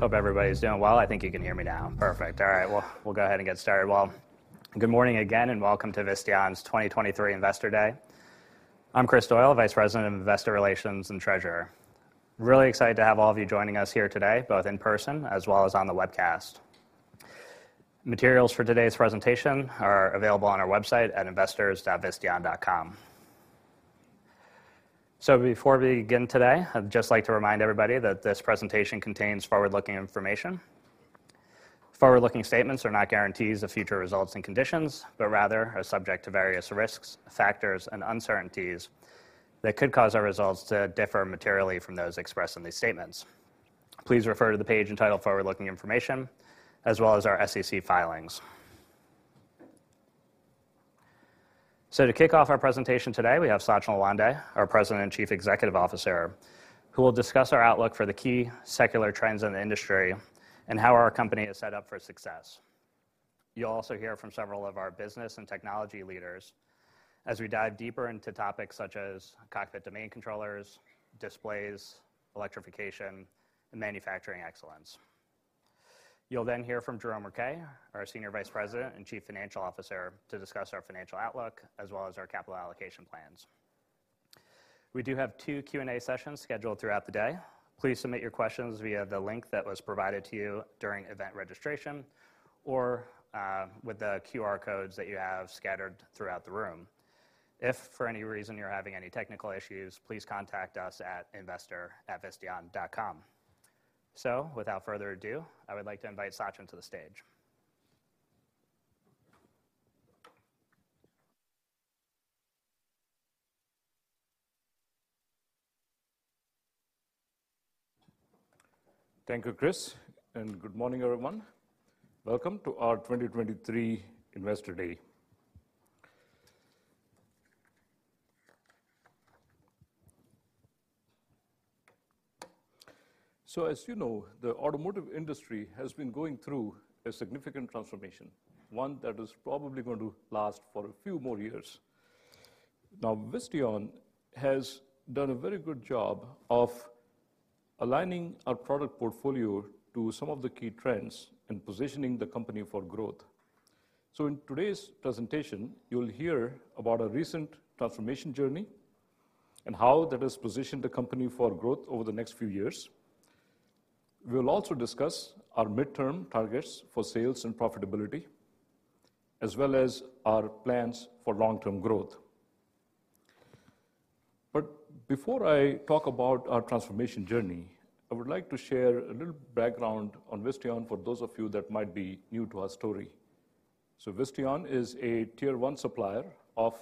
Hope everybody's doing well. I think you can hear me now. Perfect. All right, well, we'll go ahead and get started. Good morning again, and welcome to Visteon's 2023 Investor Day. I'm Kris Doyle, Vice President of Investor Relations and Treasurer. Really excited to have all of you joining us here today, both in person as well as on the webcast. Materials for today's presentation are available on our website at investors.visteon.com. Before we begin today, I'd just like to remind everybody that this presentation contains forward-looking information. Forward-looking statements are not guarantees of future results and conditions, but rather are subject to various risks, factors, and uncertainties that could cause our results to differ materially from those expressed in these statements. Please refer to the page entitled Forward-Looking Information, as well as our SEC filings. To kick off our presentation today, we have Sachin Lawande, our President and Chief Executive Officer, who will discuss our outlook for the key secular trends in the industry and how our company is set up for success. You'll also hear from several of our business and technology leaders as we dive deeper into topics such as cockpit domain controllers, displays, electrification, and manufacturing excellence. You'll hear from Jerome Rouquet, our Senior Vice President and Chief Financial Officer, to discuss our financial outlook as well as our capital allocation plans. We do have two Q&A sessions scheduled throughout the day. Please submit your questions via the link that was provided to you during event registration or with the QR codes that you have scattered throughout the room. If for any reason you're having any technical issues, please contact us at investor@visteon.com. Without further ado, I would like to invite Sachin to the stage. Thank you, Kris, and good morning, everyone. Welcome to our 2023 Investor Day. As you know, the automotive industry has been going through a significant transformation, one that is probably going to last for a few more years. Now, Visteon has done a very good job of aligning our product portfolio to some of the key trends and positioning the company for growth. In today's presentation, you'll hear about our recent transformation journey and how that has positioned the company for growth over the next few years. We'll also discuss our midterm targets for sales and profitability, as well as our plans for long-term growth. Before I talk about our transformation journey, I would like to share a little background on Visteon for those of you that might be new to our story. Visteon is a Tier 1 supplier of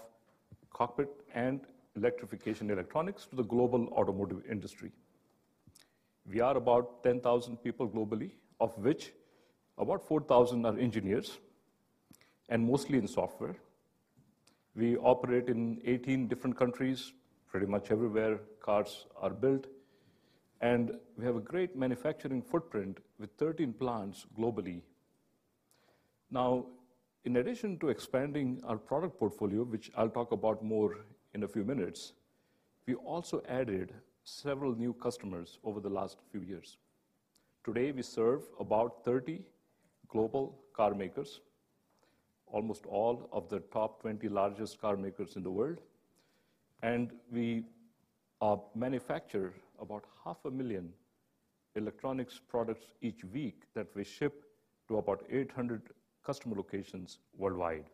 cockpit and electrification electronics to the global automotive industry. We are about 10,000 people globally, of which about 4,000 are engineers, and mostly in software. We operate in 18 different countries, pretty much everywhere cars are built, and we have a great manufacturing footprint with 13 plants globally. In addition to expanding our product portfolio, which I'll talk about more in a few minutes, we also added several new customers over the last few years. Today, we serve about 30 global car makers, almost all of the top 20 largest car makers in the world, and we manufacture about half a million electronics products each week that we ship to about 800 customer locations worldwide.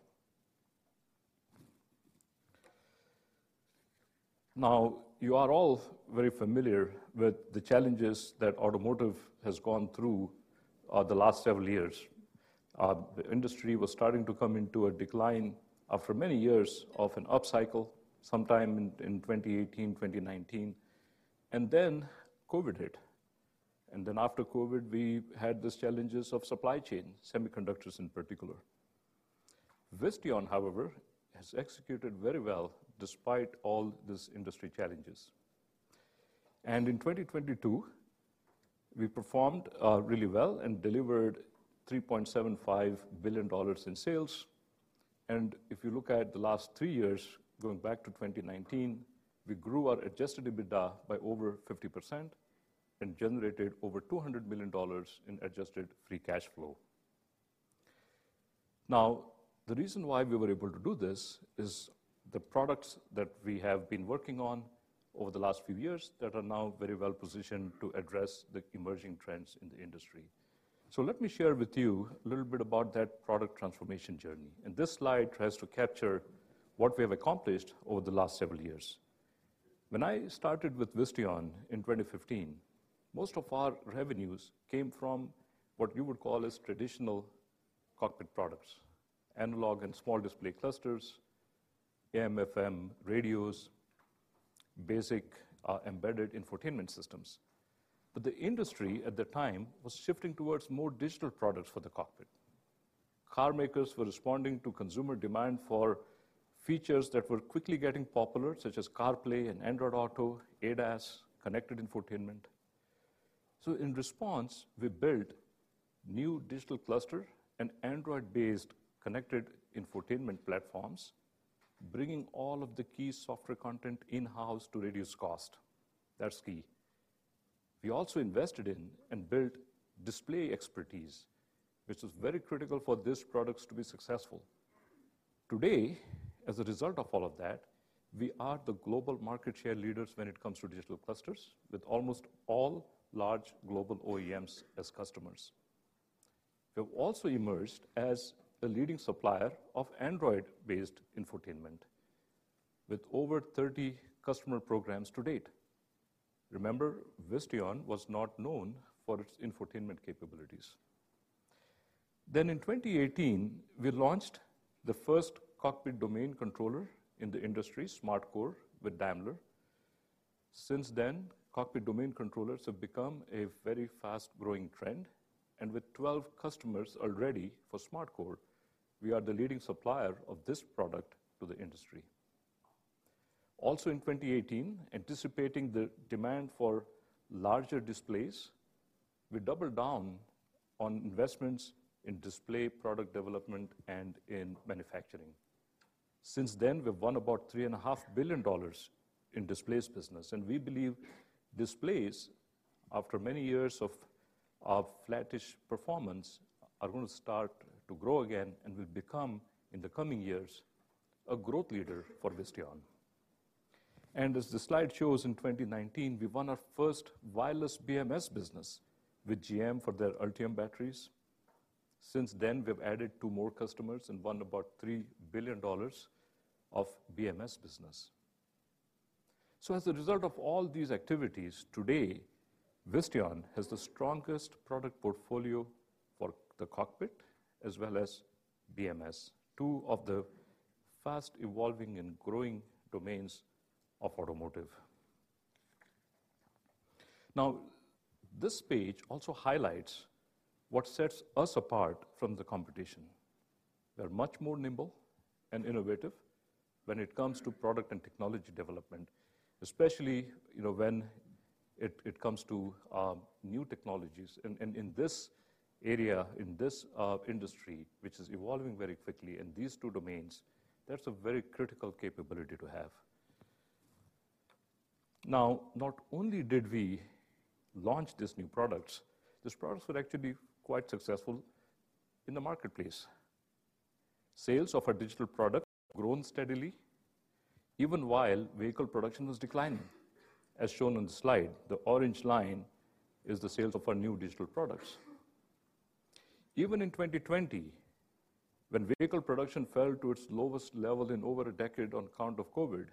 You are all very familiar with the challenges that automotive has gone through the last several years. The industry was starting to come into a decline for many years of an upcycle sometime in 2018, 2019, and then COVID hit. After COVID, we had these challenges of supply chain, semiconductors in particular. Visteon, however, has executed very well despite all these industry challenges. In 2022, we performed really well and delivered $3.75 billion in sales. If you look at the last 3 years, going back to 2019, we grew our adjusted EBITDA by over 50% and generated over $200 million of adjusted free cash flow. The reason why we were able to do this is the products that we have been working on over the last few years that are now very well-positioned to address the emerging trends in the industry. Let me share with you a little bit about that product transformation journey. This slide tries to capture what we have accomplished over the last several years. When I started with Visteon in 2015, most of our revenues came from what you would call as traditional cockpit products, analog and small display clusters, AM/FM radios, basic embedded infotainment systems. The industry at the time was shifting towards more digital products for the cockpit. Car makers were responding to consumer demand for features that were quickly getting popular, such as CarPlay and Android Auto, ADAS, connected infotainment. In response, we built new digital cluster and Android-based connected infotainment platforms, bringing all of the key software content in-house to reduce cost. That's key. We also invested in and built display expertise, which is very critical for these products to be successful. Today, as a result of all of that, we are the global market share leaders when it comes to digital clusters with almost all large global OEMs as customers. We have also emerged as a leading supplier of Android-based infotainment with over 30 customer programs to date. Remember, Visteon was not known for its infotainment capabilities. In 2018, we launched the first cockpit domain controller in the industry, SmartCore, with Daimler. Since then, cockpit domain controllers have become a very fast-growing trend, and with 12 customers already for SmartCore, we are the leading supplier of this product to the industry. In 2018, anticipating the demand for larger displays, we doubled down on investments in display product development and in manufacturing. Since then, we've won about $3.5 billion in displays business, and we believe displays, after many years of flattish performance, are gonna start to grow again and will become, in the coming years, a growth leader for Visteon. As the slide shows, in 2019, we won our first wireless BMS business with GM for their Ultium batteries. Since then, we've added two more customers and won about $3 billion of BMS business. As a result of all these activities, today, Visteon has the strongest product portfolio for the cockpit as well as BMS, two of the fast evolving and growing domains of automotive. This page also highlights what sets us apart from the competition. We are much more nimble and innovative when it comes to product and technology development, especially, you know, when it comes to new technologies. In this area, in this industry, which is evolving very quickly in these two domains, that's a very critical capability to have. Not only did we launch these new products, these products were actually quite successful in the marketplace. Sales of our digital product grown steadily even while vehicle production was declining. As shown on the slide, the orange line is the sales of our new digital products. Even in 2020, when vehicle production fell to its lowest level in over a decade on account of COVID,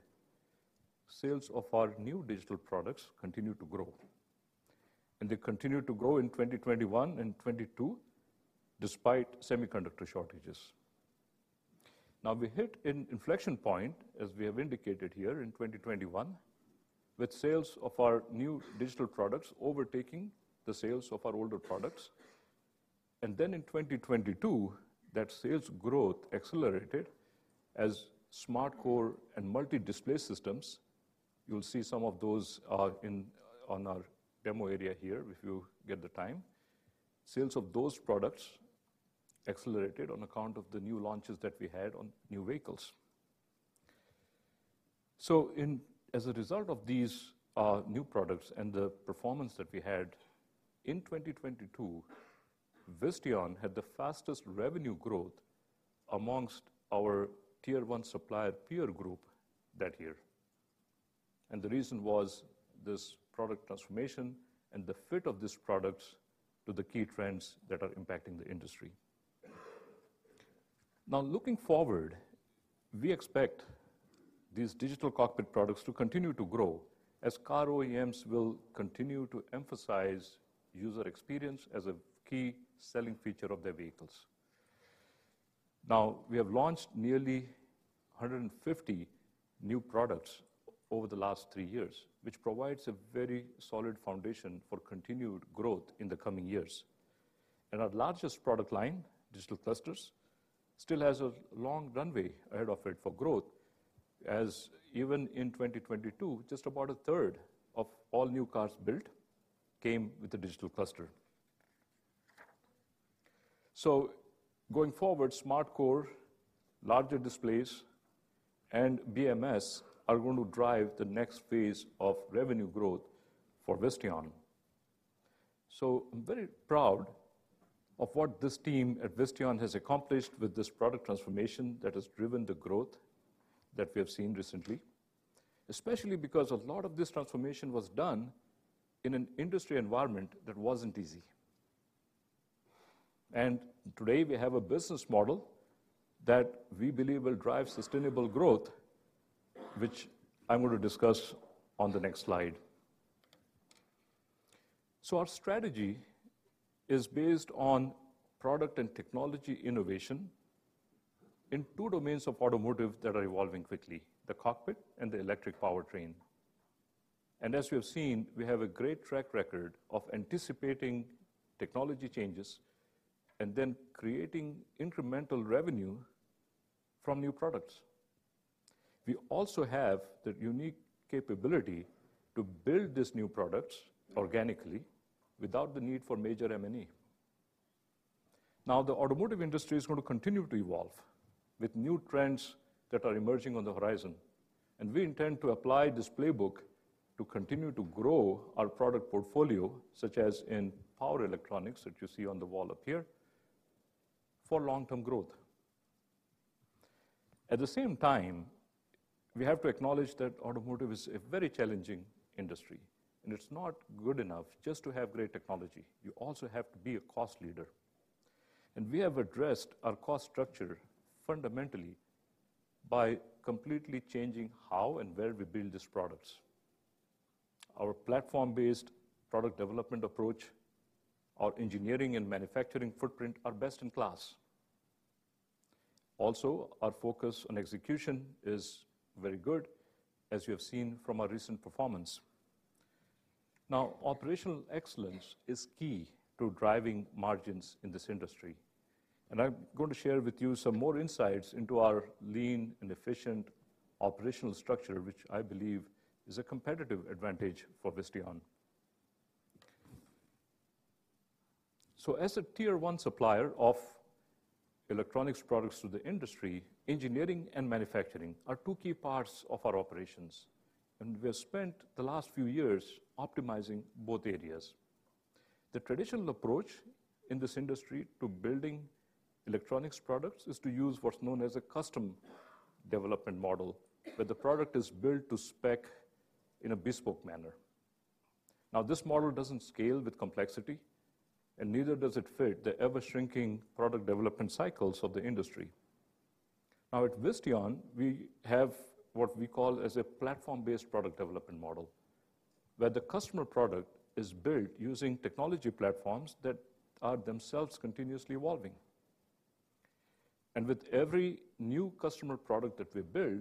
sales of our new digital products continued to grow, and they continued to grow in 2021 and 2022 despite semiconductor shortages. We hit an inflection point, as we have indicated here, in 2021, with sales of our new digital products overtaking the sales of our older products. In 2022, that sales growth accelerated as SmartCore and multi-display systems, you'll see some of those, on our demo area here, if you get the time. Sales of those products accelerated on account of the new launches that we had on new vehicles. As a result of these, new products and the performance that we had in 2022, Visteon had the fastest revenue growth amongst our Tier 1 supplier peer group that year. The reason was this product transformation and the fit of these products to the key trends that are impacting the industry. Looking forward, we expect these digital cockpit products to continue to grow as car OEMs will continue to emphasize user experience as a key selling feature of their vehicles. We have launched nearly 150 new products over the last 3 years, which provides a very solid foundation for continued growth in the coming years. Our largest product line, digital clusters, still has a long runway ahead of it for growth, as even in 2022, just about 1/3 of all new cars built came with a digital cluster. Going forward, SmartCore, larger displays, and BMS are going to drive the next phase of revenue growth for Visteon. I'm very proud of what this team at Visteon has accomplished with this product transformation that has driven the growth that we have seen recently, especially because a lot of this transformation was done in an industry environment that wasn't easy. Today, we have a business model that we believe will drive sustainable growth, which I'm going to discuss on the next slide. Our strategy is based on product and technology innovation in two domains of automotive that are evolving quickly, the cockpit and the electric powertrain. As we have seen, we have a great track record of anticipating technology changes and then creating incremental revenue from new products. We also have the unique capability to build these new products organically without the need for major M&A. The automotive industry is going to continue to evolve with new trends that are emerging on the horizon, and we intend to apply this playbook to continue to grow our product portfolio, such as in power electronics that you see on the wall up here, for long-term growth. At the same time, we have to acknowledge that automotive is a very challenging industry, and it's not good enough just to have great technology. You also have to be a cost leader. We have addressed our cost structure fundamentally by completely changing how and where we build these products. Our platform-based product development approach, our engineering and manufacturing footprint are best in class. Our focus on execution is very good, as you have seen from our recent performance. Operational excellence is key to driving margins in this industry, and I'm going to share with you some more insights into our lean and efficient operational structure, which I believe is a competitive advantage for Visteon. As a Tier 1 supplier of electronics products to the industry, engineering and manufacturing are two key parts of our operations, and we have spent the last few years optimizing both areas. The traditional approach in this industry to building electronics products is to use what's known as a custom development model, where the product is built to spec in a bespoke manner. This model doesn't scale with complexity, and neither does it fit the ever-shrinking product development cycles of the industry. At Visteon, we have what we call as a platform-based product development model, where the customer product is built using technology platforms that are themselves continuously evolving. With every new customer product that we build,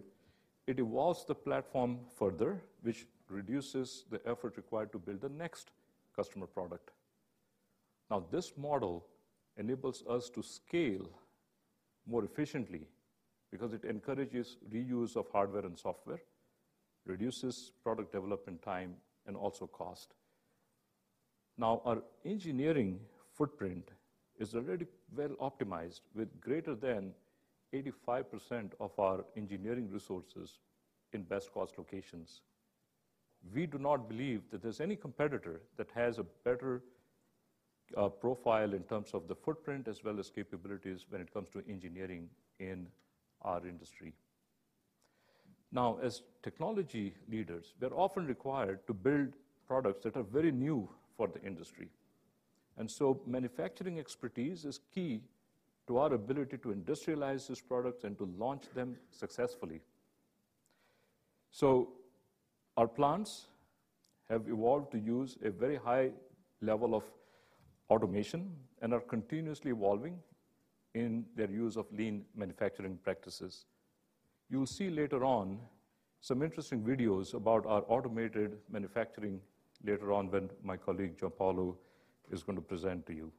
it evolves the platform further, which reduces the effort required to build the next customer product. This model enables us to scale more efficiently because it encourages reuse of hardware and software, reduces product development time, and also cost. Our engineering footprint is already well optimized with greater than 85% of our engineering resources in best cost locations. We do not believe that there's any competitor that has a better profile in terms of the footprint as well as capabilities when it comes to engineering in our industry. As technology leaders, we're often required to build products that are very new for the industry. Manufacturing expertise is key to our ability to industrialize these products and to launch them successfully. Our plants have evolved to use a very high level of automation and are continuously evolving in their use of lean manufacturing practices. You'll see later on some interesting videos about our automated manufacturing later on when my colleague Joao Paulo is gonna present to you.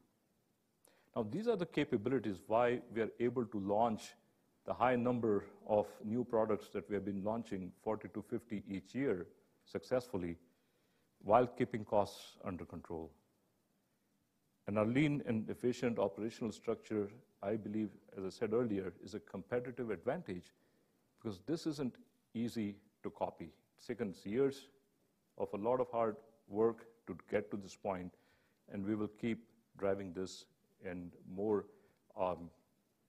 These are the capabilities why we are able to launch the high number of new products that we have been launching, 40 to 50 each year successfully, while keeping costs under control. Our lean and efficient operational structure, I believe, as I said earlier, is a competitive advantage because this isn't easy to copy. It's taken us years of a lot of hard work to get to this point, and we will keep driving this in more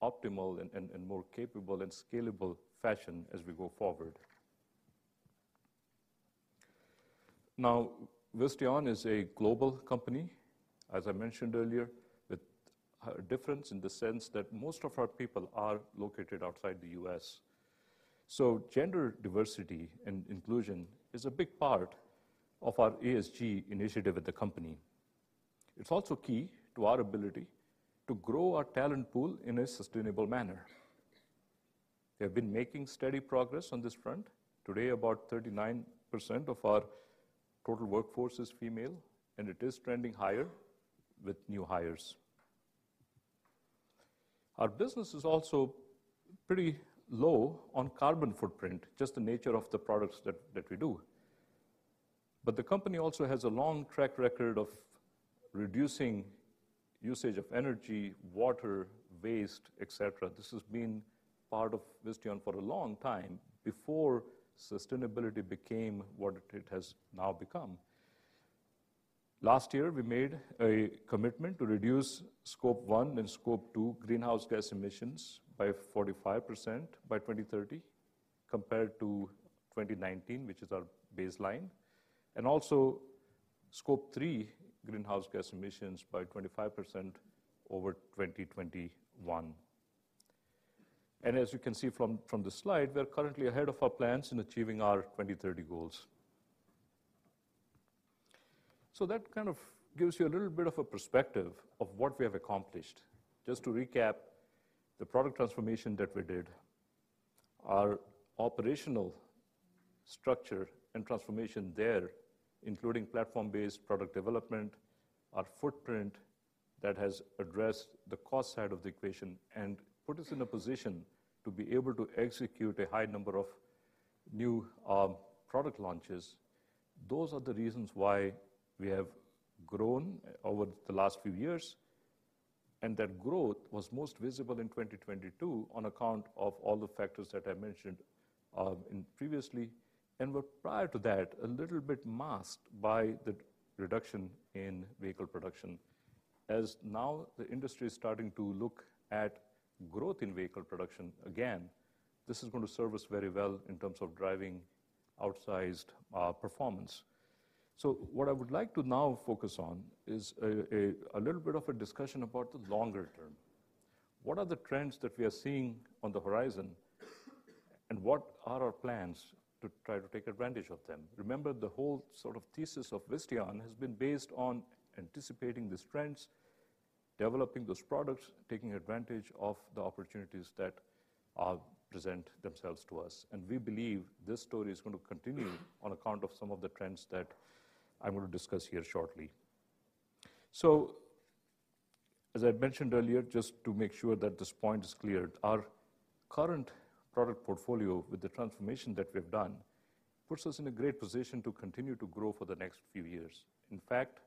optimal and more capable and scalable fashion as we go forward. Visteon is a global company, as I mentioned earlier, with a difference in the sense that most of our people are located outside the U.S. Gender diversity and inclusion is a big part of our ESG initiative at the company. It's also key to our ability to grow our talent pool in a sustainable manner. We have been making steady progress on this front. Today, about 39% of our total workforce is female, and it is trending higher with new hires. Our business is also pretty low on carbon footprint, just the nature of the products that we do. The company also has a long track record of reducing usage of energy, water, waste, et cetera. This has been part of Visteon for a long time, before sustainability became what it has now become. Last year, we made a commitment to reduce Scope 1 and Scope 2 greenhouse gas emissions by 45% by 2030 compared to 2019, which is our baseline, and also Scope 3 greenhouse gas emissions by 25% over 2021. As you can see from the slide, we're currently ahead of our plans in achieving our 2030 goals. That kind of gives you a little bit of a perspective of what we have accomplished. Just to recap, the product transformation that we did, our operational structure and transformation there, including platform-based product development, our footprint that has addressed the cost side of the equation and put us in a position to be able to execute a high number of new product launches. Those are the reasons why we have grown over the last few years, and that growth was most visible in 2022 on account of all the factors that I mentioned previously, and were prior to that, a little bit masked by the reduction in vehicle production. As now the industry is starting to look at growth in vehicle production again, this is going to serve us very well in terms of driving outsized performance. What I would like to now focus on is a little bit of a discussion about the longer term. What are the trends that we are seeing on the horizon, and what are our plans to try to take advantage of them? Remember, the whole sort of thesis of Visteon has been based on anticipating these trends, developing those products, taking advantage of the opportunities that present themselves to us. We believe this story is going to continue on account of some of the trends that I'm going to discuss here shortly. As I mentioned earlier, just to make sure that this point is clear, our current product portfolio with the transformation that we've done, puts us in a great position to continue to grow for the next few years. In fact,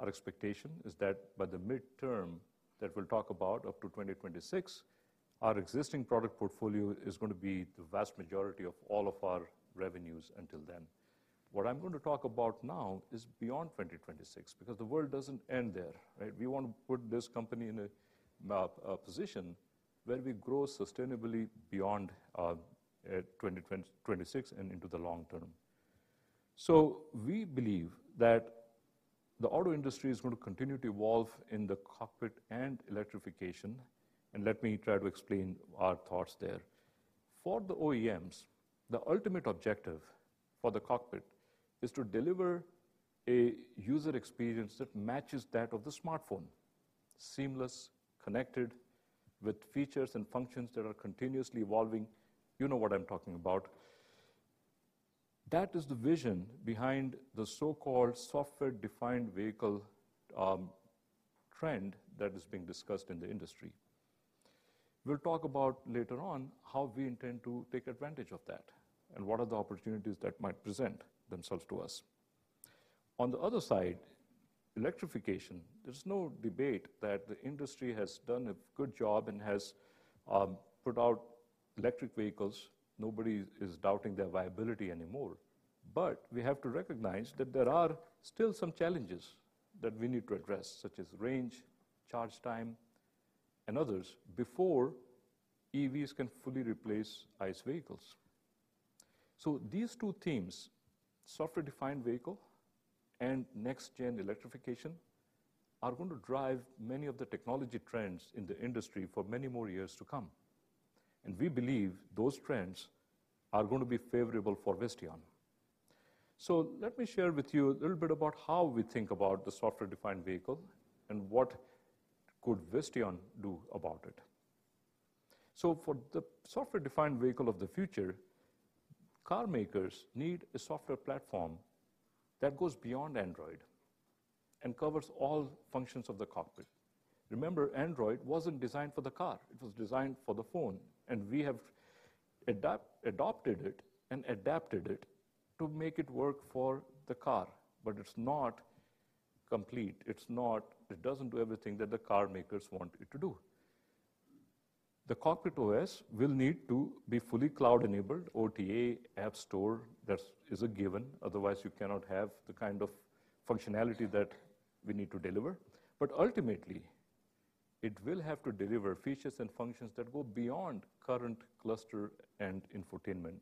our expectation is that by the midterm that we'll talk about up to 2026, our existing product portfolio is going to be the vast majority of all of our revenues until then. What I'm going to talk about now is beyond 2026, because the world doesn't end there, right? We want to put this company in a position where we grow sustainably beyond 2026 and into the long term. We believe that the auto industry is going to continue to evolve in the cockpit and electrification. Let me try to explain our thoughts there. For the OEMs, the ultimate objective for the cockpit is to deliver a user experience that matches that of the smartphone. Seamless, connected with features and functions that are continuously evolving. You know what I'm talking about. That is the vision behind the so-called software-defined vehicle trend that is being discussed in the industry. We'll talk about later on how we intend to take advantage of that and what are the opportunities that might present themselves to us. On the other side, electrification, there's no debate that the industry has done a good job and has put out electric vehicles. Nobody is doubting their viability anymore. We have to recognize that there are still some challenges that we need to address, such as range, charge time, and others before EVs can fully replace ICE vehicles. These two themes, software-defined vehicle and next-gen electrification, are going to drive many of the technology trends in the industry for many more years to come. We believe those trends are going to be favorable for Visteon. Let me share with you a little bit about how we think about the software-defined vehicle and what could Visteon do about it. For the software-defined vehicle of the future, car makers need a software platform that goes beyond Android and covers all functions of the cockpit. Android wasn't designed for the car, it was designed for the phone. We have adopted it and adapted it to make it work for the car. It's not complete. It doesn't do everything that the car makers want it to do. The cockpit OS will need to be fully cloud-enabled, OTA app store, that's a given. Otherwise, you cannot have the kind of functionality that we need to deliver. Ultimately, it will have to deliver features and functions that go beyond current cluster and infotainment.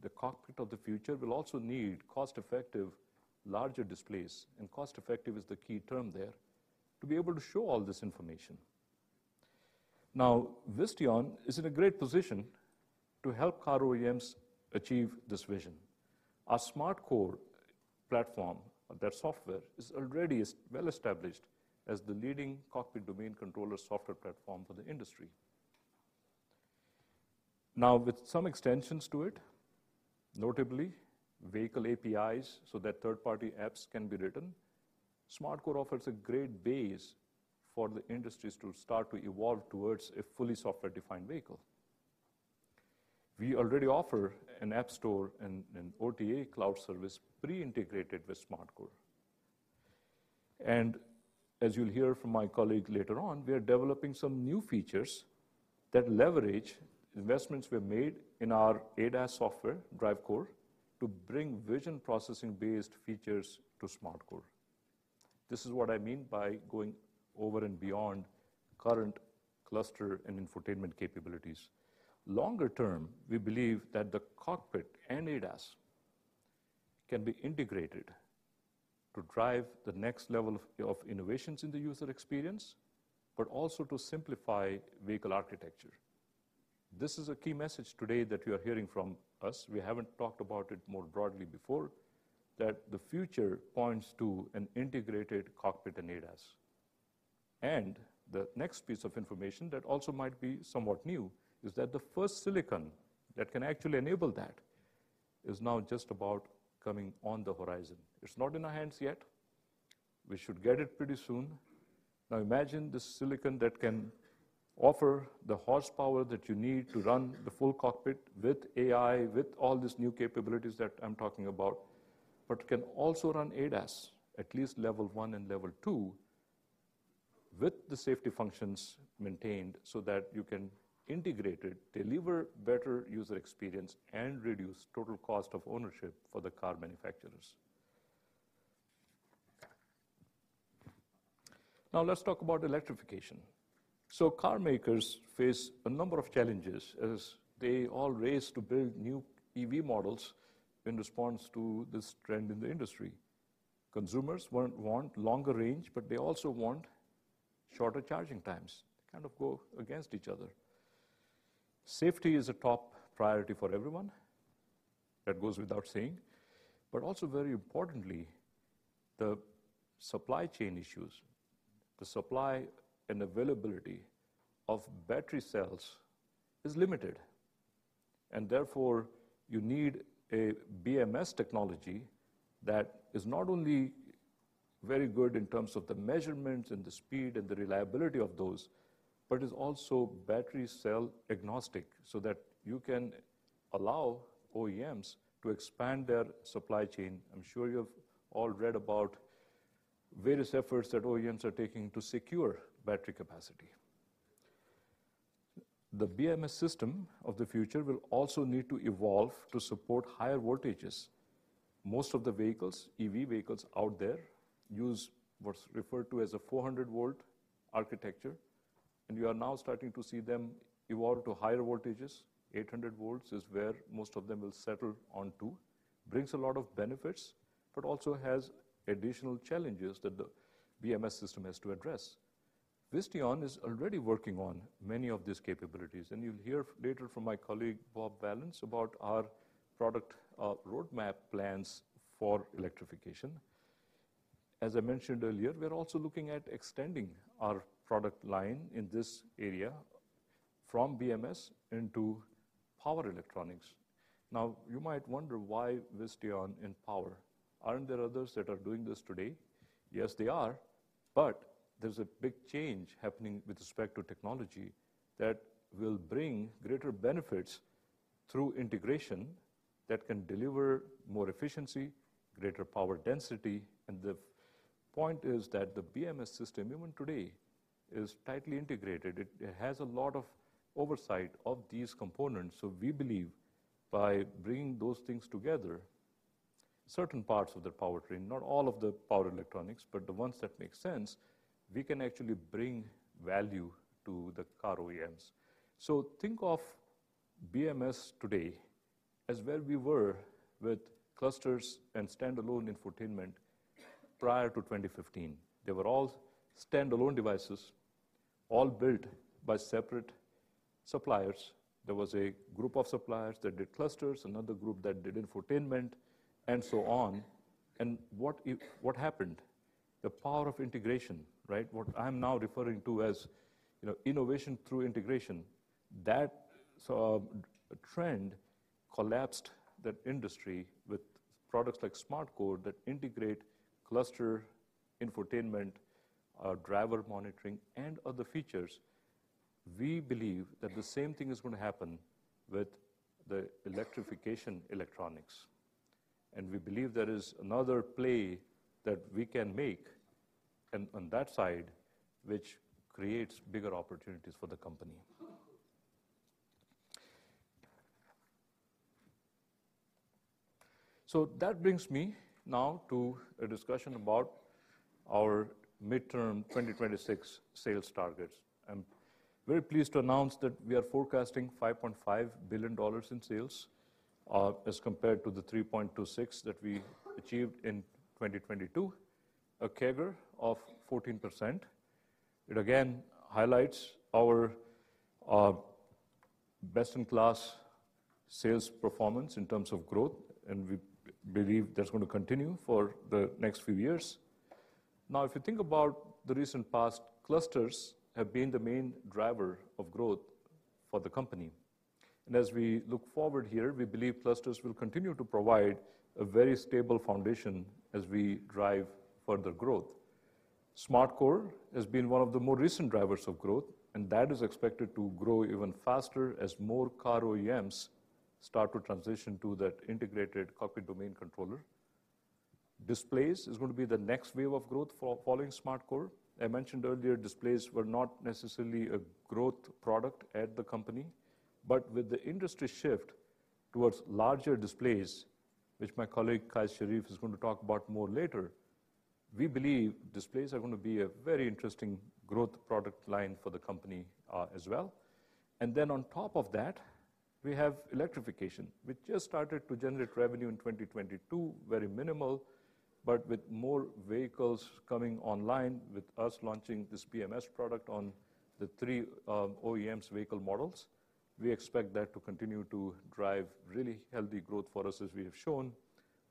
The cockpit of the future will also need cost-effective, larger displays, and cost-effective is the key term there, to be able to show all this information. Now, Visteon is in a great position to help car OEMs achieve this vision. Our SmartCore platform, their software, is already as well-established as the leading cockpit domain controller software platform for the industry. Now, with some extensions to it, notably vehicle APIs so that third-party apps can be written, SmartCore offers a great base for the industries to start to evolve towards a fully software-defined vehicle. We already offer an app store and OTA cloud service pre-integrated with SmartCore. As you'll hear from my colleague later on, we are developing some new features that leverage investments we've made in our ADAS software, DriveCore, to bring vision processing-based features to SmartCore. This is what I mean by going over and beyond current cluster and infotainment capabilities. Longer term, we believe that the cockpit and ADAS can be integrated to drive the next level of innovations in the user experience, but also to simplify vehicle architecture. This is a key message today that you are hearing from us. We haven't talked about it more broadly before, that the future points to an integrated cockpit and ADAS. The next piece of information that also might be somewhat new is that the first silicon that can actually enable that is now just about coming on the horizon. It's not in our hands yet. We should get it pretty soon. Now, imagine the silicon that can offer the horsepower that you need to run the full cockpit with AI, with all these new capabilities that I'm talking about, but can also run ADAS at least Level 1 and Level 2 with the safety functions maintained so that you can integrate it, deliver better user experience, and reduce total cost of ownership for the car manufacturers. Now, let's talk about electrification. Car makers face a number of challenges as they all race to build new EV models in response to this trend in the industry. Consumers want longer range, but they also want shorter charging times. They kind of go against each other. Safety is a top priority for everyone. That goes without saying. Also very importantly, the supply chain issues. The supply and availability of battery cells is limited, and therefore, you need a BMS technology that is not only very good in terms of the measurements and the speed and the reliability of those, but is also battery cell agnostic so that you can allow OEMs to expand their supply chain. I'm sure you've all read about various efforts that OEMs are taking to secure battery capacity. The BMS system of the future will also need to evolve to support higher voltages. Most of the vehicles, EV vehicles out there use what's referred to as a 400-V architecture. We are now starting to see them evolve to higher voltages. 800 V is where most of them will settle on to. Brings a lot of benefits. Also has additional challenges that the BMS system has to address. Visteon is already working on many of these capabilities. You'll hear later from my colleague, Bob Vallance, about our product roadmap plans for electrification. As I mentioned earlier, we're also looking at extending our product line in this area from BMS into power electronics. You might wonder why Visteon in power. Aren't there others that are doing this today? Yes, they are. There's a big change happening with respect to technology that will bring greater benefits through integration that can deliver more efficiency, greater power density, and the point is that the BMS system, even today, is tightly integrated. It has a lot of oversight of these components. We believe by bringing those things together, certain parts of the powertrain, not all of the power electronics, but the ones that make sense, we can actually bring value to the car OEMs. Think of BMS today as where we were with clusters and standalone infotainment prior to 2015. They were all standalone devices, all built by separate suppliers. There was a group of suppliers that did clusters, another group that did infotainment, and so on. What happened? The power of integration, right? What I'm now referring to as, you know, innovation through integration. That trend collapsed that industry with products like SmartCore that integrate cluster infotainment, driver monitoring, and other features. We believe that the same thing is gonna happen with the electrification electronics. We believe there is another play that we can make on that side which creates bigger opportunities for the company. That brings me now to a discussion about our midterm 2026 sales targets. I'm very pleased to announce that we are forecasting $5.5 billion in sales, as compared to the $3.26 billion that we achieved in 2022, a CAGR of 14%. It again highlights our best-in-class sales performance in terms of growth, and we believe that's gonna continue for the next few years. If you think about the recent past, clusters have been the main driver of growth for the company. As we look forward here, we believe clusters will continue to provide a very stable foundation as we drive further growth. SmartCore has been one of the more recent drivers of growth, and that is expected to grow even faster as more car OEMs start to transition to that integrated cockpit domain controller. Displays is gonna be the next wave of growth following SmartCore. I mentioned earlier, displays were not necessarily a growth product at the company. With the industry shift towards larger displays, which my colleague, Qais Sharif, is gonna talk about more later, we believe displays are gonna be a very interesting growth product line for the company as well. On top of that, we have electrification, which just started to generate revenue in 2022, very minimal. With more vehicles coming online, with us launching this BMS product on the three OEMs vehicle models, we expect that to continue to drive really healthy growth for us as we have shown.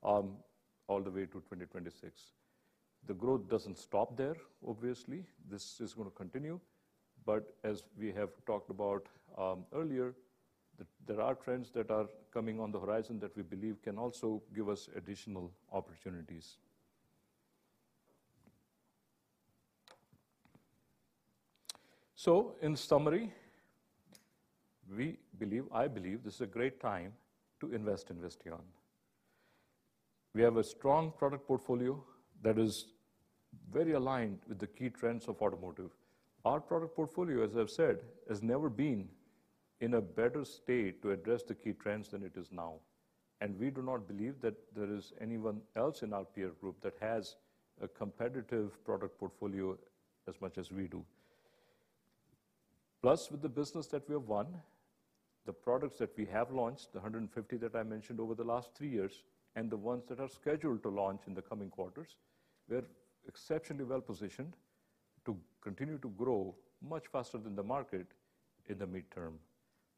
All the way to 2026. The growth doesn't stop there, obviously. This is going to continue. As we have talked about earlier, there are trends that are coming on the horizon that we believe can also give us additional opportunities. In summary, we believe, I believe this is a great time to invest in Visteon. We have a strong product portfolio that is very aligned with the key trends of automotive. Our product portfolio, as I've said, has never been in a better state to address the key trends than it is now. We do not believe that there is anyone else in our peer group that has a competitive product portfolio as much as we do. With the business that we have won, the products that we have launched, the 150 that I mentioned over the last 3 years, and the ones that are scheduled to launch in the coming quarters, we're exceptionally well positioned to continue to grow much faster than the market in the midterm.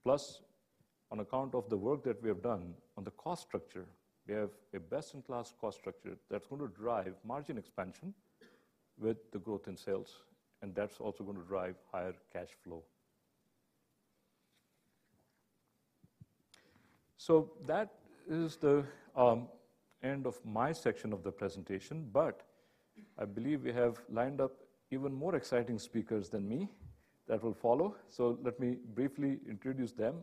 On account of the work that we have done on the cost structure, we have a best-in-class cost structure that's gonna drive margin expansion with the growth in sales. That's also gonna drive higher cash flow. That is the end of my section of the presentation, but I believe we have lined up even more exciting speakers than me that will follow. Let me briefly introduce them.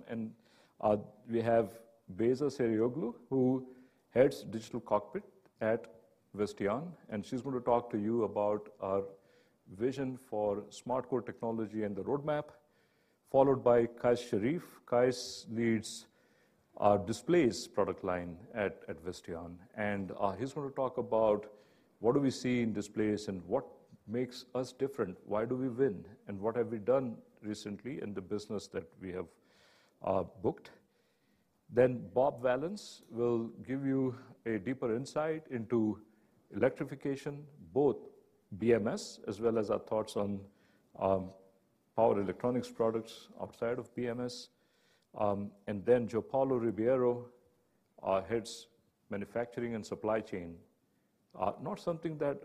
We have Beyza Sarioglu, who heads Digital Cockpit at Visteon, and she's gonna talk to you about our vision for SmartCore technology and the roadmap. Followed by Qais Sharif. Qais leads our displays product line at Visteon, and he's gonna talk about what do we see in displays and what makes us different, why do we win, and what have we done recently in the business that we have booked. Bob Vallance will give you a deeper insight into electrification, both BMS as well as our thoughts on power electronics products outside of BMS. Joao Paulo Ribeiro heads manufacturing and supply chain. Not something that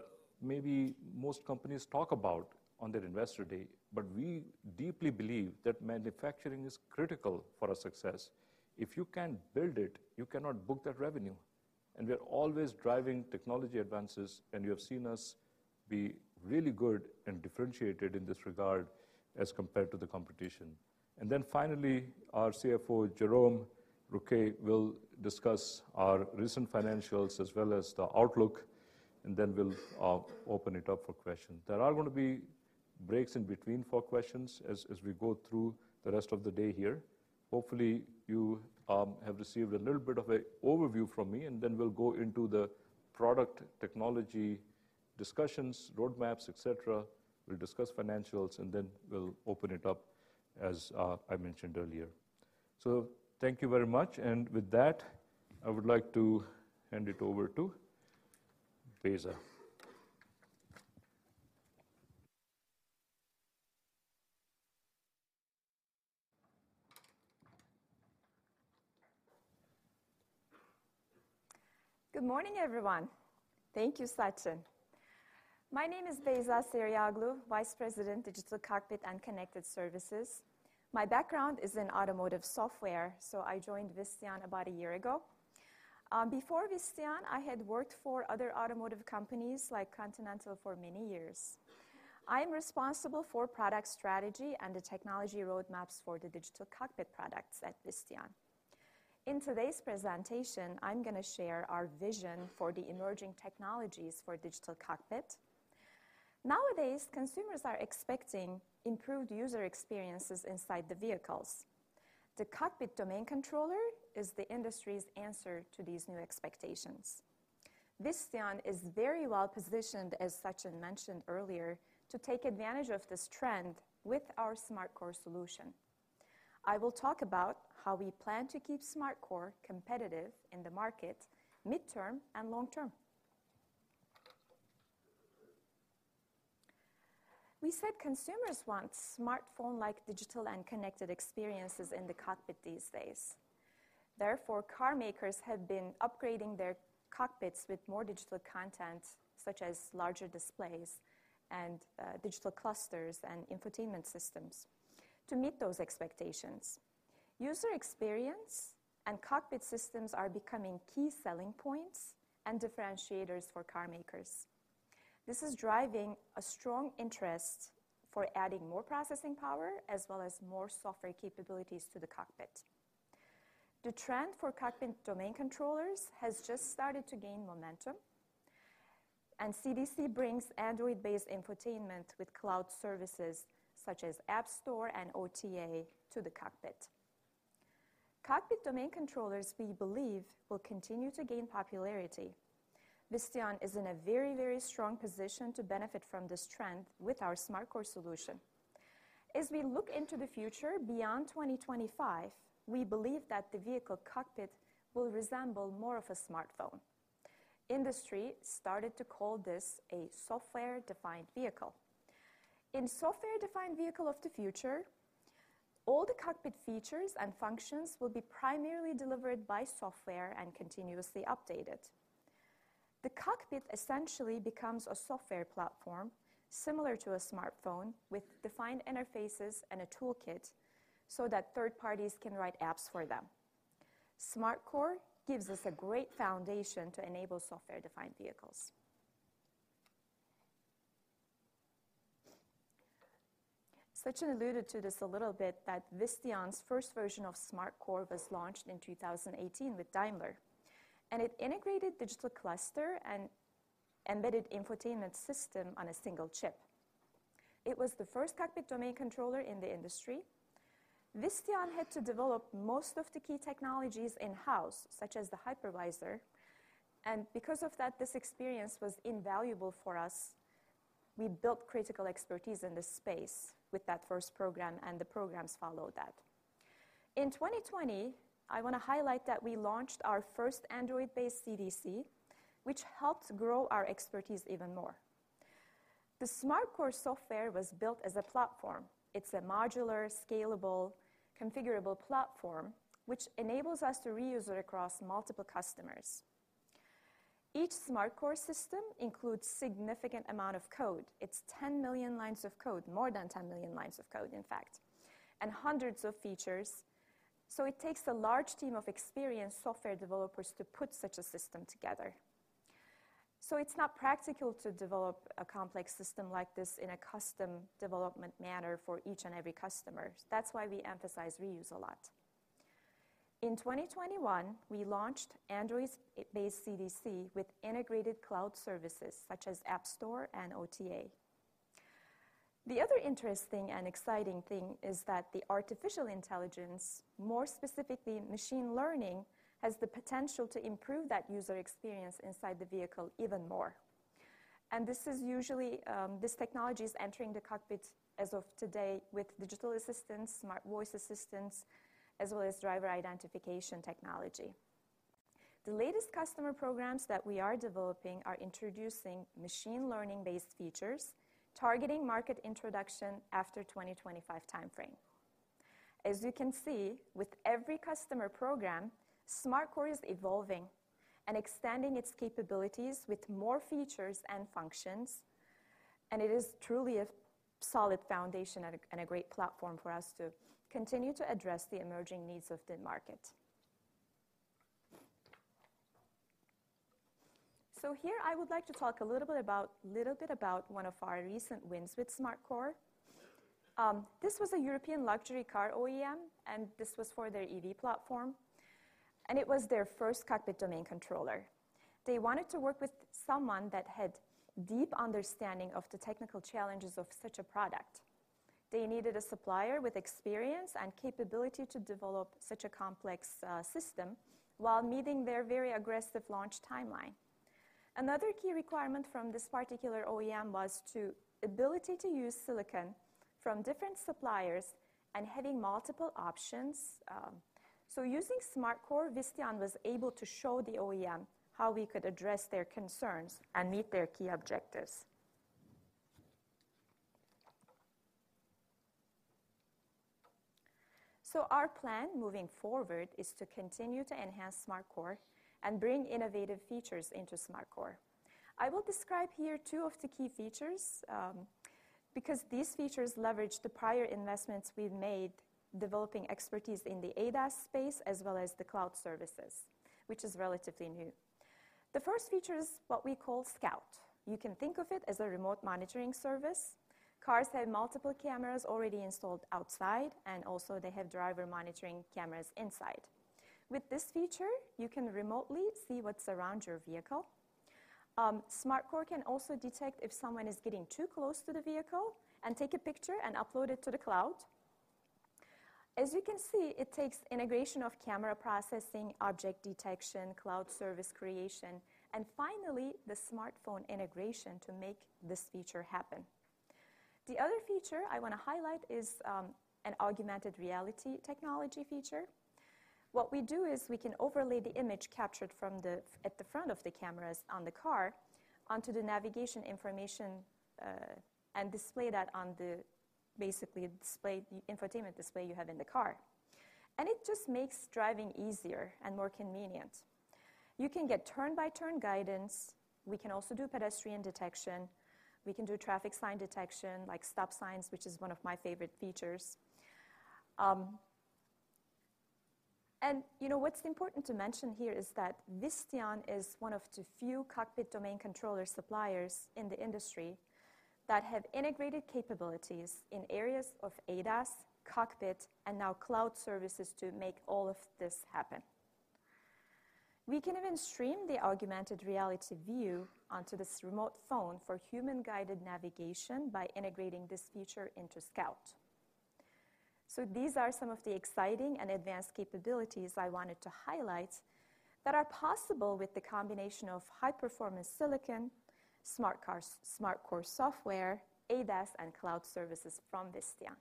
maybe most companies talk about on their investor day, we deeply believe that manufacturing is critical for our success. If you can't build it, you cannot book that revenue. We are always driving technology advances, you have seen us be really good and differentiated in this regard as compared to the competition. Finally, our CFO, Jerome Rouquet, will discuss our recent financials as well as the outlook, we'll open it up for questions. There are gonna be breaks in between for questions as we go through the rest of the day here. Hopefully, you have received a little bit of a overview from me, we'll go into the product technology discussions, roadmaps, et cetera. We'll discuss financials, we'll open it up as I mentioned earlier. Thank you very much. With that, I would like to hand it over to Beyza. Good morning, everyone. Thank you, Sachin. My name is Beyza Sarioglu, Vice President, Digital Cockpit and Connected Services. My background is in automotive software. I joined Visteon about a year ago. Before Visteon, I had worked for other automotive companies like Continental for many years. I am responsible for product strategy and the technology roadmaps for the digital cockpit products at Visteon. In today's presentation, I'm gonna share our vision for the emerging technologies for digital cockpit. Nowadays, consumers are expecting improved user experiences inside the vehicles. The cockpit domain controller is the industry's answer to these new expectations. Visteon is very well positioned, as Sachin mentioned earlier, to take advantage of this trend with our SmartCore solution. I will talk about how we plan to keep SmartCore competitive in the market midterm and long term. We said consumers want smartphone-like digital and connected experiences in the cockpit these days. Car makers have been upgrading their cockpits with more digital content such as larger displays and digital clusters and infotainment systems to meet those expectations. User experience and cockpit systems are becoming key selling points and differentiators for car makers. This is driving a strong interest for adding more processing power as well as more software capabilities to the cockpit. The trend for cockpit domain controllers has just started to gain momentum. CDC brings Android-based infotainment with cloud services such as app store and OTA to the cockpit. Cockpit domain controllers, we believe, will continue to gain popularity. Visteon is in a very strong position to benefit from this trend with our SmartCore solution. As we look into the future beyond 2025, we believe that the vehicle cockpit will resemble more of a smartphone. Industry started to call this a software-defined vehicle. In software-defined vehicle of the future, all the cockpit features and functions will be primarily delivered by software and continuously updated. The cockpit essentially becomes a software platform similar to a smartphone with defined interfaces and a toolkit so that third parties can write apps for them. SmartCore gives us a great foundation to enable software-defined vehicles. Sachin alluded to this a little bit that Visteon's first version of SmartCore was launched in 2018 with Daimler, and it integrated digital cluster and embedded infotainment system on a single chip. It was the first cockpit domain controller in the industry. Visteon had to develop most of the key technologies in-house, such as the hypervisor, and because of that, this experience was invaluable for us. We built critical expertise in this space with that first program, and the programs followed that. In 2020, I wanna highlight that we launched our first Android-based CDC, which helped grow our expertise even more. The SmartCore software was built as a platform. It's a modular, scalable, configurable platform which enables us to reuse it across multiple customers. Each SmartCore system includes significant amount of code. It's 10 million lines of code, more than 10 million lines of code, in fact, and hundreds of features, so it takes a large team of experienced software developers to put such a system together. It's not practical to develop a complex system like this in a custom development manner for each and every customer. That's why we emphasize reuse a lot. In 2021, we launched Android-based CDC with integrated cloud services such as app store and OTA. The other interesting and exciting thing is that the artificial intelligence, more specifically machine learning, has the potential to improve that user experience inside the vehicle even more. This is usually, this technology is entering the cockpit as of today with digital assistants, smart voice assistants, as well as driver identification technology. The latest customer programs that we are developing are introducing machine learning-based features targeting market introduction after 2025 timeframe. As you can see, with every customer program, SmartCore is evolving and extending its capabilities with more features and functions, and it is truly a solid foundation and a great platform for us to continue to address the emerging needs of the market. Here I would like to talk a little bit about one of our recent wins with SmartCore. This was a European luxury car OEM, and this was for their EV platform, and it was their first cockpit domain controller. They wanted to work with someone that had deep understanding of the technical challenges of such a product. They needed a supplier with experience and capability to develop such a complex system while meeting their very aggressive launch timeline. Another key requirement from this particular OEM was to ability to use silicon from different suppliers and having multiple options. Using SmartCore, Visteon was able to show the OEM how we could address their concerns and meet their key objectives. Our plan moving forward is to continue to enhance SmartCore and bring innovative features into SmartCore. I will describe here two of the key features, because these features leverage the prior investments we've made developing expertise in the ADAS space as well as the cloud services, which is relatively new. The first feature is what we call Scout. You can think of it as a remote monitoring service. Cars have multiple cameras already installed outside, and also they have driver monitoring cameras inside. With this feature, you can remotely see what's around your vehicle. SmartCore can also detect if someone is getting too close to the vehicle and take a picture and upload it to the cloud. As you can see, it takes integration of camera processing, object detection, cloud service creation, and finally, the smartphone integration to make this feature happen. The other feature I wanna highlight is an augmented reality technology feature. What we do is we can overlay the image captured from the front of the cameras on the car onto the navigation information and display that on the infotainment display you have in the car. It just makes driving easier and more convenient. You can get turn-by-turn guidance. We can also do pedestrian detection. We can do traffic sign detection, like stop signs, which is one of my favorite features. You know, what's important to mention here is that Visteon is one of the few cockpit domain controller suppliers in the industry that have integrated capabilities in areas of ADAS, cockpit, and now cloud services to make all of this happen. We can even stream the augmented reality view onto this remote phone for human-guided navigation by integrating this feature into Scout. These are some of the exciting and advanced capabilities I wanted to highlight that are possible with the combination of high-performance silicon, SmartCore software, ADAS, and cloud services from Visteon.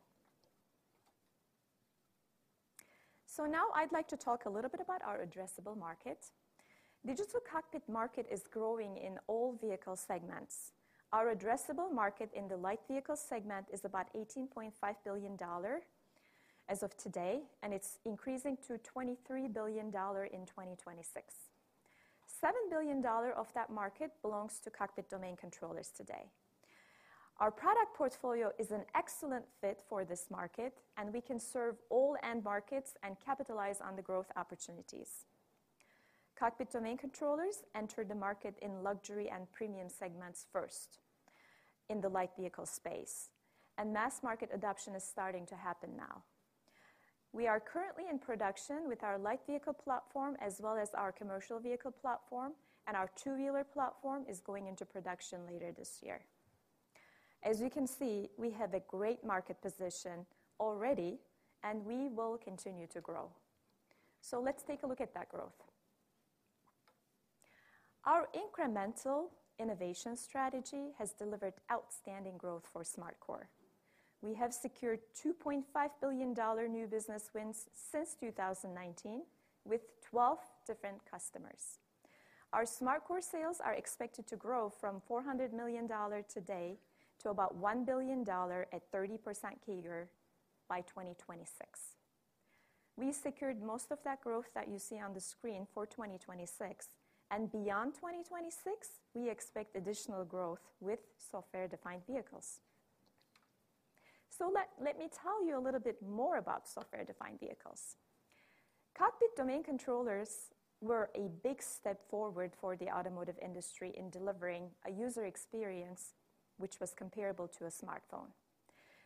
Now I'd like to talk a little bit about our addressable market. Digital cockpit market is growing in all vehicle segments. Our addressable market in the light vehicle segment is about $18.5 billion as of today, and it's increasing to $23 billion in 2026. $7 billion of that market belongs to cockpit domain controllers today. Our product portfolio is an excellent fit for this market, and we can serve all end markets and capitalize on the growth opportunities. Cockpit domain controllers entered the market in luxury and premium segments first in the light vehicle space, and mass market adoption is starting to happen now. We are currently in production with our light vehicle platform as well as our commercial vehicle platform, and our two-wheeler platform is going into production later this year. As you can see, we have a great market position already, and we will continue to grow. Let's take a look at that growth. Our incremental innovation strategy has delivered outstanding growth for SmartCore. We have secured $2.5 billion new business wins since 2019 with 12 different customers. Our SmartCore sales are expected to grow from $400 million today to about $1 billion at 30% CAGR by 2026. We secured most of that growth that you see on the screen for 2026, and beyond 2026, we expect additional growth with software-defined vehicles. Let me tell you a little bit more about software-defined vehicles. Cockpit domain controllers were a big step forward for the automotive industry in delivering a user experience which was comparable to a smartphone.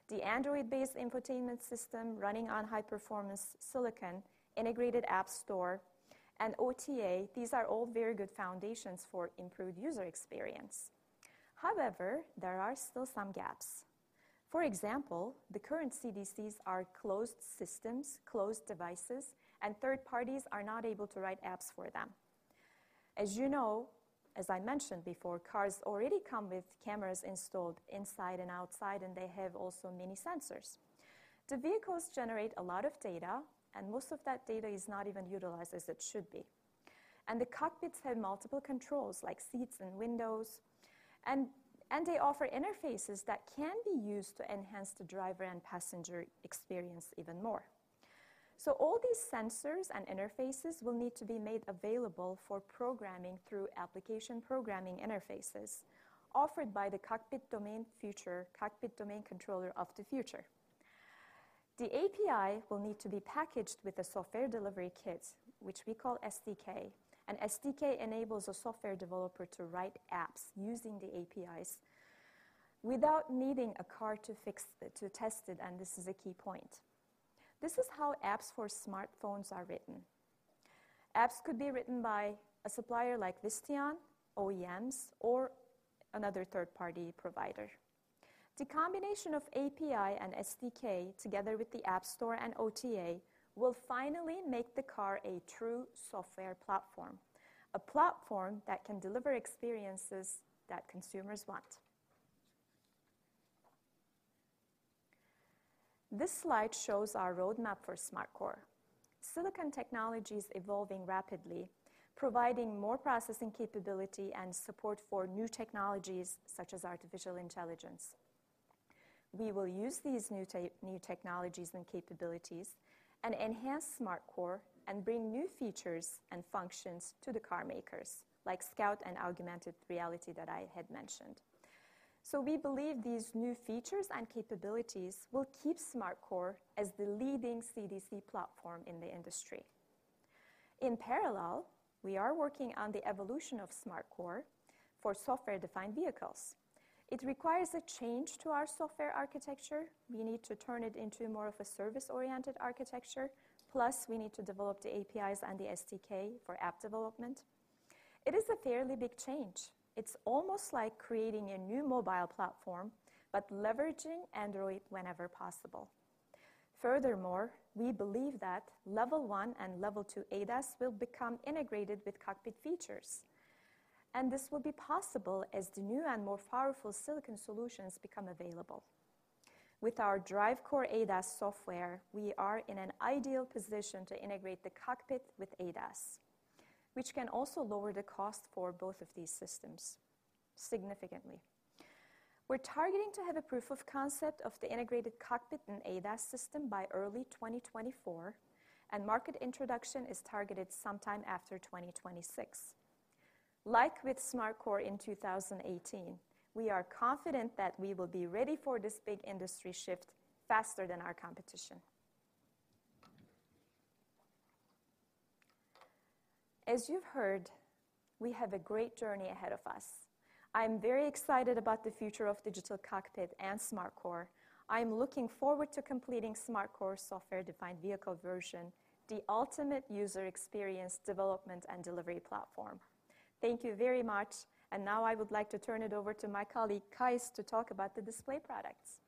The Android-based infotainment system running on high-performance silicon, integrated app store, and OTA, these are all very good foundations for improved user experience. However, there are still some gaps. For example, the current CDCs are closed systems, closed devices, and third parties are not able to write apps for them. As you know, as I mentioned before, cars already come with cameras installed inside and outside, and they have also many sensors. The vehicles generate a lot of data, and most of that data is not even utilized as it should be. The cockpits have multiple controls like seats and windows, and they offer interfaces that can be used to enhance the driver and passenger experience even more. All these sensors and interfaces will need to be made available for programming through application programming interfaces offered by the cockpit domain controller of the future. The API will need to be packaged with a software delivery kit, which we call SDK. An SDK enables a software developer to write apps using the APIs without needing a car to test it, this is a key point. This is how apps for smartphones are written. Apps could be written by a supplier like Visteon, OEMs, or another third-party provider. The combination of API and SDK together with the app store and OTA will finally make the car a true software platform, a platform that can deliver experiences that consumers want. This slide shows our roadmap for SmartCore. Silicon technology is evolving rapidly, providing more processing capability and support for new technologies such as artificial intelligence. We will use these new technologies and capabilities and enhance SmartCore and bring new features and functions to the car makers, like Scout and augmented reality that I had mentioned. We believe these new features and capabilities will keep SmartCore as the leading CDC platform in the industry. In parallel, we are working on the evolution of SmartCore for software-defined vehicles. It requires a change to our software architecture. We need to turn it into more of a service-oriented architecture, plus we need to develop the APIs and the SDK for app development. It is a fairly big change. It's almost like creating a new mobile platform, but leveraging Android whenever possible. We believe that Level 1 and Level 2 ADAS will become integrated with cockpit features. This will be possible as the new and more powerful silicon solutions become available. With our DriveCore ADAS software, we are in an ideal position to integrate the cockpit with ADAS, which can also lower the cost for both of these systems significantly. We're targeting to have a proof of concept of the integrated cockpit and ADAS system by early 2024. Market introduction is targeted sometime after 2026. Like with SmartCore in 2018, we are confident that we will be ready for this big industry shift faster than our competition. As you've heard, we have a great journey ahead of us. I'm very excited about the future of digital cockpit and SmartCore. I'm looking forward to completing SmartCore software-defined vehicle version, the ultimate user experience development and delivery platform. Thank you very much. Now I would like to turn it over to my colleague, Qais, to talk about the display products.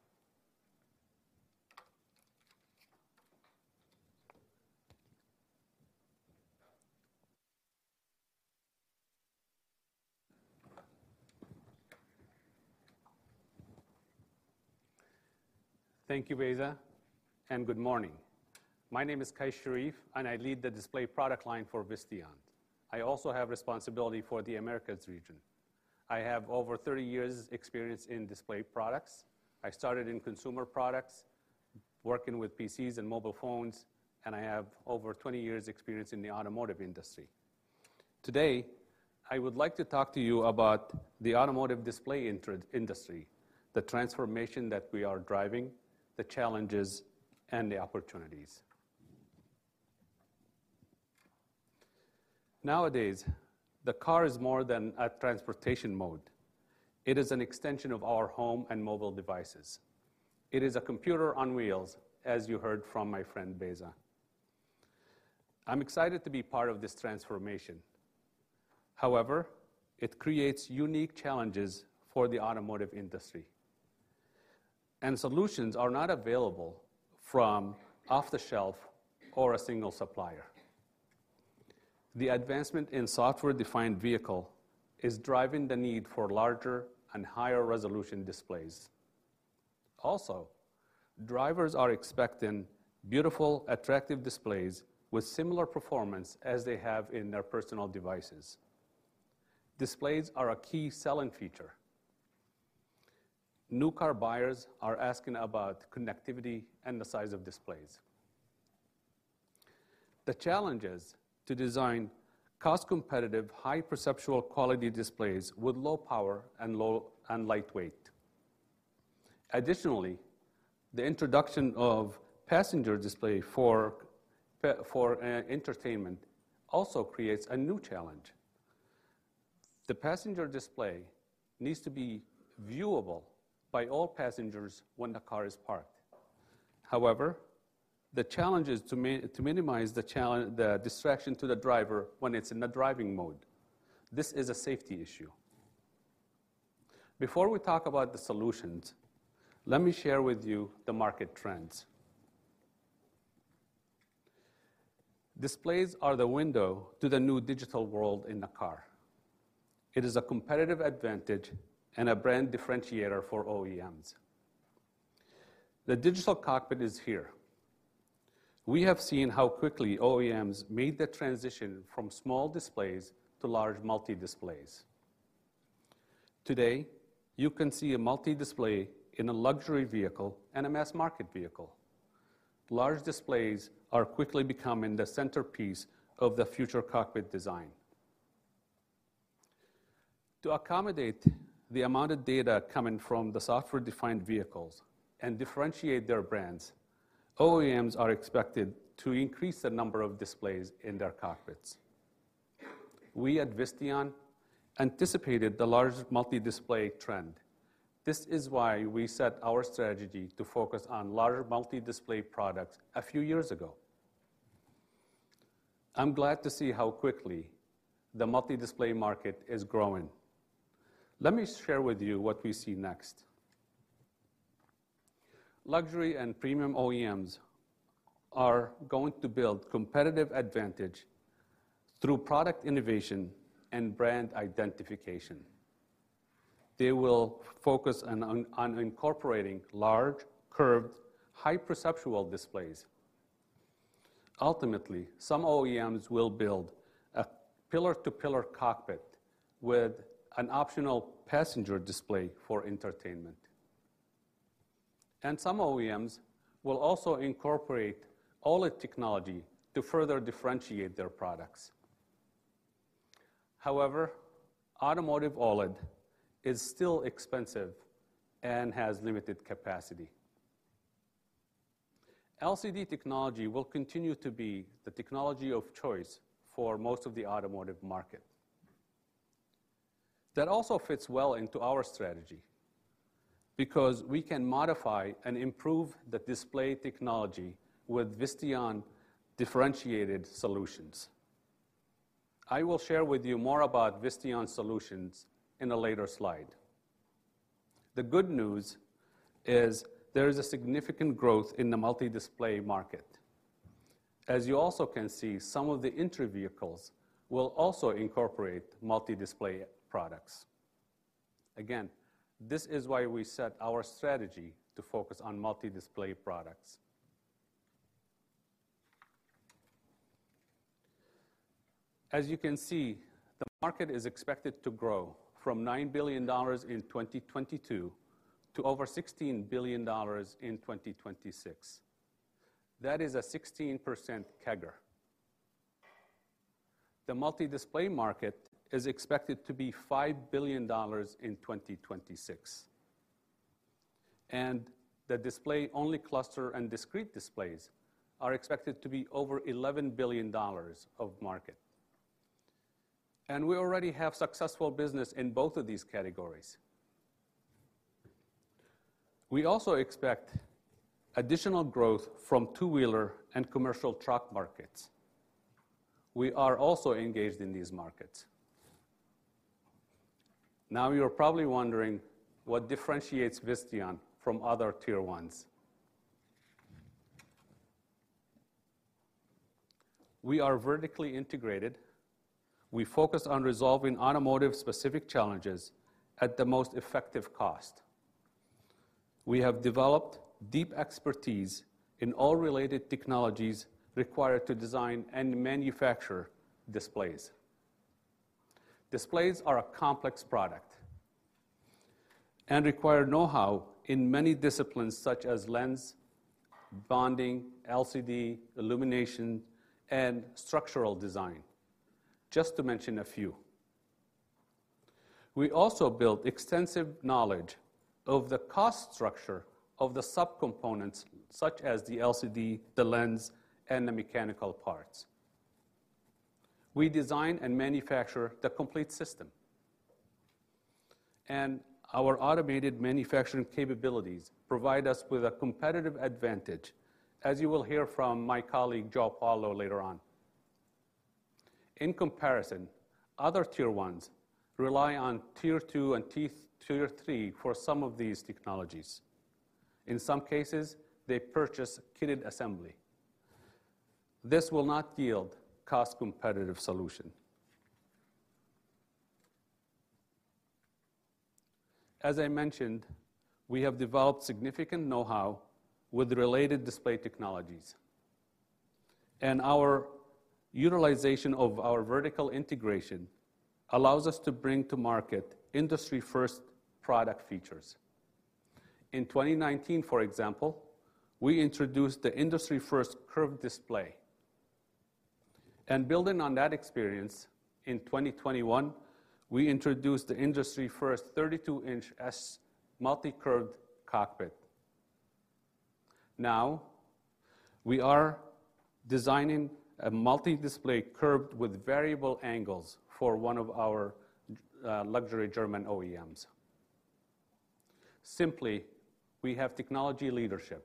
Thank you, Beyza. Good morning. My name is Qais Sharif. I lead the display product line for Visteon. I also have responsibility for the Americas region. I have over 30 years experience in display products. I started in consumer products, working with PCs and mobile phones. I have over 20 years experience in the automotive industry. Today, I would like to talk to you about the automotive display industry, the transformation that we are driving, the challenges and the opportunities. Nowadays, the car is more than a transportation mode. It is an extension of our home and mobile devices. It is a computer on wheels, as you heard from my friend Beyza. I'm excited to be part of this transformation. However, it creates unique challenges for the automotive industry. Solutions are not available from off-the-shelf or a single supplier. The advancement in software-defined vehicle is driving the need for larger and higher resolution displays. Also, drivers are expecting beautiful, attractive displays with similar performance as they have in their personal devices. Displays are a key selling feature. New car buyers are asking about connectivity and the size of displays. The challenge is to design cost-competitive, high perceptual quality displays with low power and light weight. Additionally, the introduction of passenger display for entertainment also creates a new challenge. The passenger display needs to be viewable by all passengers when the car is parked. However, the challenge is to minimize the distraction to the driver when it's in the driving mode. This is a safety issue. Before we talk about the solutions, let me share with you the market trends. Displays are the window to the new digital world in the car. It is a competitive advantage and a brand differentiator for OEMs. The digital cockpit is here. We have seen how quickly OEMs made the transition from small displays to large multi-displays. Today, you can see a multi-display in a luxury vehicle and a mass market vehicle. Large displays are quickly becoming the centerpiece of the future cockpit design. To accommodate the amount of data coming from the software-defined vehicles and differentiate their brands, OEMs are expected to increase the number of displays in their cockpits. We at Visteon anticipated the large multi-display trend. This is why we set our strategy to focus on larger multi-display products a few years ago. I'm glad to see how quickly the multi-display market is growing. Let me share with you what we see next. Luxury and premium OEMs are going to build competitive advantage through product innovation and brand identification. They will focus on incorporating large, curved, high perceptual displays. Ultimately, some OEMs will build a pillar-to-pillar cockpit with an optional passenger display for entertainment. Some OEMs will also incorporate OLED technology to further differentiate their products. However, automotive OLED is still expensive and has limited capacity. LCD technology will continue to be the technology of choice for most of the automotive market. That also fits well into our strategy because we can modify and improve the display technology with Visteon differentiated solutions. I will share with you more about Visteon solutions in a later slide. The good news is there is a significant growth in the multi-display market. As you also can see, some of the intro vehicles will also incorporate multi-display products. This is why we set our strategy to focus on multi-display products. As you can see, the market is expected to grow from $9 billion in 2022 to over $16 billion in 2026. That is a 16% CAGR. The multi-display market is expected to be $5 billion in 2026, and the display-only cluster and discrete displays are expected to be over $11 billion of market. We already have successful business in both of these categories. We also expect additional growth from two-wheeler and commercial truck markets. We are also engaged in these markets. Now you're probably wondering what differentiates Visteon from other Tier 1s. We are vertically integrated. We focus on resolving automotive-specific challenges at the most effective cost. We have developed deep expertise in all related technologies required to design and manufacture displays. Displays are a complex product and require know-how in many disciplines such as lens, bonding, LCD, illumination, and structural design, just to mention a few. We also built extensive knowledge of the cost structure of the subcomponents such as the LCD, the lens, and the mechanical parts. We design and manufacture the complete system. Our automated manufacturing capabilities provide us with a competitive advantage, as you will hear from my colleague, Joao Paulo, later on. In comparison, other Tier 1s rely on Tier 2 and Tier 3 for some of these technologies. In some cases, they purchase kitted assembly. This will not yield cost-competitive solution. As I mentioned, we have developed significant know-how with related display technologies. Our utilization of our vertical integration allows us to bring to market industry-first product features. In 2019, for example, we introduced the industry-first curved display. Building on that experience, in 2021, we introduced the industry-first 32-in S multi-curved cockpit. Now, we are designing a multi-display curved with variable angles for one of our luxury German OEMs. Simply, we have technology leadership.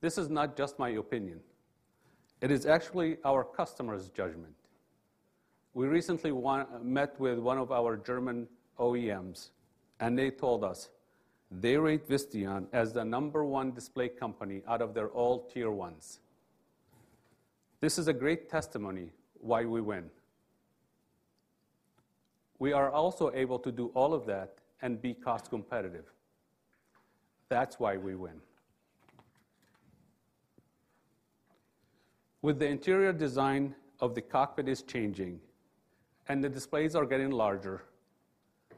This is not just my opinion. It is actually our customers' judgment. We recently met with one of our German OEMs, and they told us they rate Visteon as the number one display company out of their all Tier 1s. This is a great testimony why we win. We are also able to do all of that and be cost competitive. That's why we win. With the interior design of the cockpit is changing and the displays are getting larger,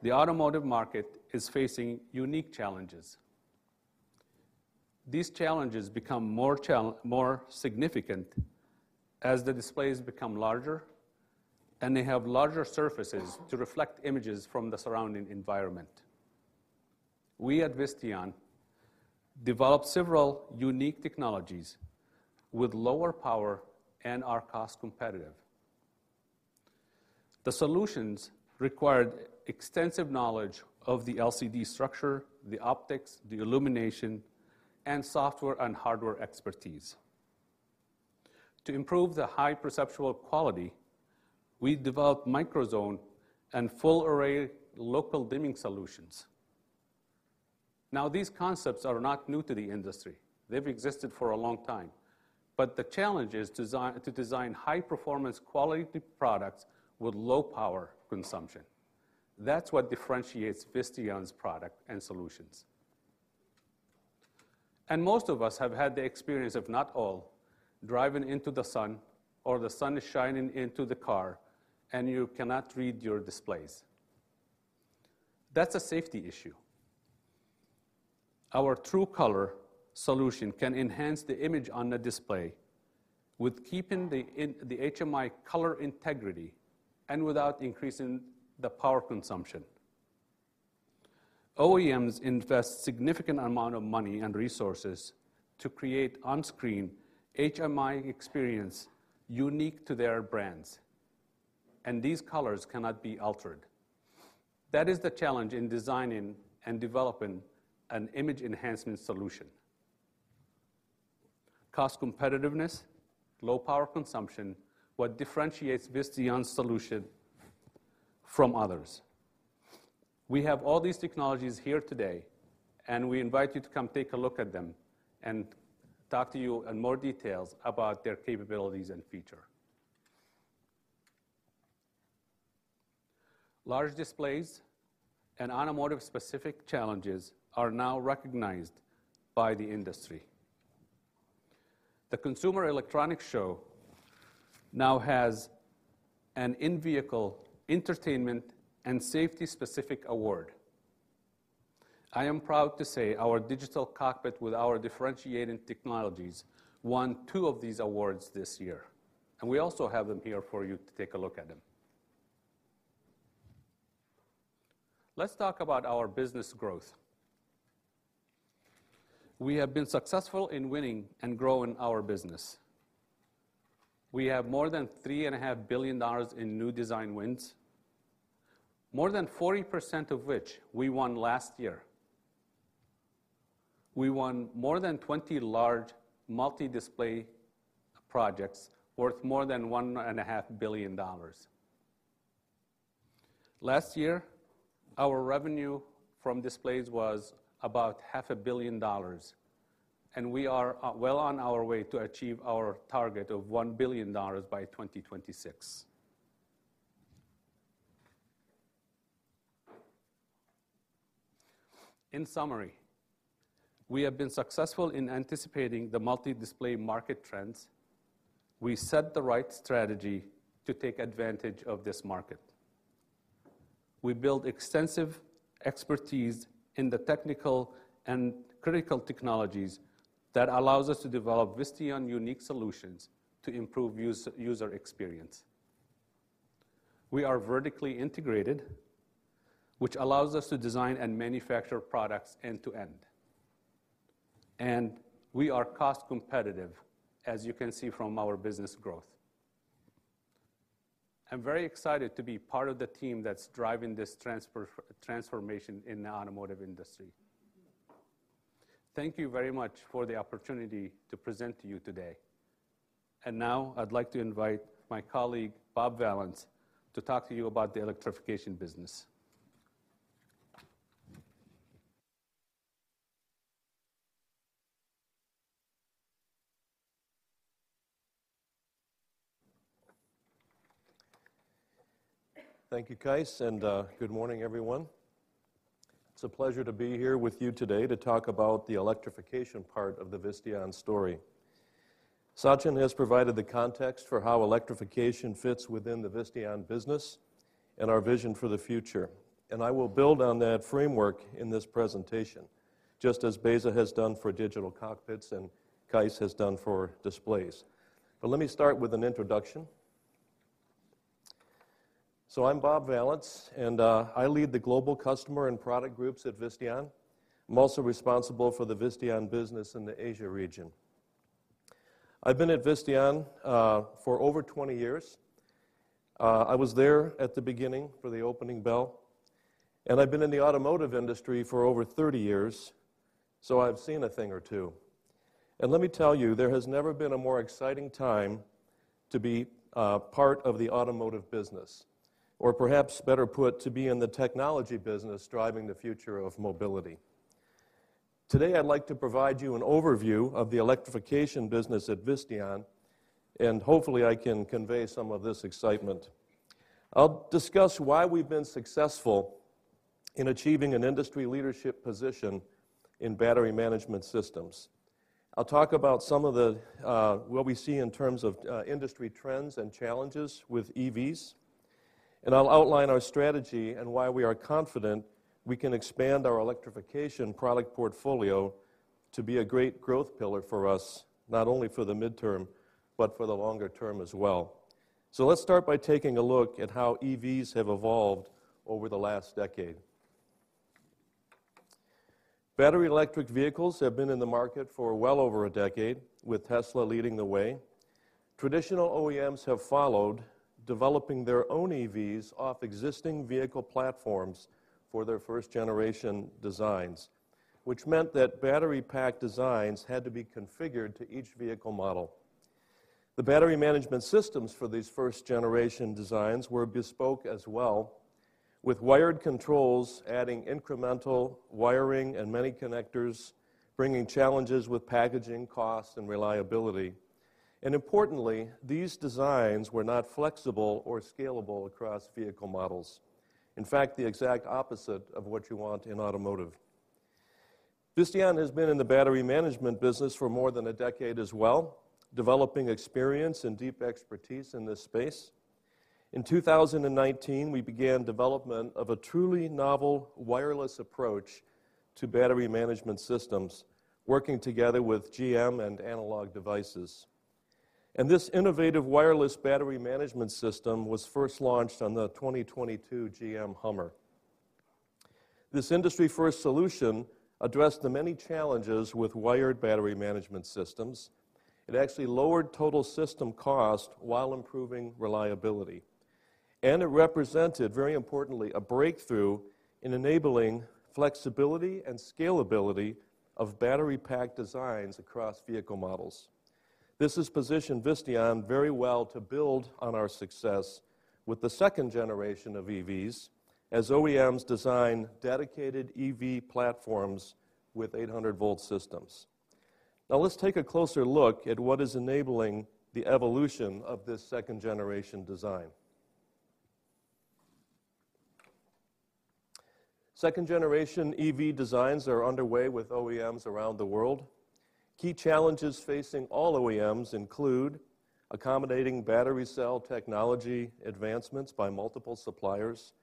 the automotive market is facing unique challenges. These challenges become more significant as the displays become larger, and they have larger surfaces to reflect images from the surrounding environment. We at Visteon developed several unique technologies with lower power and are cost competitive. The solutions required extensive knowledge of the LCD structure, the optics, the illumination, and software and hardware expertise. To improve the high perceptual quality, we developed microZone and full-array local dimming solutions. These concepts are not new to the industry. They've existed for a long time. The challenge is to design high-performance quality products with low power consumption. That's what differentiates Visteon's product and solutions. Most of us have had the experience, if not all, driving into the sun or the sun is shining into the car and you cannot read your displays. That's a safety issue. Our TrueColor solution can enhance the image on the display with keeping the HMI color integrity and without increasing the power consumption. OEMs invest significant amount of money and resources to create on-screen HMI experience unique to their brands. These colors cannot be altered. That is the challenge in designing and developing an image enhancement solution. Cost competitiveness, low power consumption, what differentiates Visteon's solution from others. We have all these technologies here today. We invite you to come take a look at them and talk to you in more details about their capabilities and feature. Large displays and automotive-specific challenges are now recognized by the industry. The Consumer Electronics Show now has an in-vehicle entertainment and safety specific award. I am proud to say our digital cockpit with our differentiating technologies won two of these awards this year. We also have them here for you to take a look at them. Let's talk about our business growth. We have been successful in winning and growing our business. We have more than $3.5 billion in new design wins, more than 40% of which we won last year. We won more than 20 large multi-display projects worth more than $1.5 billion. Last year, our revenue from displays was about $500 million. We are well on our way to achieve our target of $1 billion by 2026. In summary, we have been successful in anticipating the multi-display market trends. We set the right strategy to take advantage of this market. We build extensive expertise in the technical and critical technologies that allows us to develop Visteon unique solutions to improve user experience. We are vertically integrated, which allows us to design and manufacture products end to end, and we are cost competitive, as you can see from our business growth. I'm very excited to be part of the team that's driving this transformation in the automotive industry. Thank you very much for the opportunity to present to you today. Now I'd like to invite my colleague, Bob Vallance, to talk to you about the electrification business. Thank you, Qais. Good morning, everyone. It's a pleasure to be here with you today to talk about the electrification part of the Visteon story. Sachin has provided the context for how electrification fits within the Visteon business and our vision for the future, and I will build on that framework in this presentation, just as Beyza has done for digital cockpits and Qais has done for displays. Let me start with an introduction. I'm Bob Vallance, and I lead the global customer and product groups at Visteon. I'm also responsible for the Visteon business in the Asia region. I've been at Visteon for over 20 years. I was there at the beginning for the opening bell, and I've been in the automotive industry for over 30 years, so I've seen a thing or two. Let me tell you, there has never been a more exciting time to be part of the automotive business, or perhaps better put, to be in the technology business driving the future of mobility. Today, I'd like to provide you an overview of the electrification business at Visteon, and hopefully, I can convey some of this excitement. I'll discuss why we've been successful in achieving an industry leadership position in battery management systems. I'll talk about some of the what we see in terms of industry trends and challenges with EVs, and I'll outline our strategy and why we are confident we can expand our electrification product portfolio to be a great growth pillar for us, not only for the midterm, but for the longer term as well. Let's start by taking a look at how EVs have evolved over the last decade. Battery electric vehicles have been in the market for well over a decade, with Tesla leading the way. Traditional OEMs have followed, developing their own EVs off existing vehicle platforms for their 1st-generation designs, which meant that battery pack designs had to be configured to each vehicle model. The battery management systems for these 1st-generation designs were bespoke as well, with wired controls adding incremental wiring and many connectors, bringing challenges with packaging costs and reliability. Importantly, these designs were not flexible or scalable across vehicle models. In fact, the exact opposite of what you want in automotive. Visteon has been in the battery management business for more than a decade as well, developing experience and deep expertise in this space. In 2019, we began development of a truly novel wireless approach to battery management systems, working together with GM and Analog Devices. This innovative wireless battery management system was first launched on the 2022 GM Hummer. This industry-first solution addressed the many challenges with wired battery management systems. It actually lowered total system cost while improving reliability. It represented, very importantly, a breakthrough in enabling flexibility and scalability of battery pack designs across vehicle models. This has positioned Visteon very well to build on our success with the 2nd generation of EVs as OEMs design dedicated EV platforms with 800-V systems. Now, let's take a closer look at what is enabling the evolution of this 2nd-generation design. 2nd-generation EV designs are underway with OEMs around the world. Key challenges facing all OEMs include accommodating battery cell technology advancements by multiple suppliers,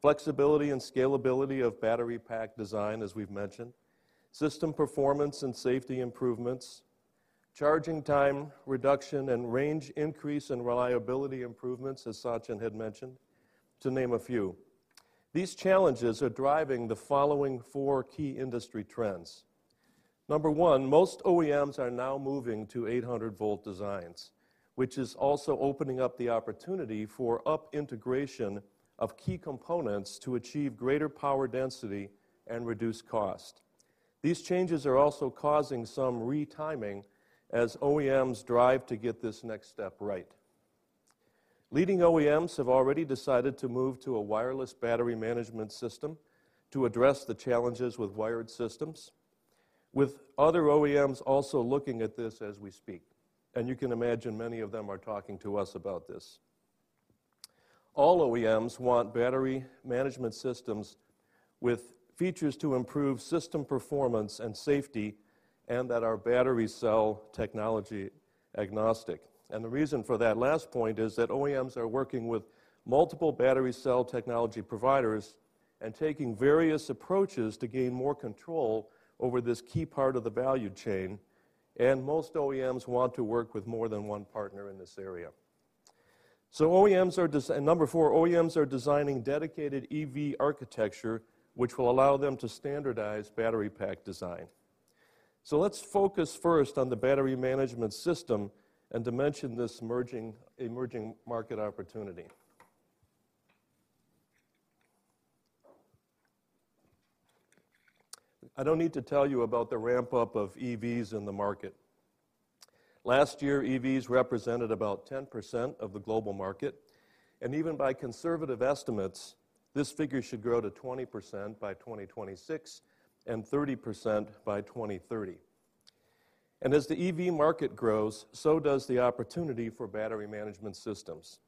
flexibility and scalability of battery pack design, as we've mentioned, system performance and safety improvements, charging time reduction and range increase and reliability improvements, as Sachin had mentioned, to name a few. These challenges are driving the following four key industry trends. Number one, most OEMs are now moving to 800-V designs, which is also opening up the opportunity for up integration of key components to achieve greater power density and reduce cost. These changes are also causing some retiming as OEMs drive to get this next step right. Leading OEMs have already decided to move to a wireless battery management system to address the challenges with wired systems, with other OEMs also looking at this as we speak, and you can imagine many of them are talking to us about this. All OEMs want battery management systems with features to improve system performance and safety, and that are battery cell technology agnostic. The reason for that last point is that OEMs are working with multiple battery cell technology providers and taking various approaches to gain more control over this key part of the value chain, and most OEMs want to work with more than one partner in this area. Number four, OEMs are designing dedicated EV architecture which will allow them to standardize battery pack design. Let's focus first on the battery management system and to mention this emerging market opportunity. I don't need to tell you about the ramp-up of EVs in the market. Last year, EVs represented about 10% of the global market, even by conservative estimates, this figure should grow to 20% by 2026 and 30% by 2030. As the EV market grows, so does the opportunity for battery management systems.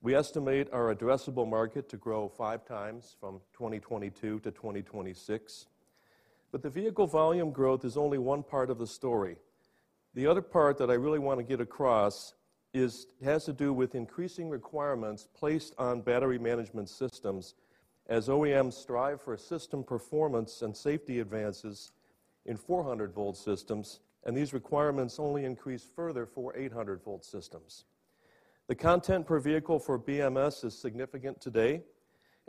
We estimate our addressable market to grow 5x from 2022-2026. The vehicle volume growth is only one part of the story. The other part that I really wanna get across is, has to do with increasing requirements placed on battery management systems as OEMs strive for system performance and safety advances in 400-V systems, and these requirements only increase further for 800-V systems. The content per vehicle for BMS is significant today,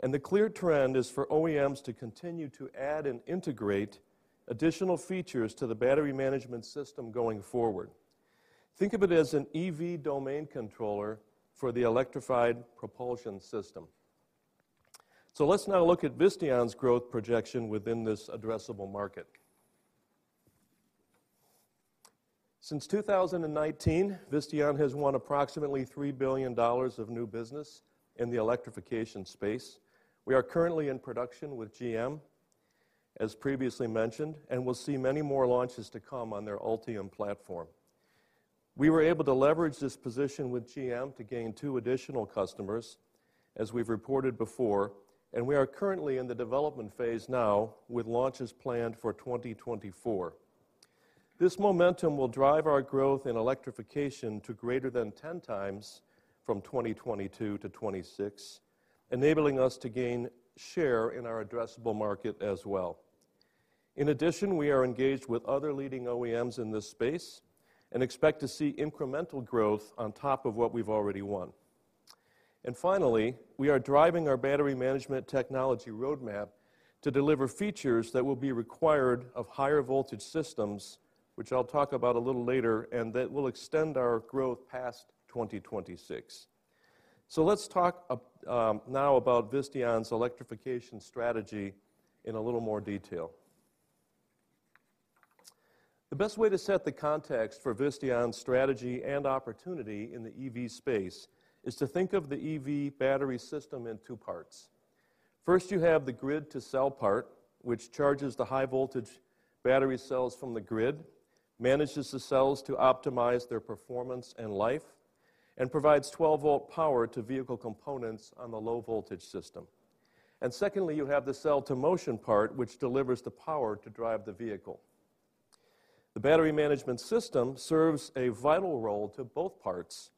and the clear trend is for OEMs to continue to add and integrate additional features to the battery management system going forward. Think of it as an EV domain controller for the electrified propulsion system. Let's now look at Visteon's growth projection within this addressable market. Since 2019, Visteon has won approximately $3 billion of new business in the electrification space. We are currently in production with GM, as previously mentioned, and we'll see many more launches to come on their Ultium platform. We were able to leverage this position with GM to gain two additional customers, as we've reported before, and we are currently in the development phase now with launches planned for 2024. This momentum will drive our growth in electrification to greater than 10x from 2022-2026, enabling us to gain share in our addressable market as well. In addition, we are engaged with other leading OEMs in this space and expect to see incremental growth on top of what we've already won. Finally, we are driving our battery management technology roadmap to deliver features that will be required of higher voltage systems, which I'll talk about a little later, and that will extend our growth past 2026. Let's talk now about Visteon's electrification strategy in a little more detail. The best way to set the context for Visteon's strategy and opportunity in the EV space is to think of the EV battery system in two parts. First, you have the grid-to-cell part, which charges the high voltage battery cells from the grid, manages the cells to optimize their performance and life, and provides 12 V power to vehicle components on the low voltage system. Secondly, you have the cell-to-motion part, which delivers the power to drive the vehicle. The battery management system serves a vital role to both parts.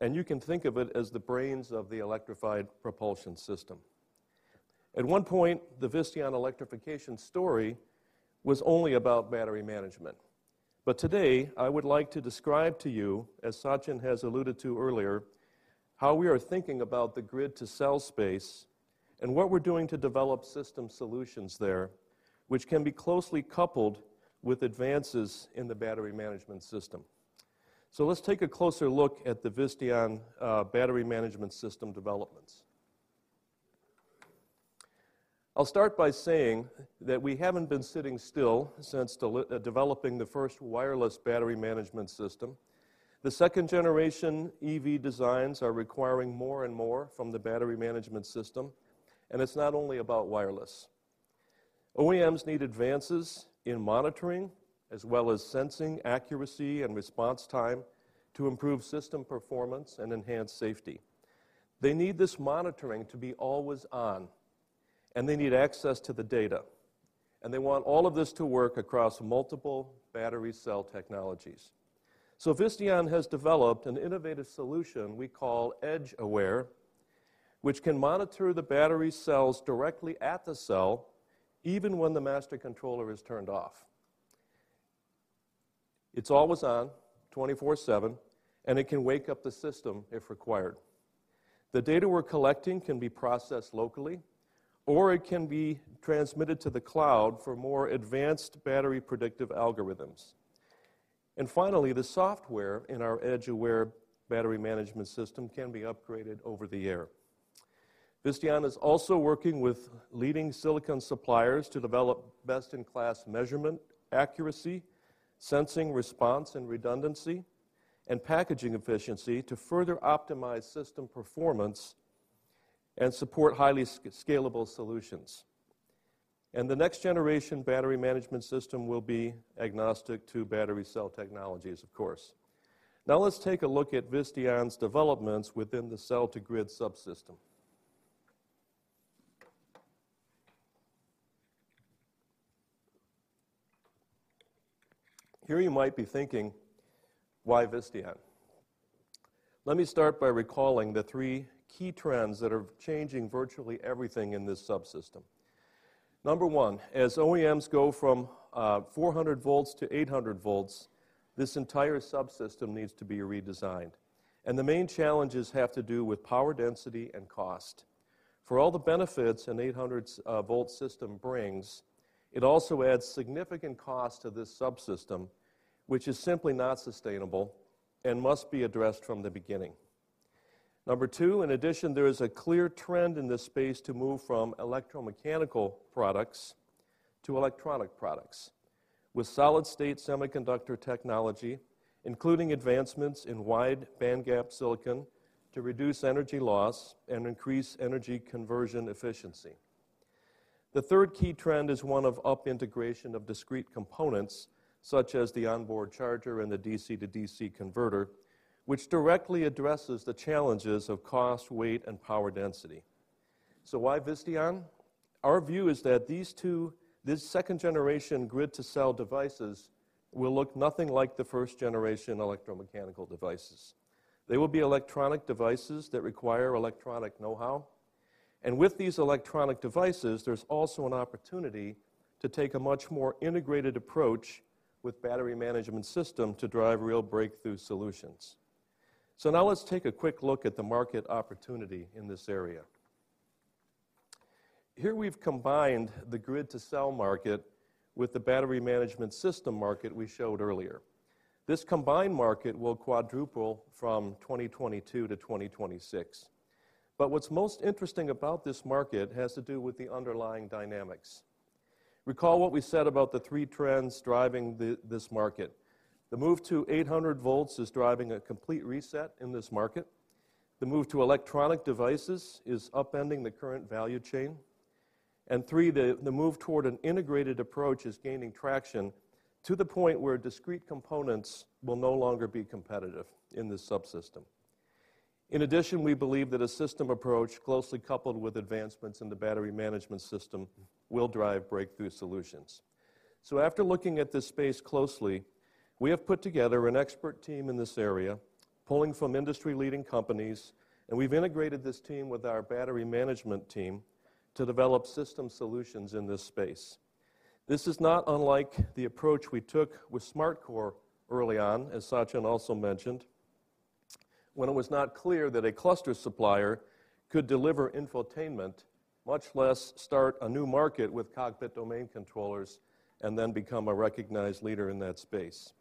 You can think of it as the brains of the electrified propulsion system. At one point, the Visteon electrification story was only about battery management. Today, I would like to describe to you, as Sachin has alluded to earlier, how we are thinking about the grid-to-cell space and what we're doing to develop system solutions there, which can be closely coupled with advances in the battery management system. Let's take a closer look at the Visteon battery management system developments. I'll start by saying that we haven't been sitting still since developing the first wireless battery management system. The 2nd-generation EV designs are requiring more and more from the battery management system. It's not only about wireless. OEMs need advances in monitoring as well as sensing accuracy and response time to improve system performance and enhance safety. They need this monitoring to be always on. They need access to the data. They want all of this to work across multiple battery cell technologies. Visteon has developed an innovative solution we call EdgeAware, which can monitor the battery cells directly at the cell, even when the master controller is turned off. It's always on, 24/7. It can wake up the system if required. The data we're collecting can be processed locally, or it can be transmitted to the cloud for more advanced battery predictive algorithms. Finally, the software in our EdgeAware battery management system can be upgraded over the air. Visteon is also working with leading silicon suppliers to develop best-in-class measurement accuracy, sensing response and redundancy, and packaging efficiency to further optimize system performance and support highly scalable solutions. The next-generation battery management system will be agnostic to battery cell technologies, of course. Now let's take a look at Visteon's developments within the cell-to-grid subsystem. Here you might be thinking, why Visteon? Let me start by recalling the three key trends that are changing virtually everything in this subsystem. Number one, as OEMs go from 400 V to 800 V, this entire subsystem needs to be redesigned, and the main challenges have to do with power density and cost. For all the benefits an 800-V system brings, it also adds significant cost to this subsystem, which is simply not sustainable and must be addressed from the beginning. Number two. In addition, there is a clear trend in this space to move from electromechanical products to electronic products with solid-state semiconductor technology, including advancements in wide-bandgap silicon to reduce energy loss and increase energy conversion efficiency. The third key trend is one of up integration of discrete components, such as the onboard charger and the DC-to-DC converter, which directly addresses the challenges of cost, weight, and power density. Why Visteon? Our view is that this 2nd-generation grid-to-cell devices will look nothing like the 1st-generation electromechanical devices. They will be electronic devices that require electronic know-how. With these electronic devices, there's also an opportunity to take a much more integrated approach with battery management system to drive real breakthrough solutions. Now let's take a quick look at the market opportunity in this area. Here we've combined the grid-to-cell market with the battery management system market we showed earlier. This combined market will quadruple from 2022-2026. What's most interesting about this market has to do with the underlying dynamics. Recall what we said about the three trends driving this market. The move to 800 V is driving a complete reset in this market. The move to electronic devices is upending the current value chain. And three, the move toward an integrated approach is gaining traction to the point where discrete components will no longer be competitive in this subsystem. In addition, we believe that a system approach closely coupled with advancements in the battery management system will drive breakthrough solutions. After looking at this space closely, we have put together an expert team in this area, pulling from industry-leading companies, and we've integrated this team with our battery management team to develop system solutions in this space. This is not unlike the approach we took with SmartCore early on, as Sachin also mentioned, when it was not clear that a cluster supplier could deliver infotainment, much less start a new market with cockpit domain controllers and then become a recognized leader in that space.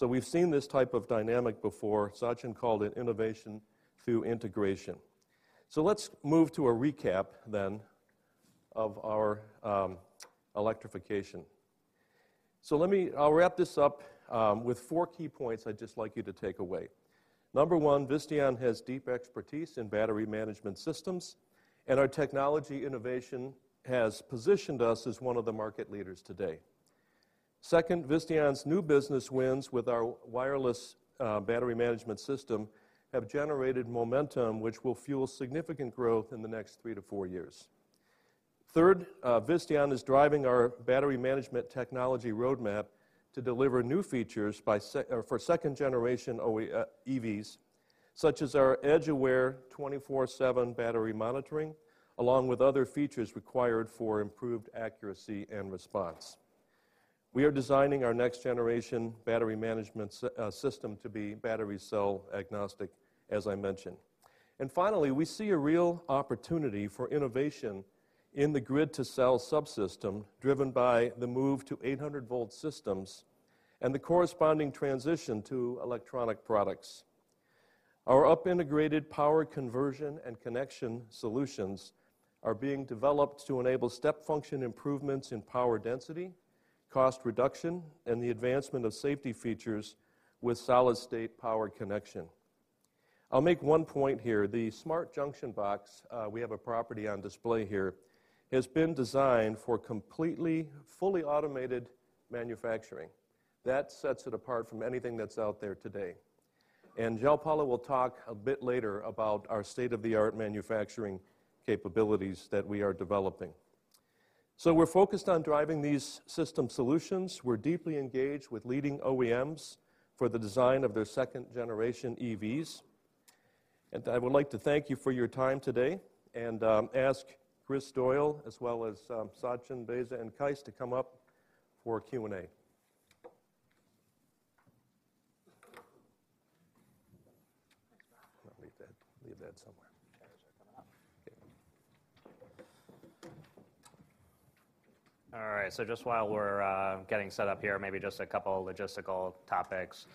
We've seen this type of dynamic before. Sachin called it innovation through integration. Let's move to a recap then of our electrification. I'll wrap this up with four key points I'd just like you to take away. Number one, Visteon has deep expertise in battery management systems. Our technology innovation has positioned us as one of the market leaders today. Second, Visteon's new business wins with our wireless battery management system have generated momentum which will fuel significant growth in the next 3 to 4 years. Third, Visteon is driving our battery management technology roadmap to deliver new features for 2nd-generation OE EVs, such as our EdgeAware 24/7 battery monitoring, along with other features required for improved accuracy and response. We are designing our next-generation battery management system to be battery cell agnostic, as I mentioned. Finally, we see a real opportunity for innovation in the grid-to-cell subsystem driven by the move to 800-V systems and the corresponding transition to electronic products. Our up-integrated power conversion and connection solutions are being developed to enable step function improvements in power density, cost reduction, and the advancement of safety features with solid-state power connection. I'll make one point here. The smart junction box, we have a property on display here, has been designed for completely, fully automated manufacturing. That sets it apart from anything that's out there today. Joao Paulo Ribeiro will talk a bit later about our state-of-the-art manufacturing capabilities that we are developing. We're focused on driving these system solutions. We're deeply engaged with leading OEMs for the design of their 2nd-generation EVs. I would like to thank you for your time today and ask Kris Doyle, as well as Sachin, Beyza, and Qais to come up for Q&A. Gonna leave that somewhere. Yeah. Check that out. Okay. All right. Just while we're getting set up here, maybe just a couple logistical topics.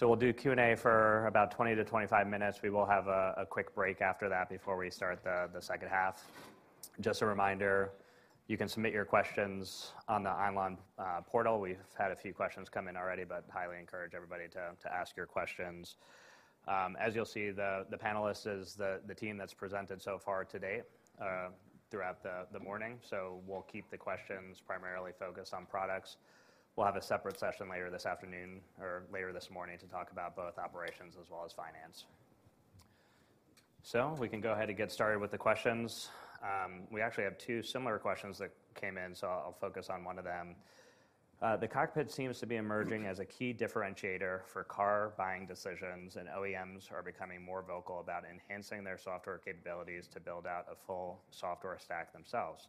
We'll do Q&A for about 20 to 25 minutes. We will have a quick break after that before we start the second half. Just a reminder, you can submit your questions on the webinar.net portal. We've had a few questions come in already, but highly encourage everybody to ask your questions. As you'll see, the panelists is the team that's presented so far to date throughout the morning. We'll keep the questions primarily focused on products. We'll have a separate session later this afternoon or later this morning to talk about both operations as well as finance. We can go ahead and get started with the questions. We actually have two similar questions that came in. I'll focus on one of them. The cockpit seems to be emerging as a key differentiator for car buying decisions. OEMs are becoming more vocal about enhancing their software capabilities to build out a full software stack themselves.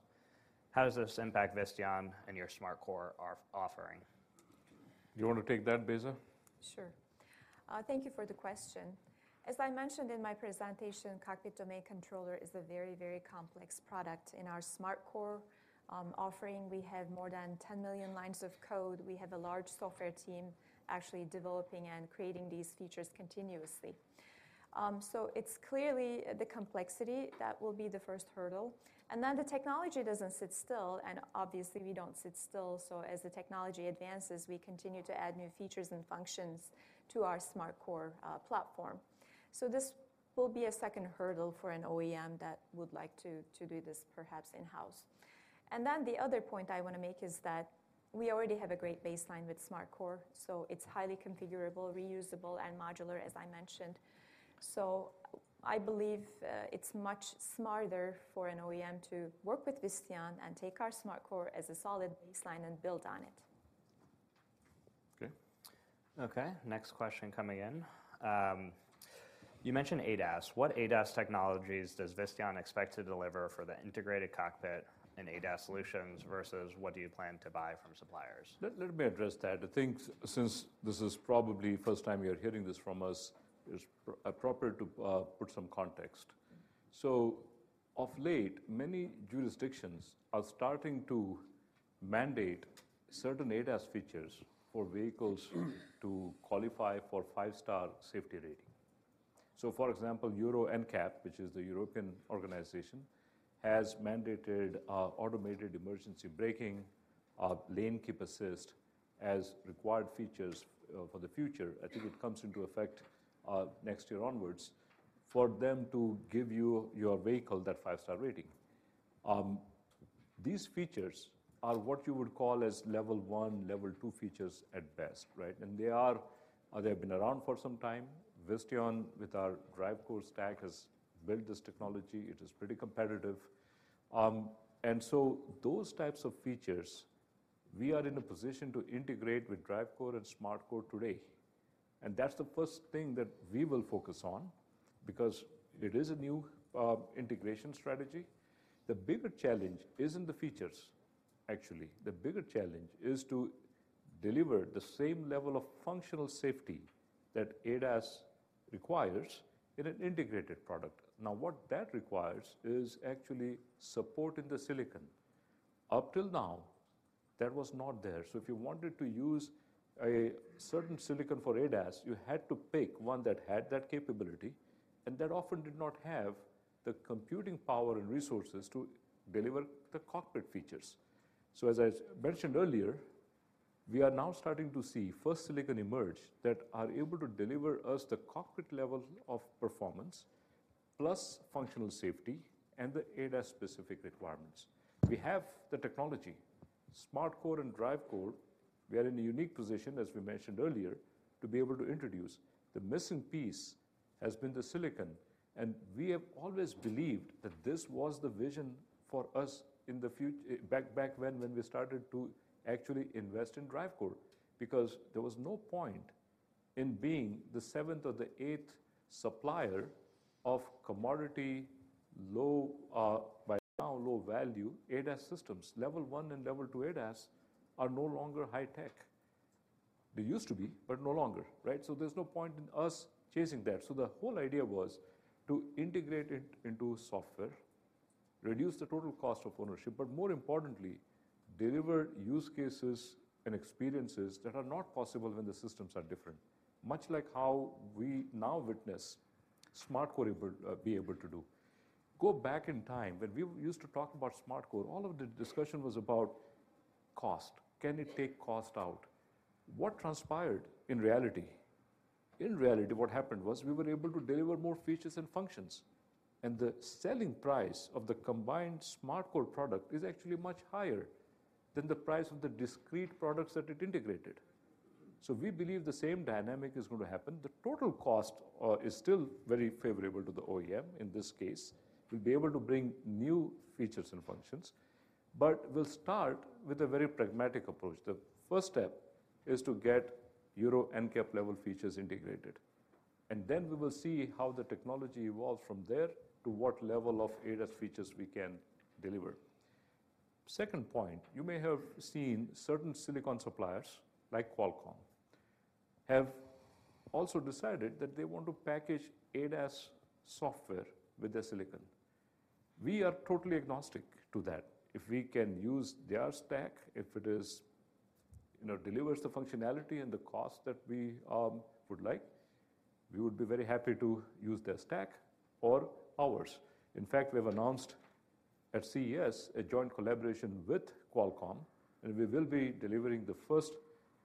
How does this impact Visteon and your SmartCore offering? You wanna take that, Beyza? Sure. Thank you for the question. As I mentioned in my presentation, cockpit domain controller is a very complex product. In our SmartCore offering, we have more than 10 million lines of code. We have a large software team actually developing and creating these features continuously. It's clearly the complexity that will be the first hurdle. The technology doesn't sit still, and obviously we don't sit still, so as the technology advances, we continue to add new features and functions to our SmartCore platform. This will be a second hurdle for an OEM that would like to do this perhaps in-house. The other point I wanna make is that we already have a great baseline with SmartCore, so it's highly configurable, reusable, and modular, as I mentioned. I believe, it's much smarter for an OEM to work with Visteon and take our SmartCore as a solid baseline and build on it. Okay. Okay, next question coming in. You mentioned ADAS. What ADAS technologies does Visteon expect to deliver for the integrated cockpit and ADAS solutions versus what do you plan to buy from suppliers? Let me address that. I think since this is probably first time you're hearing this from us, it's appropriate to put some context. Of late, many jurisdictions are starting to mandate certain ADAS features for vehicles to qualify for 5-star safety rating. For example, Euro NCAP, which is the European organization, has mandated automated emergency braking, lane keep assist as required features for the future. I think it comes into effect next year onwards, for them to give you your vehicle that 5-star rating. These features are what you would call as Level 1, Level 2 features at best, right? They are, they've been around for some time. Visteon with our DriveCore stack has built this technology. It is pretty competitive. Those types of features we are in a position to integrate with DriveCore and SmartCore today. That's the first thing that we will focus on because it is a new integration strategy. The bigger challenge isn't the features, actually. The bigger challenge is to deliver the same level of functional safety that ADAS requires in an integrated product. What that requires is actually support in the silicon. Up till now, that was not there. If you wanted to use a certain silicon for ADAS, you had to pick one that had that capability, and that often did not have the computing power and resources to deliver the cockpit features. As I mentioned earlier, we are now starting to see first silicon emerge that are able to deliver us the cockpit level of performance plus functional safety and the ADAS specific requirements. We have the technology. SmartCore and DriveCore, we are in a unique position, as we mentioned earlier, to be able to introduce. The missing piece has been the silicon, and we have always believed that this was the vision for us in the back when we started to actually invest in DriveCore. There was no point in being the seventh or the eighth supplier of commodity low, by now low value ADAS systems. Level 1 and Level 2 ADAS are no longer high tech. They used to be, but no longer, right? There's no point in us chasing that. The whole idea was to integrate it into software, reduce the total cost of ownership, but more importantly, deliver use cases and experiences that are not possible when the systems are different, much like how we now witness SmartCore it will be able to do. Go back in time when we used to talk about SmartCore, all of the discussion was about cost. Can it take cost out? What transpired in reality? In reality, what happened was we were able to deliver more features and functions, and the selling price of the combined SmartCore product is actually much higher than the price of the discrete products that it integrated. We believe the same dynamic is gonna happen. The total cost is still very favorable to the OEM in this case. We'll be able to bring new features and functions, but we'll start with a very pragmatic approach. The first step is to get Euro NCAP level features integrated. Then we will see how the technology evolves from there to what level of ADAS features we can deliver. Second point, you may have seen certain silicon suppliers like Qualcomm have also decided that they want to package ADAS software with their silicon. We are totally agnostic to that. If we can use their stack, if it is, you know, delivers the functionality and the cost that we would like, we would be very happy to use their stack or ours. In fact, we have announced at CES a joint collaboration with Qualcomm. We will be delivering the first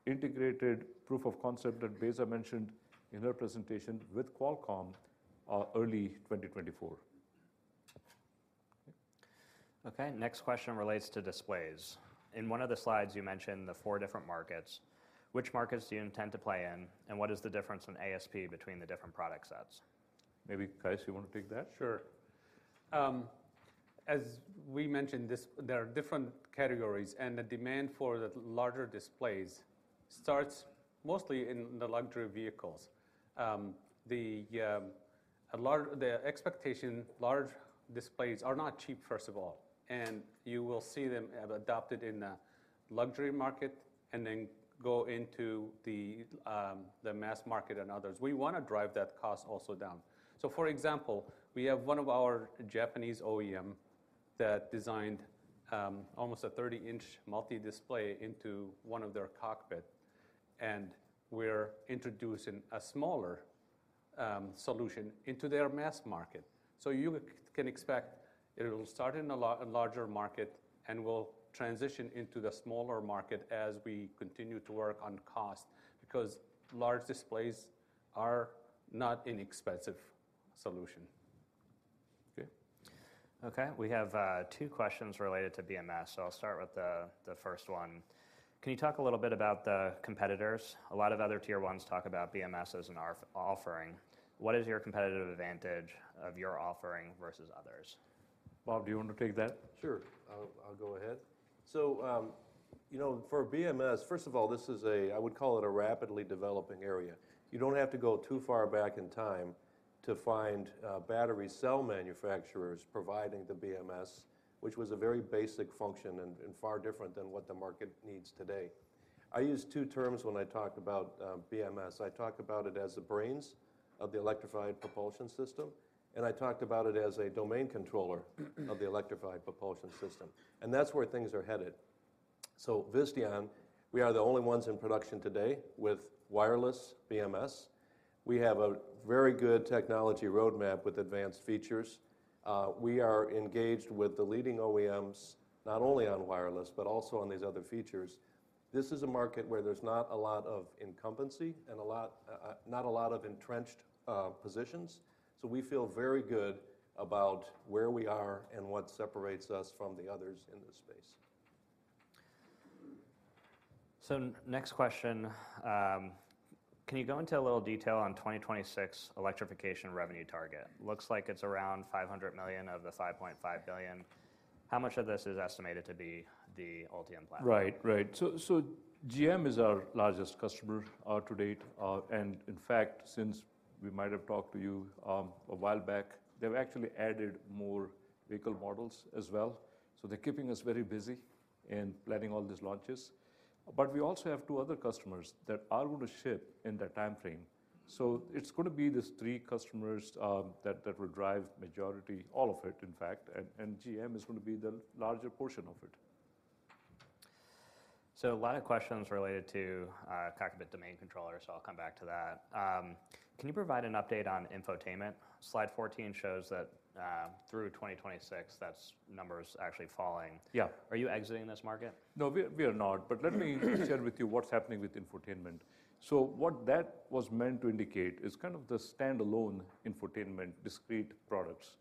integrated proof of concept that Beyza mentioned in her presentation with Qualcomm early 2024. Next question relates to displays. In one of the slides you mentioned the four different markets. Which markets do you intend to play in, and what is the difference in ASP between the different product sets? Maybe, Qais, you want to take that? Sure. As we mentioned this, there are different categories, and the demand for the larger displays starts mostly in the luxury vehicles. The expectation, large displays are not cheap, first of all, and you will see them have adopted in the luxury market and then go into the mass market and others. We wanna drive that cost also down. For example, we have one of our Japanese OEM that designed almost a 30-in multi-display into one of their cockpit, and we're introducing a smaller solution into their mass market. You can expect it'll start in a larger market and will transition into the smaller market as we continue to work on cost, because large displays are not inexpensive solution. Okay. We have two questions related to BMS. I'll start with the first one. Can you talk a little bit about the competitors? A lot of other Tier 1s talk about BMS as an offering. What is your competitive advantage of your offering versus others? Bob, do you want to take that? Sure. I'll go ahead. You know, for BMS, first of all, this is a rapidly developing area. You don't have to go too far back in time to find battery cell manufacturers providing the BMS, which was a very basic function and far different than what the market needs today. I use two terms when I talk about BMS. I talk about it as the brains of the electrified propulsion system, and I talked about it as a domain controller of the electrified propulsion system, and that's where things are headed. Visteon, we are the only ones in production today with wireless BMS. We have a very good technology roadmap with advanced features. We are engaged with the leading OEMs, not only on wireless, but also on these other features. This is a market where there's not a lot of incumbency and a lot, not a lot of entrenched, positions. We feel very good about where we are and what separates us from the others in this space. Next question. Can you go into a little detail on 2026 electrification revenue target? Looks like it's around $500 million of the $5.5 billion. How much of this is estimated to be the Ultium platform? Right. Right. GM is our largest customer to date. In fact, since we might have talked to you a while back, they've actually added more vehicle models as well. They're keeping us very busy in planning all these launches. We also have two other customers that are gonna ship in that timeframe. It's gonna be these three customers that will drive majority, all of it, in fact. GM is gonna be the larger portion of it. A lot of questions related to cockpit domain controller, so I'll come back to that. Can you provide an update on infotainment? Slide 14 shows that, through 2026, that's numbers actually falling. Yeah. Are you exiting this market? No, we are not. Let me share with you what's happening with infotainment. What that was meant to indicate is kind of the standalone infotainment discrete products.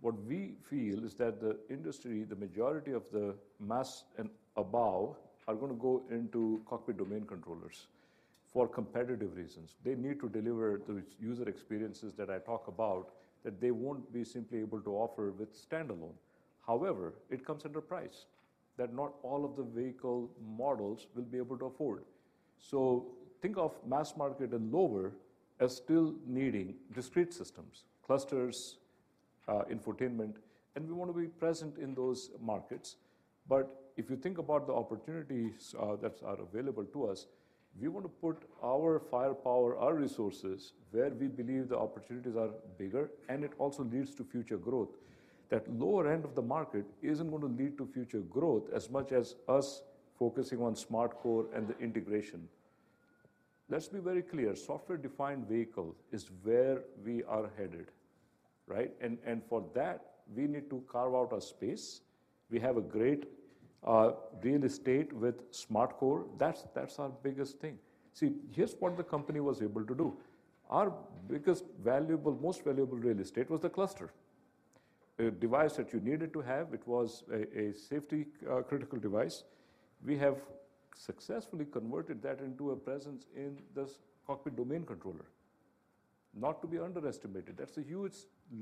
What we feel is that the industry, the majority of the mass and above are gonna go into cockpit domain controllers for competitive reasons. They need to deliver those user experiences that I talk about that they won't be simply able to offer with standalone. However, it comes at a price that not all of the vehicle models will be able to afford. Think of mass market and lower as still needing discrete systems, clusters, infotainment, and we wanna be present in those markets. If you think about the opportunities that are available to us, we wanna put our firepower, our resources where we believe the opportunities are bigger, and it also leads to future growth. That lower end of the market isn't gonna lead to future growth as much as us focusing on SmartCore and the integration. Let's be very clear. Software-defined vehicle is where we are headed, right? For that, we need to carve out a space. We have a great real estate with SmartCore. That's our biggest thing. See, here's what the company was able to do. Our biggest valuable, most valuable real estate was the cluster. A device that you needed to have. It was a safety critical device. We have successfully converted that into a presence in this cockpit domain controller. Not to be underestimated. That's a huge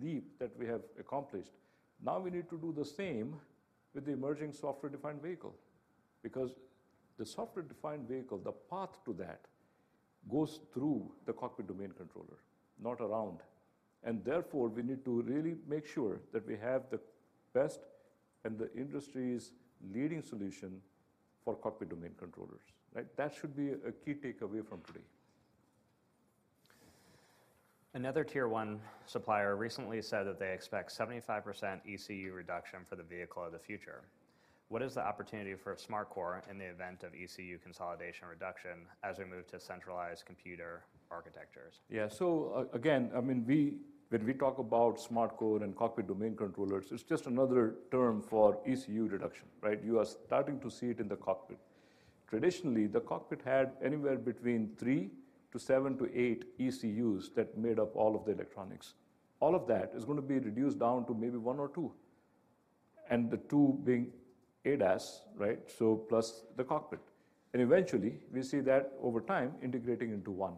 leap that we have accomplished. We need to do the same with the emerging software-defined vehicle, because the software-defined vehicle, the path to that goes through the cockpit domain controller, not around. Therefore, we need to really make sure that we have the best and the industry's leading solution for cockpit domain controllers, right? That should be a key takeaway from today. Another Tier 1 supplier recently said that they expect 75% ECU reduction for the vehicle of the future. What is the opportunity for SmartCore in the event of ECU consolidation reduction as we move to centralized computer architectures? Again, I mean, when we talk about SmartCore and cockpit domain controllers, it's just another term for ECU reduction, right? You are starting to see it in the cockpit. Traditionally, the cockpit had anywhere between three to seven to eight ECUs that made up all of the electronics. All of that is gonna be reduced down to maybe one or two, and the two being ADAS, right? Plus the cockpit. Eventually, we see that over time integrating into one.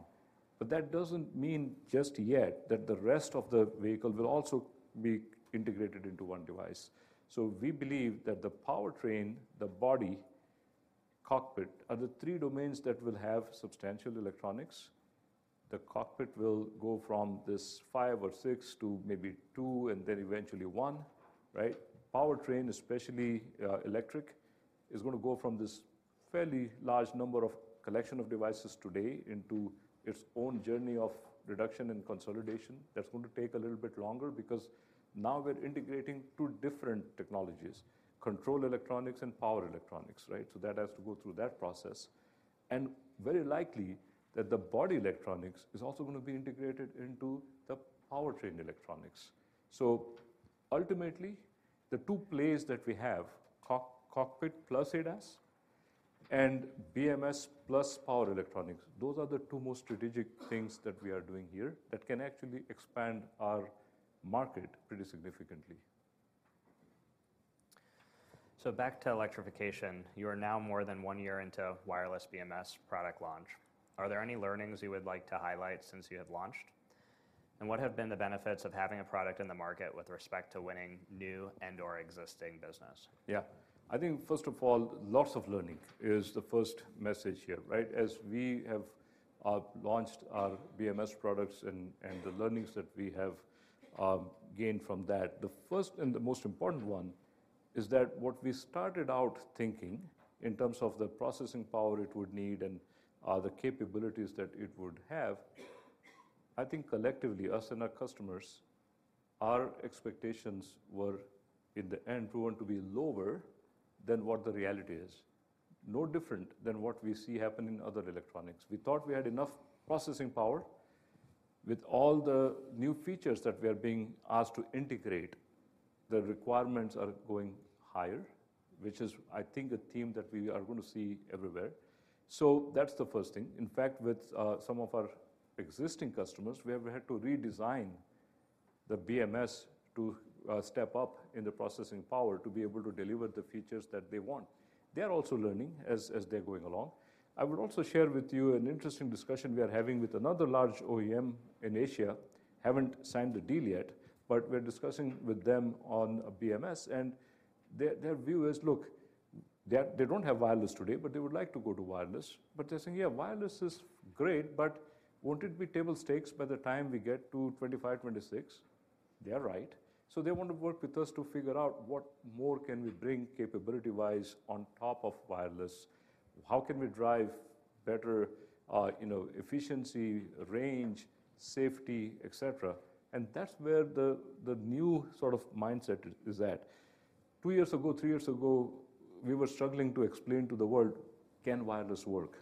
That doesn't mean just yet that the rest of the vehicle will also be integrated into one device. We believe that the powertrain, the body, cockpit are the three domains that will have substantial electronics. The cockpit will go from this five or six to maybe two, and then eventually one, right? Powertrain, especially, electric, is going to go from this fairly large number of collection of devices today into its own journey of reduction and consolidation. That's going to take a little bit longer because now we're integrating two different technologies: control electronics and power electronics, right? That has to go through that process. Very likely that the body electronics is also going to be integrated into the powertrain electronics. Ultimately, the two plays that we have, cockpit plus ADAS and BMS plus power electronics, those are the two most strategic things that we are doing here that can actually expand our market pretty significantly. Back to electrification. You are now more than one year into wireless BMS product launch. Are there any learnings you would like to highlight since you have launched? What have been the benefits of having a product in the market with respect to winning new and/or existing business? Yeah. I think first of all, lots of learning is the first message here, right? As we have launched our BMS products and the learnings that we have gained from that, the first and the most important one is that what we started out thinking in terms of the processing power it would need and the capabilities that it would have, I think collectively, us and our customers, our expectations were in the end proven to be lower than what the reality is. No different than what we see happen in other electronics. We thought we had enough processing power. With all the new features that we're being asked to integrate, the requirements are going higher, which is, I think, a theme that we are gonna see everywhere. That's the first thing. In fact, with some of our existing customers, we have had to redesign the BMS to step up in the processing power to be able to deliver the features that they want. They're also learning as they're going along. I would also share with you an interesting discussion we are having with another large OEM in Asia. Haven't signed the deal yet, but we're discussing with them on a BMS, and their view is, look, they don't have wireless today, but they would like to go to wireless. They're saying, "Yeah, wireless is great, but won't it be table stakes by the time we get to 2025, 2026?" They're right. They want to work with us to figure out what more can we bring capability-wise on top of wireless. How can we drive better, you know, efficiency, range, safety, et cetera. That's where the new sort of mindset is at. 2 years ago, 3 years ago, we were struggling to explain to the world, can wireless work?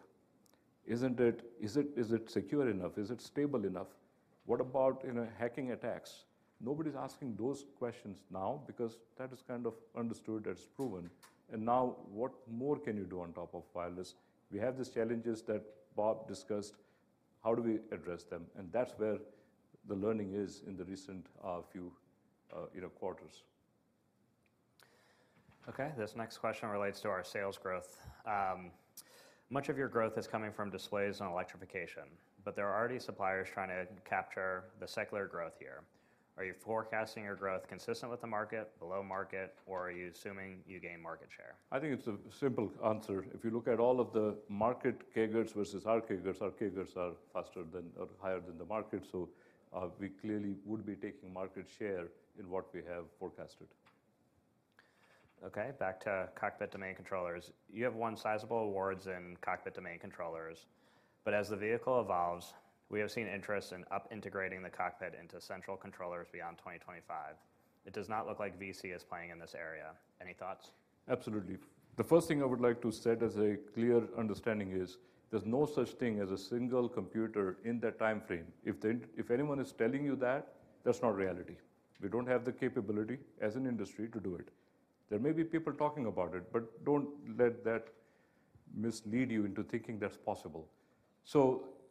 Isn't it secure enough? Is it stable enough? What about, you know, hacking attacks? Nobody's asking those questions now because that is kind of understood, that's proven. Now what more can you do on top of wireless? We have these challenges that Bob discussed. How do we address them? That's where the learning is in the recent, few, you know, quarters. Okay, this next question relates to our sales growth. Much of your growth is coming from displays and electrification, but there are already suppliers trying to capture the secular growth here. Are you forecasting your growth consistent with the market, below market, or are you assuming you gain market share? I think it's a simple answer. If you look at all of the market CAGRs versus our CAGRs, our CAGRs are faster than or higher than the market. We clearly would be taking market share in what we have forecasted. Back to cockpit domain controllers. You have won sizable awards in cockpit domain controllers, but as the vehicle evolves, we have seen interest in up integrating the cockpit into central controllers beyond 2025. It does not look like VC is playing in this area. Any thoughts? Absolutely. The first thing I would like to set as a clear understanding is there's no such thing as a single computer in that timeframe. If anyone is telling you that's not reality. We don't have the capability as an industry to do it. There may be people talking about it, but don't let that mislead you into thinking that's possible.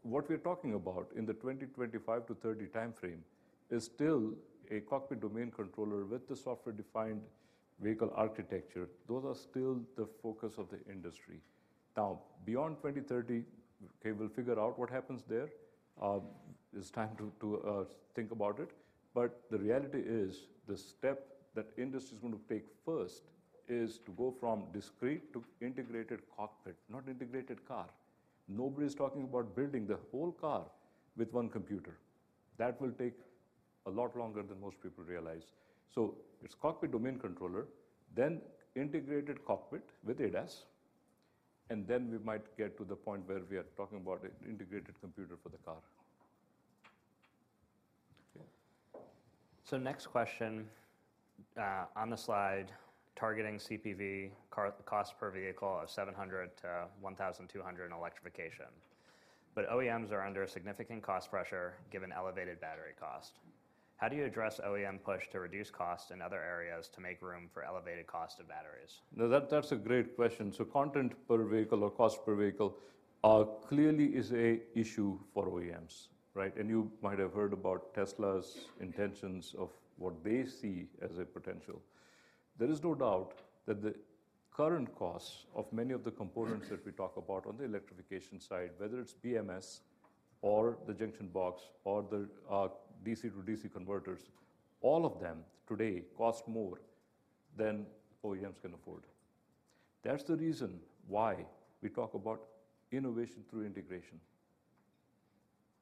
What we're talking about in the 2025-2030 timeframe is still a cockpit domain controller with the software-defined vehicle architecture. Those are still the focus of the industry. Beyond 2030, okay, we'll figure out what happens there. It's time to think about it. The reality is the step that industry is gonna take first is to go from discrete to integrated cockpit, not integrated car. Nobody's talking about building the whole car with one computer. That will take a lot longer than most people realize. It's cockpit domain controller, then integrated cockpit with ADAS, and then we might get to the point where we are talking about an integrated computer for the car. Next question, on the slide, targeting CPV, cost per vehicle of $700-$1,200 in electrification. OEMs are under significant cost pressure given elevated battery cost. How do you address OEM push to reduce costs in other areas to make room for elevated cost of batteries? That's a great question. Content per vehicle or cost per vehicle, clearly is a issue for OEMs, right? You might have heard about Tesla's intentions of what they see as a potential. There is no doubt that the current costs of many of the components that we talk about on the electrification side, whether it's BMS or the junction box or the DC-to-DC converters, all of them today cost more than OEMs can afford. That's the reason why we talk about innovation through integration.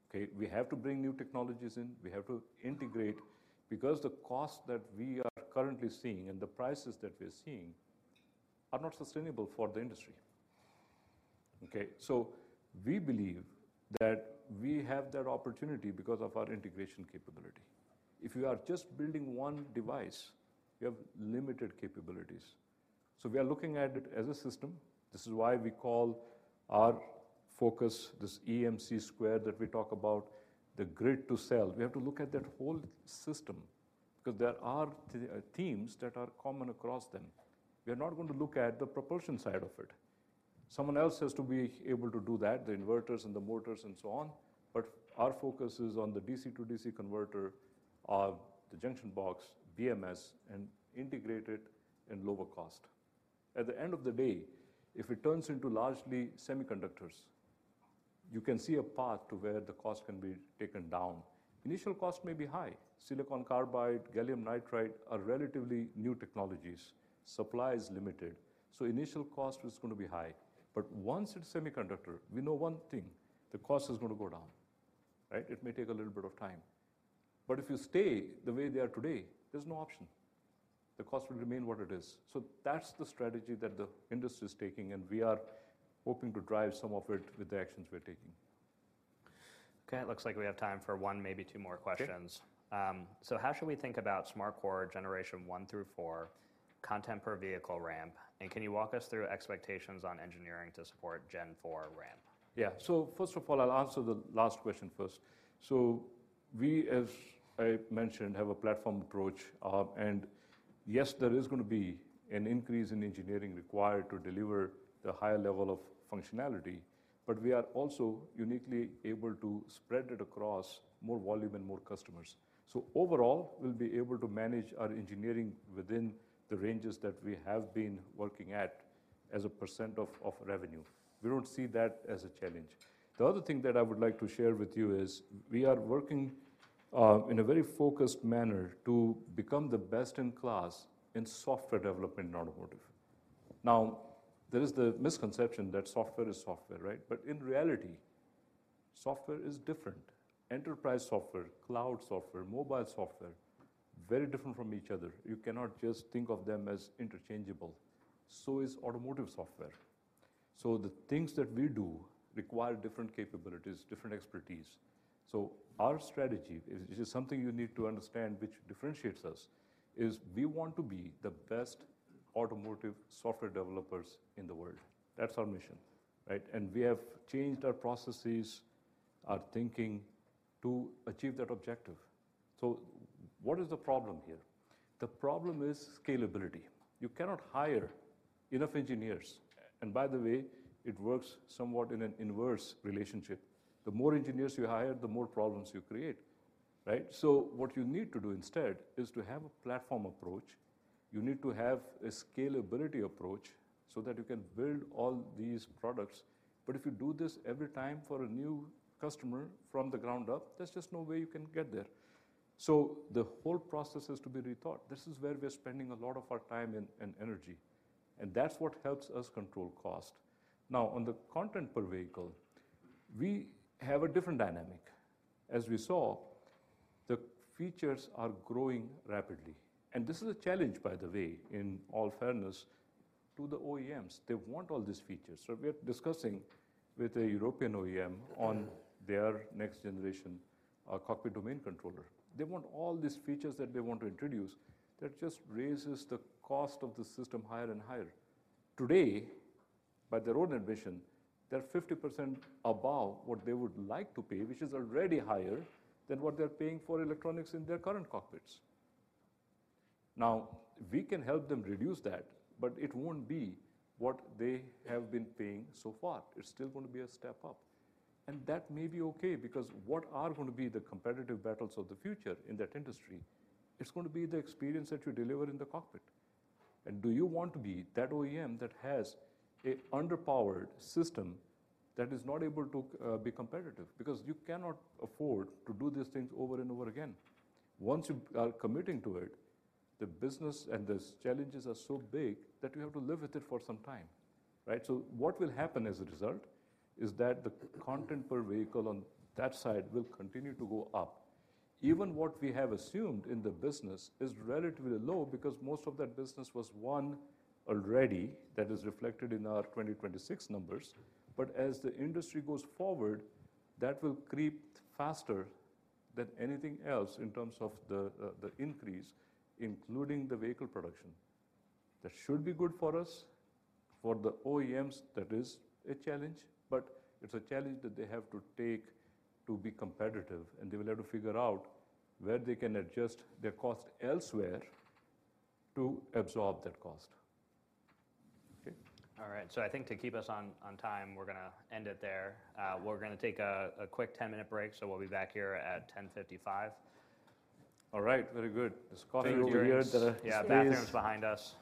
Okay? We have to bring new technologies in. We have to integrate because the cost that we are currently seeing and the prices that we're seeing are not sustainable for the industry. Okay? We believe that we have that opportunity because of our integration capability. If you are just building one device, you have limited capabilities. We are looking at it as a system. This is why we call our focus, this EMC² that we talk about, the grid-to-cell. We have to look at that whole system because there are themes that are common across them. We are not going to look at the propulsion side of it. Someone else has to be able to do that, the inverters and the motors and so on. Our focus is on the DC-to-DC converter, the junction box, BMS, and integrated and lower cost. At the end of the day, if it turns into largely semiconductors, you can see a path to where the cost can be taken down. Initial cost may be high. Silicon carbide, gallium nitride are relatively new technologies. Supply is limited, so initial cost is gonna be high. Once it's semiconductor, we know one thing, the cost is gonna go down, right? It may take a little bit of time, but if you stay the way they are today, there's no option. The cost will remain what it is. That's the strategy that the industry is taking, and we are hoping to drive some of it with the actions we're taking. Okay. It looks like we have time for one, maybe two more questions. Okay. How should we think about SmartCore generation 1-4 content per vehicle ramp? Can you walk us through expectations on engineering to support gen 4 ramp? First of all, I'll answer the last question first. We, as I mentioned, have a platform approach. Yes, there is gonna be an increase in engineering required to deliver the higher level of functionality, but we are also uniquely able to spread it across more volume and more customers. Overall, we'll be able to manage our engineering within the ranges that we have been working at as a % of revenue. We don't see that as a challenge. The other thing that I would like to share with you is we are working in a very focused manner to become the best-in-class in software development in automotive. There is the misconception that software is software, right? In reality, software is different. Enterprise software, cloud software, mobile software, very different from each other. You cannot just think of them as interchangeable. Is automotive software. The things that we do require different capabilities, different expertise. Our strategy is something you need to understand which differentiates us, is we want to be the best automotive software developers in the world. That's our mission, right? We have changed our processes, our thinking to achieve that objective. What is the problem here? The problem is scalability. You cannot hire enough engineers. By the way, it works somewhat in an inverse relationship. The more engineers you hire, the more problems you create, right? What you need to do instead is to have a platform approach. You need to have a scalability approach so that you can build all these products. If you do this every time for a new customer from the ground up, there's just no way you can get there. The whole process is to be rethought. This is where we're spending a lot of our time and energy, and that's what helps us control cost. On the content per vehicle, we have a different dynamic. As we saw, the features are growing rapidly. This is a challenge, by the way, in all fairness to the OEMs. They want all these features. We're discussing with a European OEM on their next-generation cockpit domain controller. They want all these features that they want to introduce that just raises the cost of the system higher and higher. Today, by their own admission, they're 50% above what they would like to pay, which is already higher than what they're paying for electronics in their current cockpits. We can help them reduce that, but it won't be what they have been paying so far. It's still gonna be a step up. That may be okay because what are gonna be the competitive battles of the future in that industry, it's gonna be the experience that you deliver in the cockpit. Do you want to be that OEM that has a underpowered system that is not able to be competitive? Because you cannot afford to do these things over and over again. Once you are committing to it. The business and the challenges are so big that we have to live with it for some time, right? What will happen as a result is that the content per vehicle on that side will continue to go up. Even what we have assumed in the business is relatively low because most of that business was one already that is reflected in our 2026 numbers. As the industry goes forward, that will creep faster than anything else in terms of the increase, including the vehicle production. That should be good for us. For the OEMs, that is a challenge, but it's a challenge that they have to take to be competitive, and they will have to figure out where they can adjust their cost elsewhere to absorb that cost. Okay. All right. I think to keep us on time, we're gonna end it there. We're gonna take a quick 10-minute break. We'll be back here at 10:55. All right. Very good. There's coffee over here. Yeah, bathroom's behind us.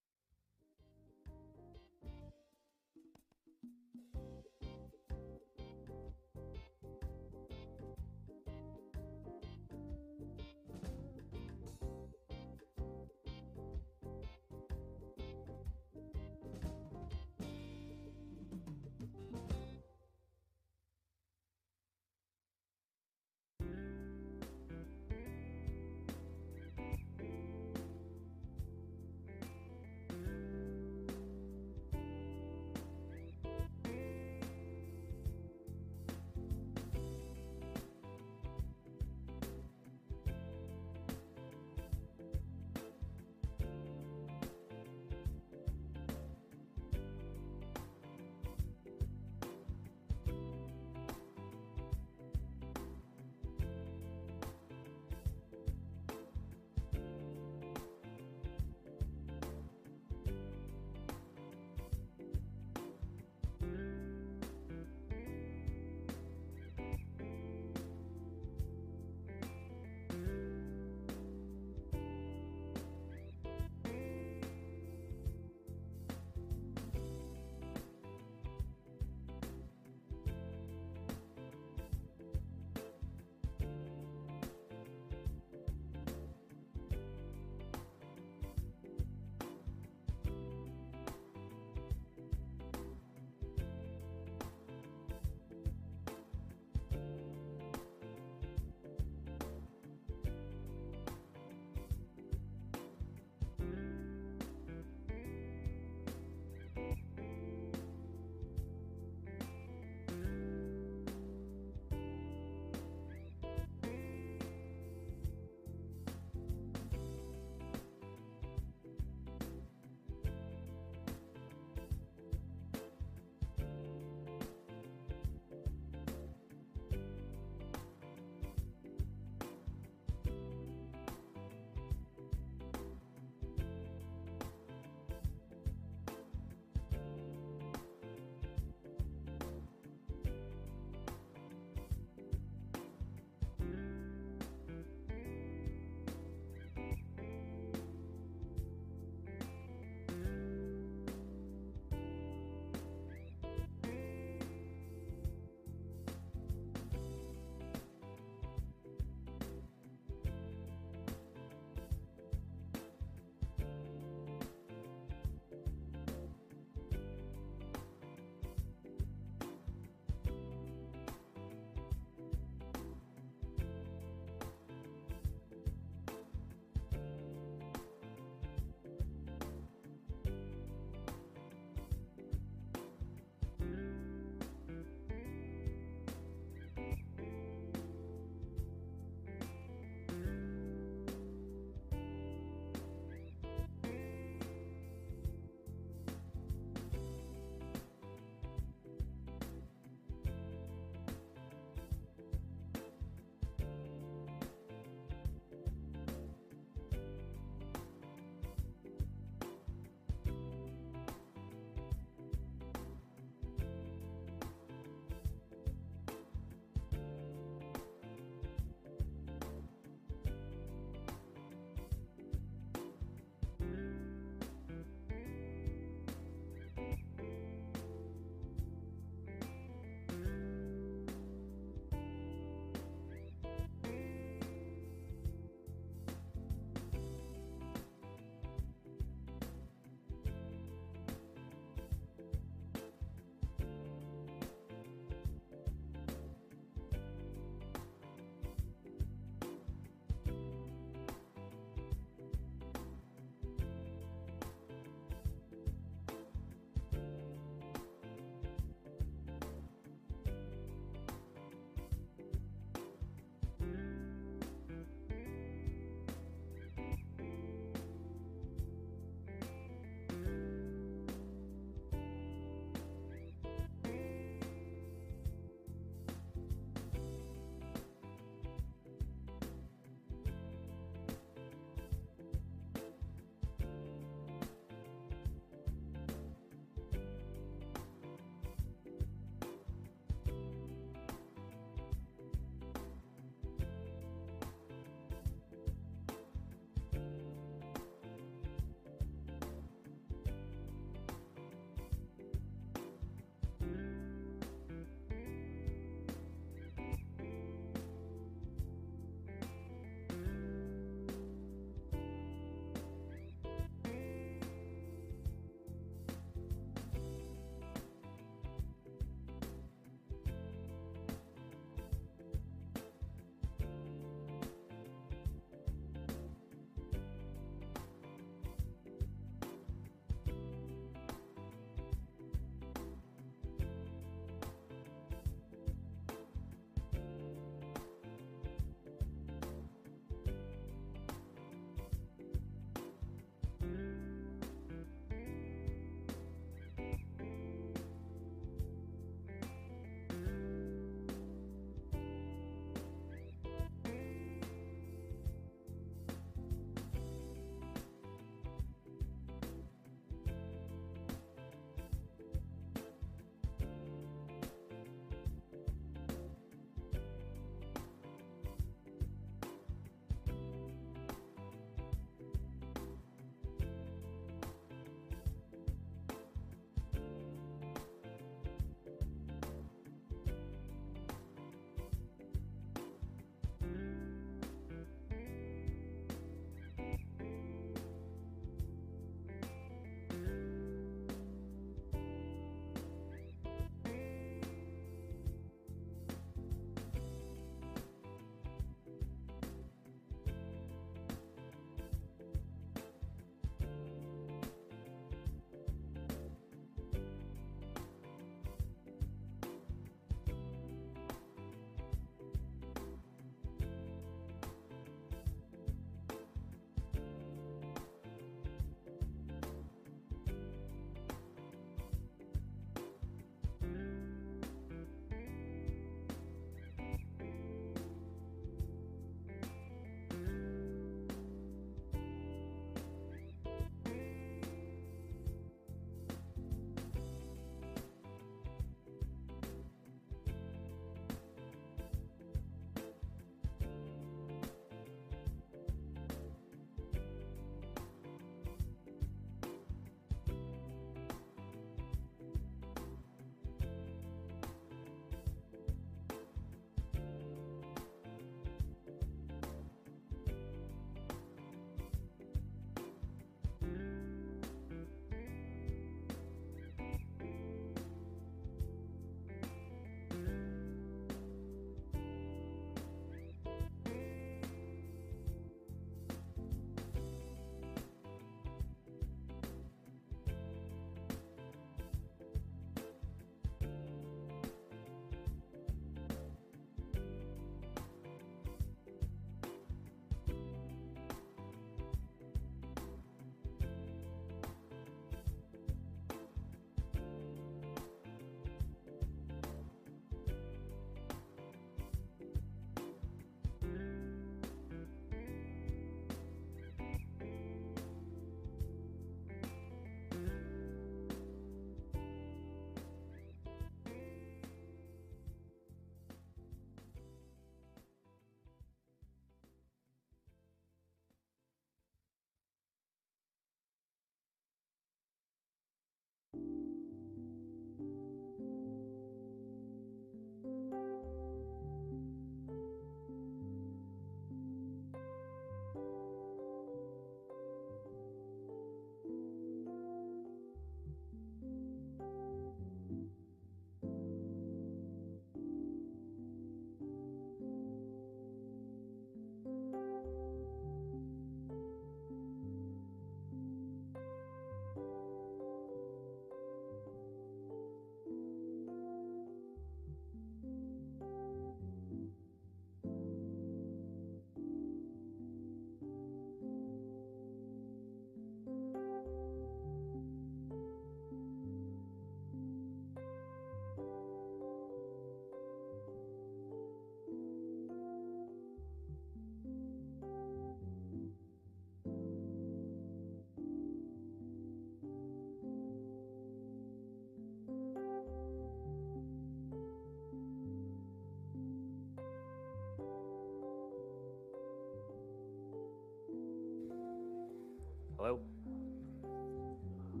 Yeah. Thank you.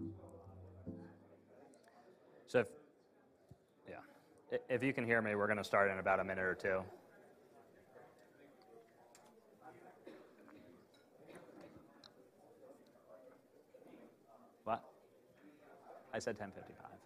Thanks. Hello. Yeah. If you can hear me, we're gonna start in about a minute or two. What? I said 10:55.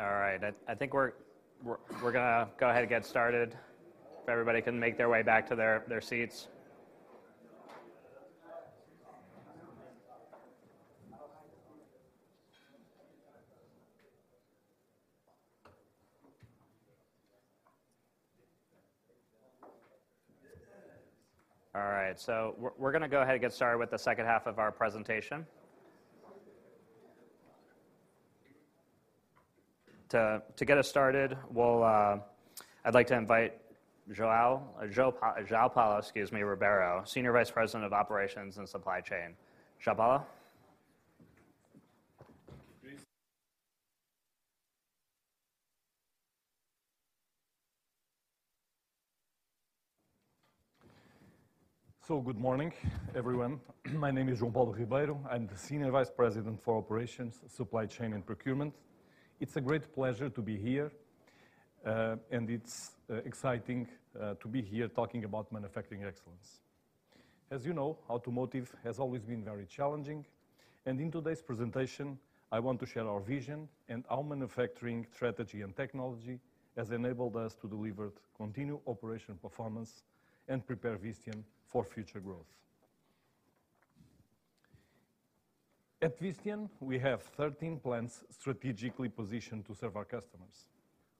All right. I think we're gonna go ahead and get started. If everybody can make their way back to their seats. All right. We're gonna go ahead and get started with the second half of our presentation. To get us started, we'll, I'd like to invite Joao Paulo Ribeiro, Senior Vice President of Operations and Supply Chain. Joao Paulo. Thank you, Kris. Good morning, everyone. My name is Joao Paulo Ribeiro. I'm the Senior Vice President for Operations, Supply Chain, and Procurement. It's a great pleasure to be here, and it's exciting to be here talking about manufacturing excellence. As you know, automotive has always been very challenging, in today's presentation, I want to share our vision and our manufacturing strategy and technology that's enabled us to deliver continued operation performance and prepare Visteon for future growth. At Visteon, we have 13 plants strategically positioned to serve our customers.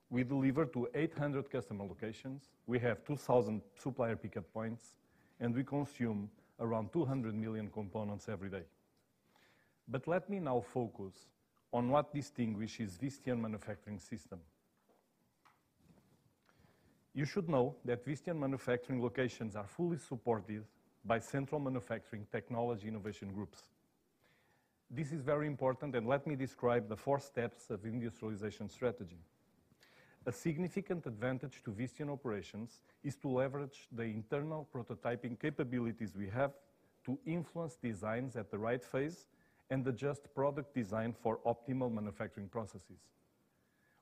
We deliver to 800 customer locations, we have 2,000 supplier pickup points, we consume around 200 million components every day. Let me now focus on what distinguishes Visteon manufacturing system. You should know that Visteon manufacturing locations are fully supported by central manufacturing technology innovation groups. This is very important. Let me describe the four steps of industrialization strategy. A significant advantage to Visteon operations is to leverage the internal prototyping capabilities we have to influence designs at the right phase and adjust product design for optimal manufacturing processes.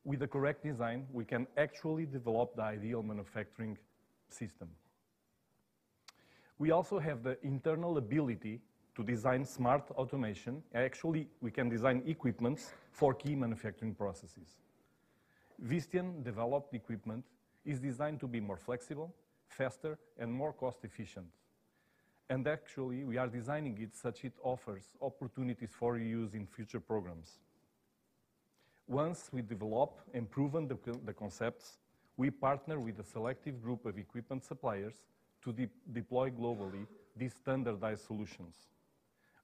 With the correct design, we can actually develop the ideal manufacturing system. We also have the internal ability to design smart automation. Actually, we can design equipments for key manufacturing processes. Visteon-developed equipment is designed to be more flexible, faster, and more cost efficient. Actually, we are designing it such it offers opportunities for reuse in future programs. Once we develop and proven the concepts, we partner with a selective group of equipment suppliers to deploy globally these standardized solutions.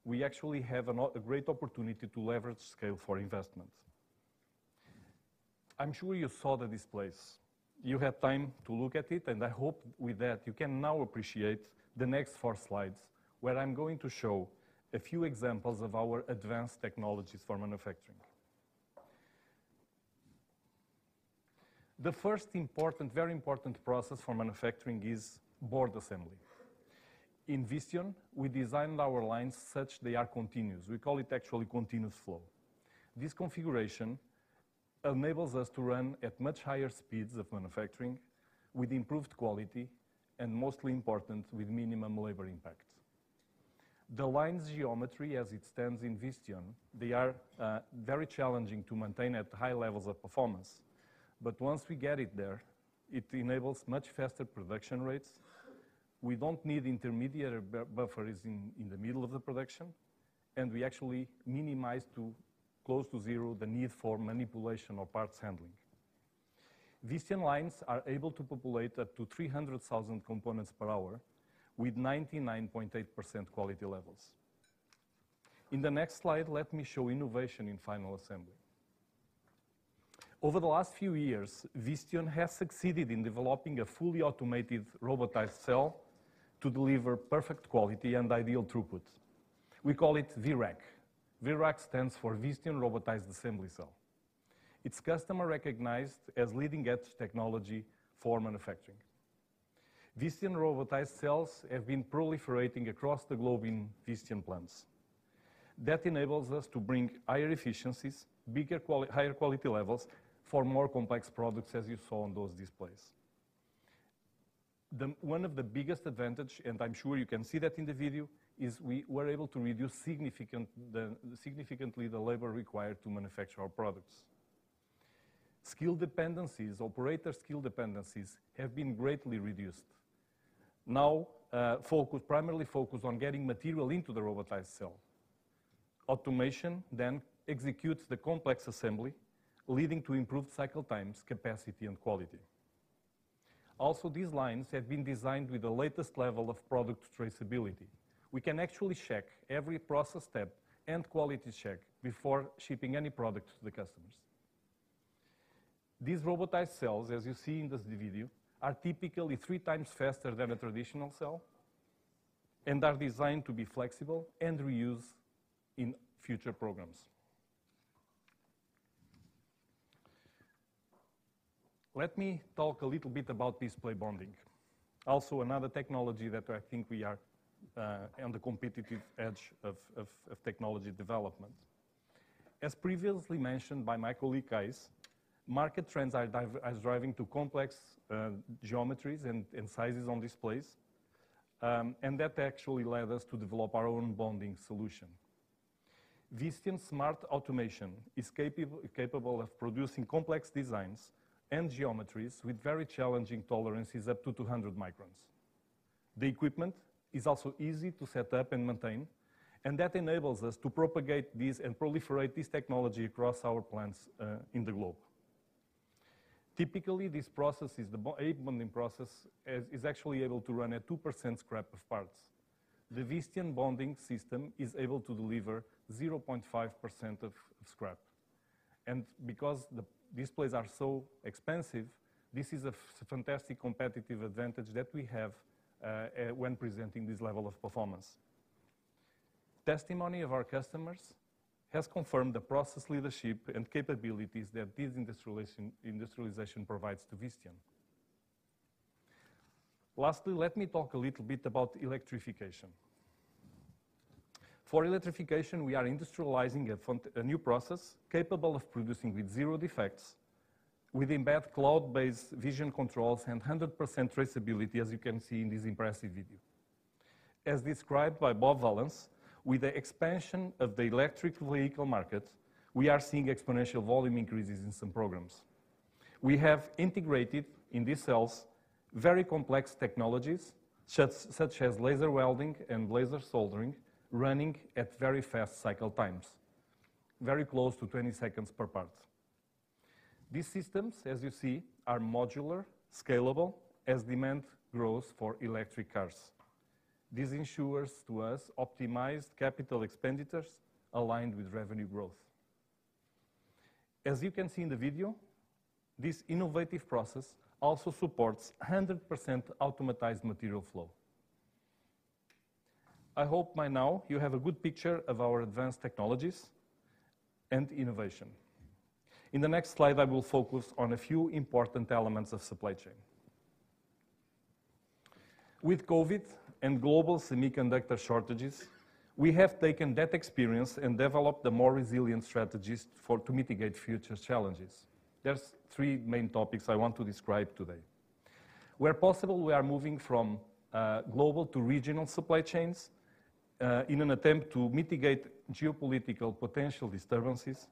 We actually have a great opportunity to leverage scale for investments. I'm sure you saw the displays. You had time to look at it, I hope with that you can now appreciate the next four slides, where I'm going to show a few examples of our advanced technologies for manufacturing. The first important, very important process for manufacturing is board assembly. In Visteon, we designed our lines such they are continuous. We call it actually continuous flow. This configuration enables us to run at much higher speeds of manufacturing with improved quality, and mostly important, with minimum labor impact. The line's geometry as it stands in Visteon, they are very challenging to maintain at high levels of performance. Once we get it there, it enables much faster production rates, we don't need intermediate buffers in the middle of the production, and we actually minimize to close to zero the need for manipulation or parts handling. Visteon lines are able to populate up to 300,000 components per hour with 99.8% quality levels. In the next slide, let me show innovation in final assembly. Over the last few years, Visteon has succeeded in developing a fully automated robotized cell to deliver perfect quality and ideal throughput. We call it VRAC. VRAC stands for Visteon Robotized Assembly Cell. It's customer recognized as leading-edge technology for manufacturing. Visteon robotized cells have been proliferating across the globe in Visteon plants. Enables us to bring higher efficiencies, higher quality levels for more complex products as you saw on those displays. One of the biggest advantage, and I'm sure you can see that in the video, is we were able to reduce significantly the labor required to manufacture our products. Skill dependencies, operator skill dependencies have been greatly reduced. Now, primarily focused on getting material into the robotized cell. Automation then executes the complex assembly, leading to improved cycle times, capacity and quality. These lines have been designed with the latest level of product traceability. We can actually check every process step and quality check before shipping any product to the customers. These robotized cells, as you see in this video, are typically 3x faster than a traditional cell, and are designed to be flexible and reused in future programs. Let me talk a little bit about display bonding. Another technology that I think we are on the competitive edge of technology development. As previously mentioned by my colleague, Qais, market trends are driving to complex geometries and sizes on displays, and that actually led us to develop our own bonding solution. Visteon smart automation is capable of producing complex designs and geometries with very challenging tolerances, up to 200 microns. The equipment is also easy to set up and maintain, and that enables us to propagate this and proliferate this technology across our plants in the globe. Typically, this process is the ABF bonding process is actually able to run at 2% scrap of parts. The Visteon bonding system is able to deliver 0.5% of scrap. Because the displays are so expensive, this is a fantastic competitive advantage that we have when presenting this level of performance. Testimony of our customers has confirmed the process leadership and capabilities that this industrialization provides to Visteon. Lastly, let me talk a little bit about electrification. For electrification, we are industrializing a new process capable of producing with zero defects, with embedded cloud-based vision controls and 100% traceability, as you can see in this impressive video. As described by Bob Vallance, with the expansion of the electric vehicle market, we are seeing exponential volume increases in some programs. We have integrated in these cells very complex technologies, such as laser welding and laser soldering, running at very fast cycle times, very close to 20 seconds per part. These systems, as you see, are modular, scalable as demand grows for electric cars. This ensures to us optimized capital expenditures aligned with revenue growth. As you can see in the video, this innovative process also supports 100% automatized material flow. I hope by now you have a good picture of our advanced technologies and innovation. In the next slide, I will focus on a few important elements of supply chain. With COVID and global semiconductor shortages, we have taken that experience and developed the more resilient strategies to mitigate future challenges. There's three main topics I want to describe today. Where possible, we are moving from global to regional supply chains in an attempt to mitigate geopolitical potential disturbances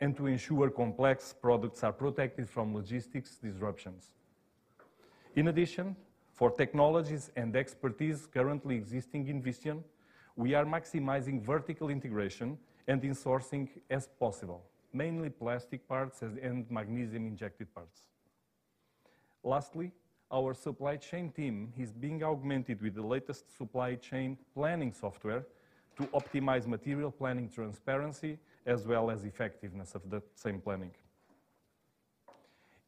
and to ensure complex products are protected from logistics disruptions. In addition, for technologies and expertise currently existing in Visteon, we are maximizing vertical integration and insourcing as possible, mainly plastic parts and magnesium injected parts. Lastly, our supply chain team is being augmented with the latest supply chain planning software to optimize material planning transparency, as well as effectiveness of the same planning.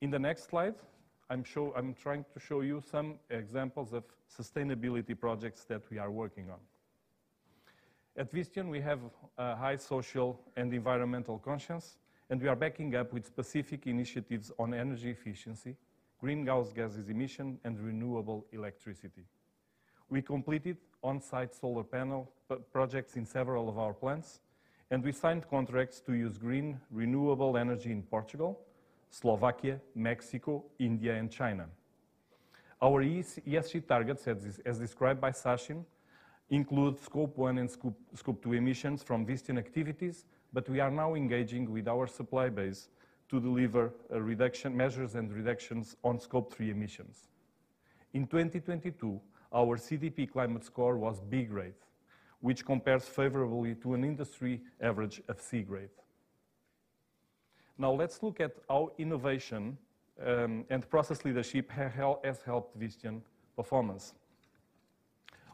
In the next slide, I'm trying to show you some examples of sustainability projects that we are working on. At Visteon, we have a high social and environmental conscience, we are backing up with specific initiatives on energy efficiency, greenhouse gases emission, and renewable electricity. We completed on-site solar panel projects in several of our plants, we signed contracts to use green renewable energy in Portugal, Slovakia, Mexico, India and China. Our ESG targets, as described by Sachin, include Scope 1 and Scope 2 emissions from Visteon activities, we are now engaging with our supply base to deliver reduction measures and reductions on Scope 3 emissions. In 2022, our CDP climate score was B-grade, which compares favorably to an industry average of C-grade. Let's look at how innovation and process leadership has helped Visteon performance.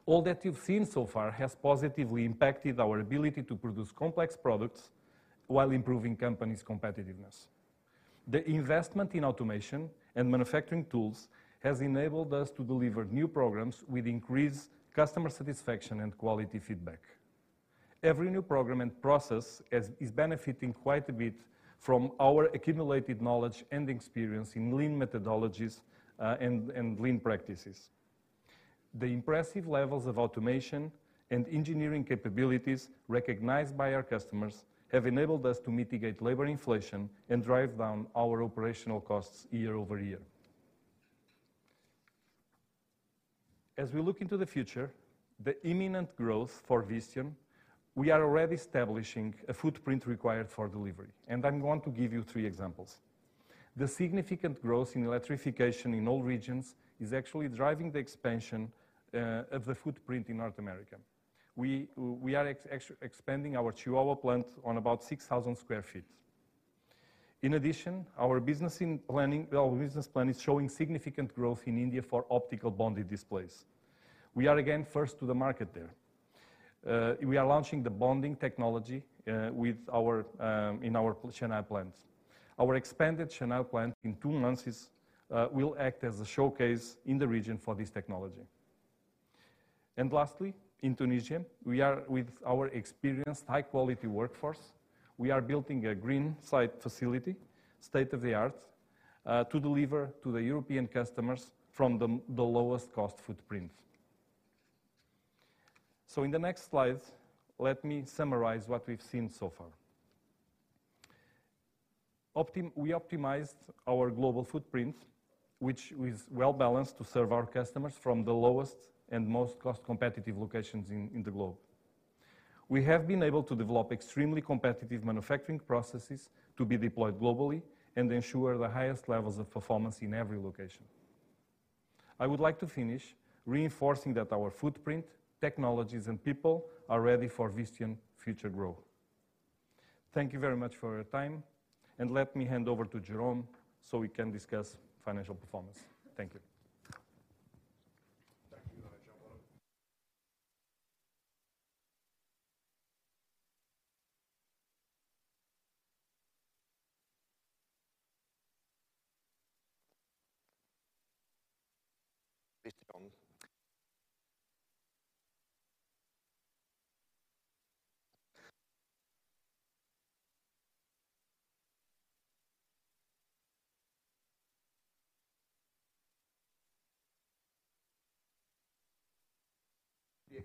All that you've seen so far has positively impacted our ability to produce complex products while improving company's competitiveness. The investment in automation and manufacturing tools has enabled us to deliver new programs with increased customer satisfaction and quality feedback. Every new program and process is benefiting quite a bit from our accumulated knowledge and experience in lean methodologies and lean practices. The impressive levels of automation and engineering capabilities recognized by our customers have enabled us to mitigate labor inflation and drive down our operational costs year-over-year. As we look into the future, the imminent growth for Visteon, we are already establishing a footprint required for delivery, and I'm going to give you three examples. The significant growth in electrification in all regions is actually driving the expansion of the footprint in North America. We are expanding our Chihuahua plant on about 6,000 sq ft. In addition, our business plan is showing significant growth in India for optical bonded displays. We are again first to the market there. We are launching the bonding technology with our in our Chennai plant. Our expanded Chennai plant in 2 months will act as a showcase in the region for this technology. Lastly, in Tunisia, we are with our experienced high-quality workforce, we are building a green site facility, state-of-the-art, to deliver to the European customers from the lowest cost footprint. In the next slides, let me summarize what we've seen so far. We optimized our global footprint, which is well-balanced to serve our customers from the lowest and most cost-competitive locations in the globe. We have been able to develop extremely competitive manufacturing processes to be deployed globally and ensure the highest levels of performance in every location. I would like to finish reinforcing that our footprint, technologies, and people are ready for Visteon future growth. Thank you very much for your time, and let me hand over to Jerome so we can discuss financial performance. Thank you.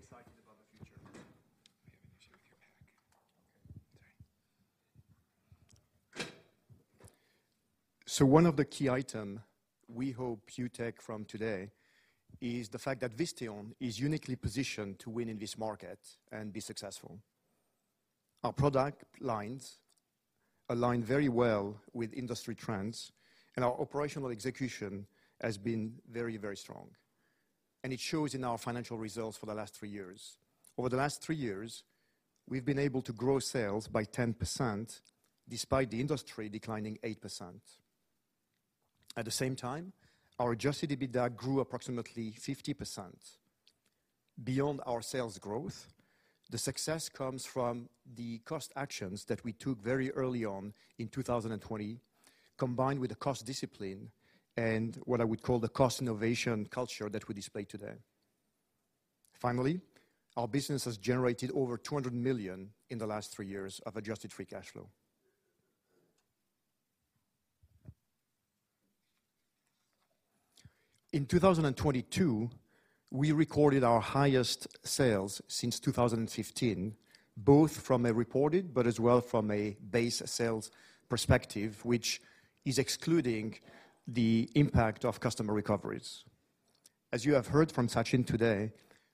Visteon. Be excited about the future. We have an issue with your pack. Okay. Sorry. One of the key item we hope you take from today is the fact that Visteon is uniquely positioned to win in this market and be successful. Our product lines align very well with industry trends, our operational execution has been very, very strong, and it shows in our financial results for the last 3 years. Over the last 3 years, we've been able to grow sales by 10% despite the industry declining 8%. At the same time, our adjusted EBITDA grew approximately 50%. Beyond our sales growth, the success comes from the cost actions that we took very early on in 2020, combined with the cost discipline and what I would call the cost innovation culture that we display today. Finally, our business has generated over $200 million in the last 3 years of adjusted free cash flow. In 2022, we recorded our highest sales since 2015, both from a reported but as well from a base sales perspective, which is excluding the impact of customer recoveries. As you have heard from Sachin today,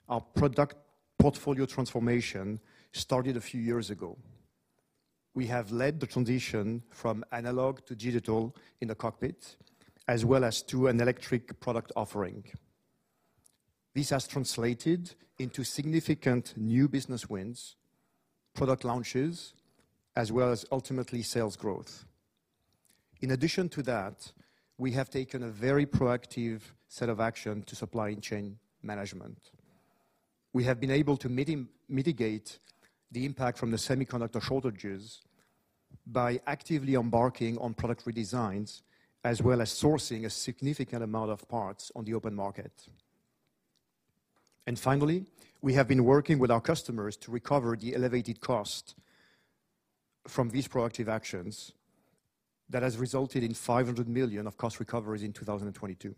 our product portfolio transformation started a few years ago. We have led the transition from analog to digital in the cockpit, as well as to an electric product offering. This has translated into significant new business wins, product launches, as well as ultimately sales growth. In addition to that, we have taken a very proactive set of action to supply chain management. We have been able to mitigate the impact from the semiconductor shortages by actively embarking on product redesigns, as well as sourcing a significant amount of parts on the open market. Finally, we have been working with our customers to recover the elevated cost from these proactive actions that has resulted in $500 million of cost recoveries in 2022.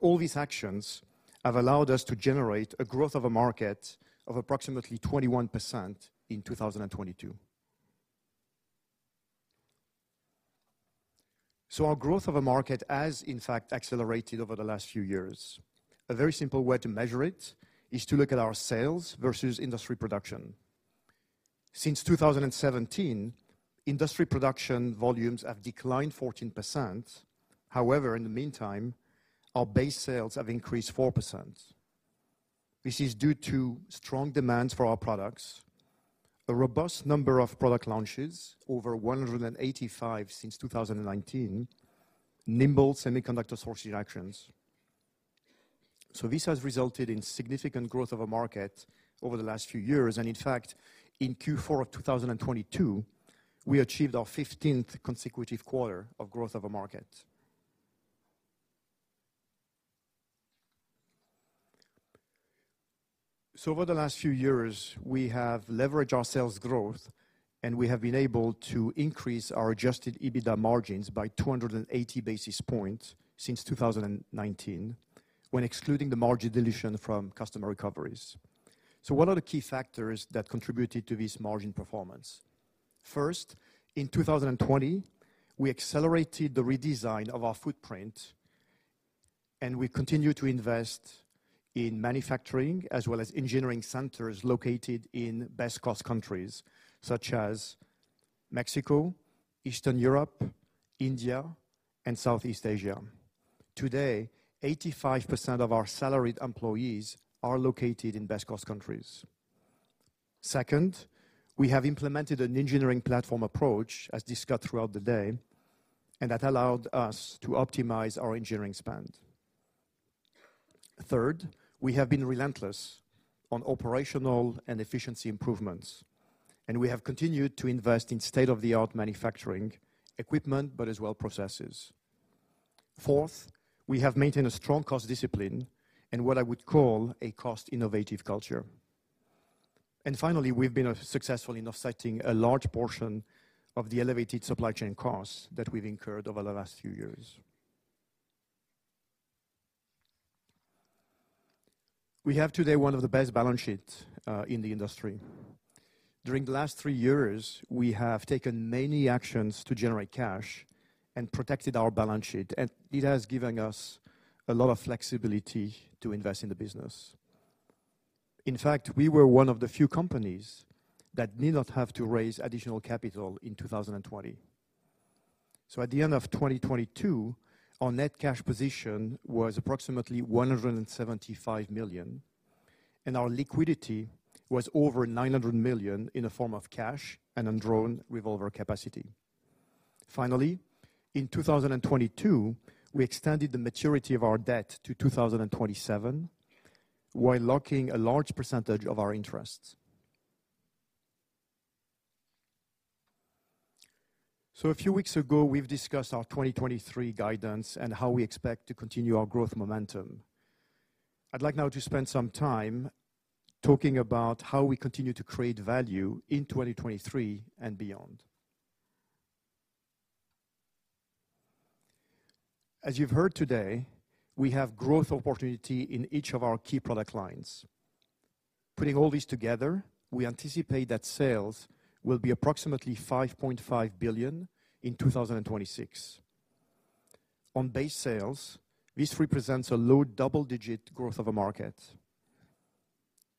All these actions have allowed us to generate a growth of a market of approximately 21% in 2022. Our growth of a market has in fact accelerated over the last few years. A very simple way to measure it is to look at our sales versus industry production. Since 2017, industry production volumes have declined 14%. However, in the meantime, our base sales have increased 4%. This is due to strong demands for our products, a robust number of product launches, over 185 since 2019, nimble semiconductor sourcing actions. This has resulted in significant growth of a market over the last few years. In fact, in Q4 of 2022, we achieved our 15th consecutive quarter of growth of a market. Over the last few years, we have leveraged our sales growth, and we have been able to increase our adjusted EBITDA margins by 280 basis points since 2019, when excluding the margin dilution from customer recoveries. What are the key factors that contributed to this margin performance? First, in 2020, we accelerated the redesign of our footprint, we continued to invest in manufacturing as well as engineering centers located in best cost countries such as Mexico, Eastern Europe, India, and Southeast Asia. Today, 85% of our salaried employees are located in best cost countries. Second, we have implemented an engineering platform approach, as discussed throughout the day, that allowed us to optimize our engineering spend. Third, we have been relentless on operational and efficiency improvements, we have continued to invest in state-of-the-art manufacturing equipment, but as well processes. Fourth, we have maintained a strong cost discipline and what I would call a cost-innovative culture. Finally, we've been successful in offsetting a large portion of the elevated supply chain costs that we've incurred over the last few years. We have today one of the best balance sheets in the industry. During the last 3 years, we have taken many actions to generate cash and protected our balance sheet. It has given us a lot of flexibility to invest in the business. In fact, we were one of the few companies that need not have to raise additional capital in 2020. At the end of 2022, our net cash position was approximately $175 million, and our liquidity was over $900 million in a form of cash and undrawn revolver capacity. Finally, in 2022, we extended the maturity of our debt to 2027 while locking a large percentage of our interests. A few weeks ago, we've discussed our 2023 guidance and how we expect to continue our growth momentum. I'd like now to spend some time talking about how we continue to create value in 2023 and beyond. As you've heard today, we have growth opportunity in each of our key product lines. Putting all this together, we anticipate that sales will be approximately $5.5 billion in 2026. On base sales, this represents a low double-digit growth of a market.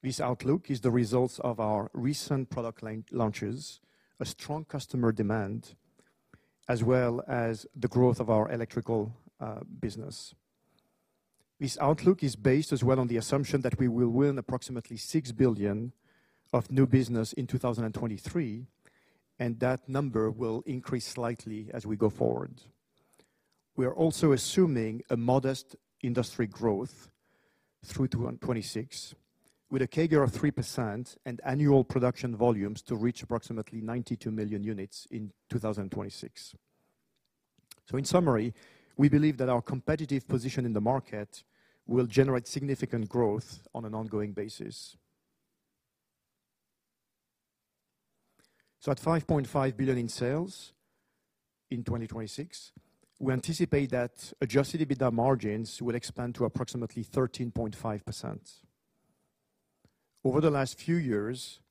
This outlook is the results of our recent product line launches, a strong customer demand, as well as the growth of our electrical business. This outlook is based as well on the assumption that we will win approximately $6 billion of new business in 2023, and that number will increase slightly as we go forward. We are also assuming a modest industry growth through to 2026, with a CAGR of 3% and annual production volumes to reach approximately 92 million units in 2026. In summary, we believe that our competitive position in the market will generate significant growth on an ongoing basis. At $5.5 billion in sales in 2026, we anticipate that adjusted EBITDA margins will expand to approximately 13.5%. Over the last few years,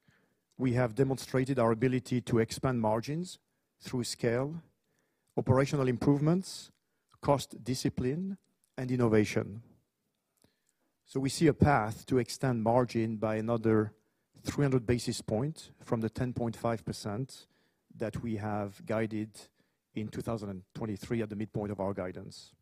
we have demonstrated our ability to expand margins through scale, operational improvements, cost discipline and innovation. We see a path to extend margin by another 300 basis points from the 10.5% that we have guided in 2023 at the midpoint of our guidance.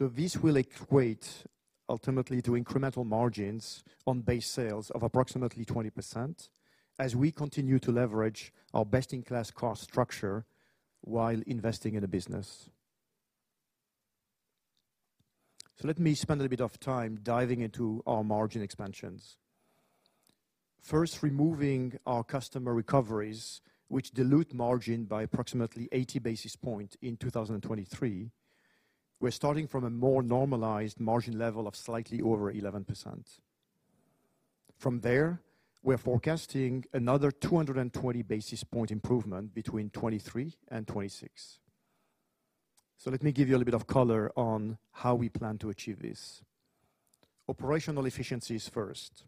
This will equate ultimately to incremental margins on base sales of approximately 20% as we continue to leverage our best-in-class cost structure while investing in the business. Let me spend a bit of time diving into our margin expansions. First, removing our customer recoveries, which dilute margin by approximately 80 basis points in 2023. We're starting from a more normalized margin level of slightly over 11%. From there, we're forecasting another 220 basis point improvement between 2023 and 2026. Let me give you a little bit of color on how we plan to achieve this. Operational efficiencies first.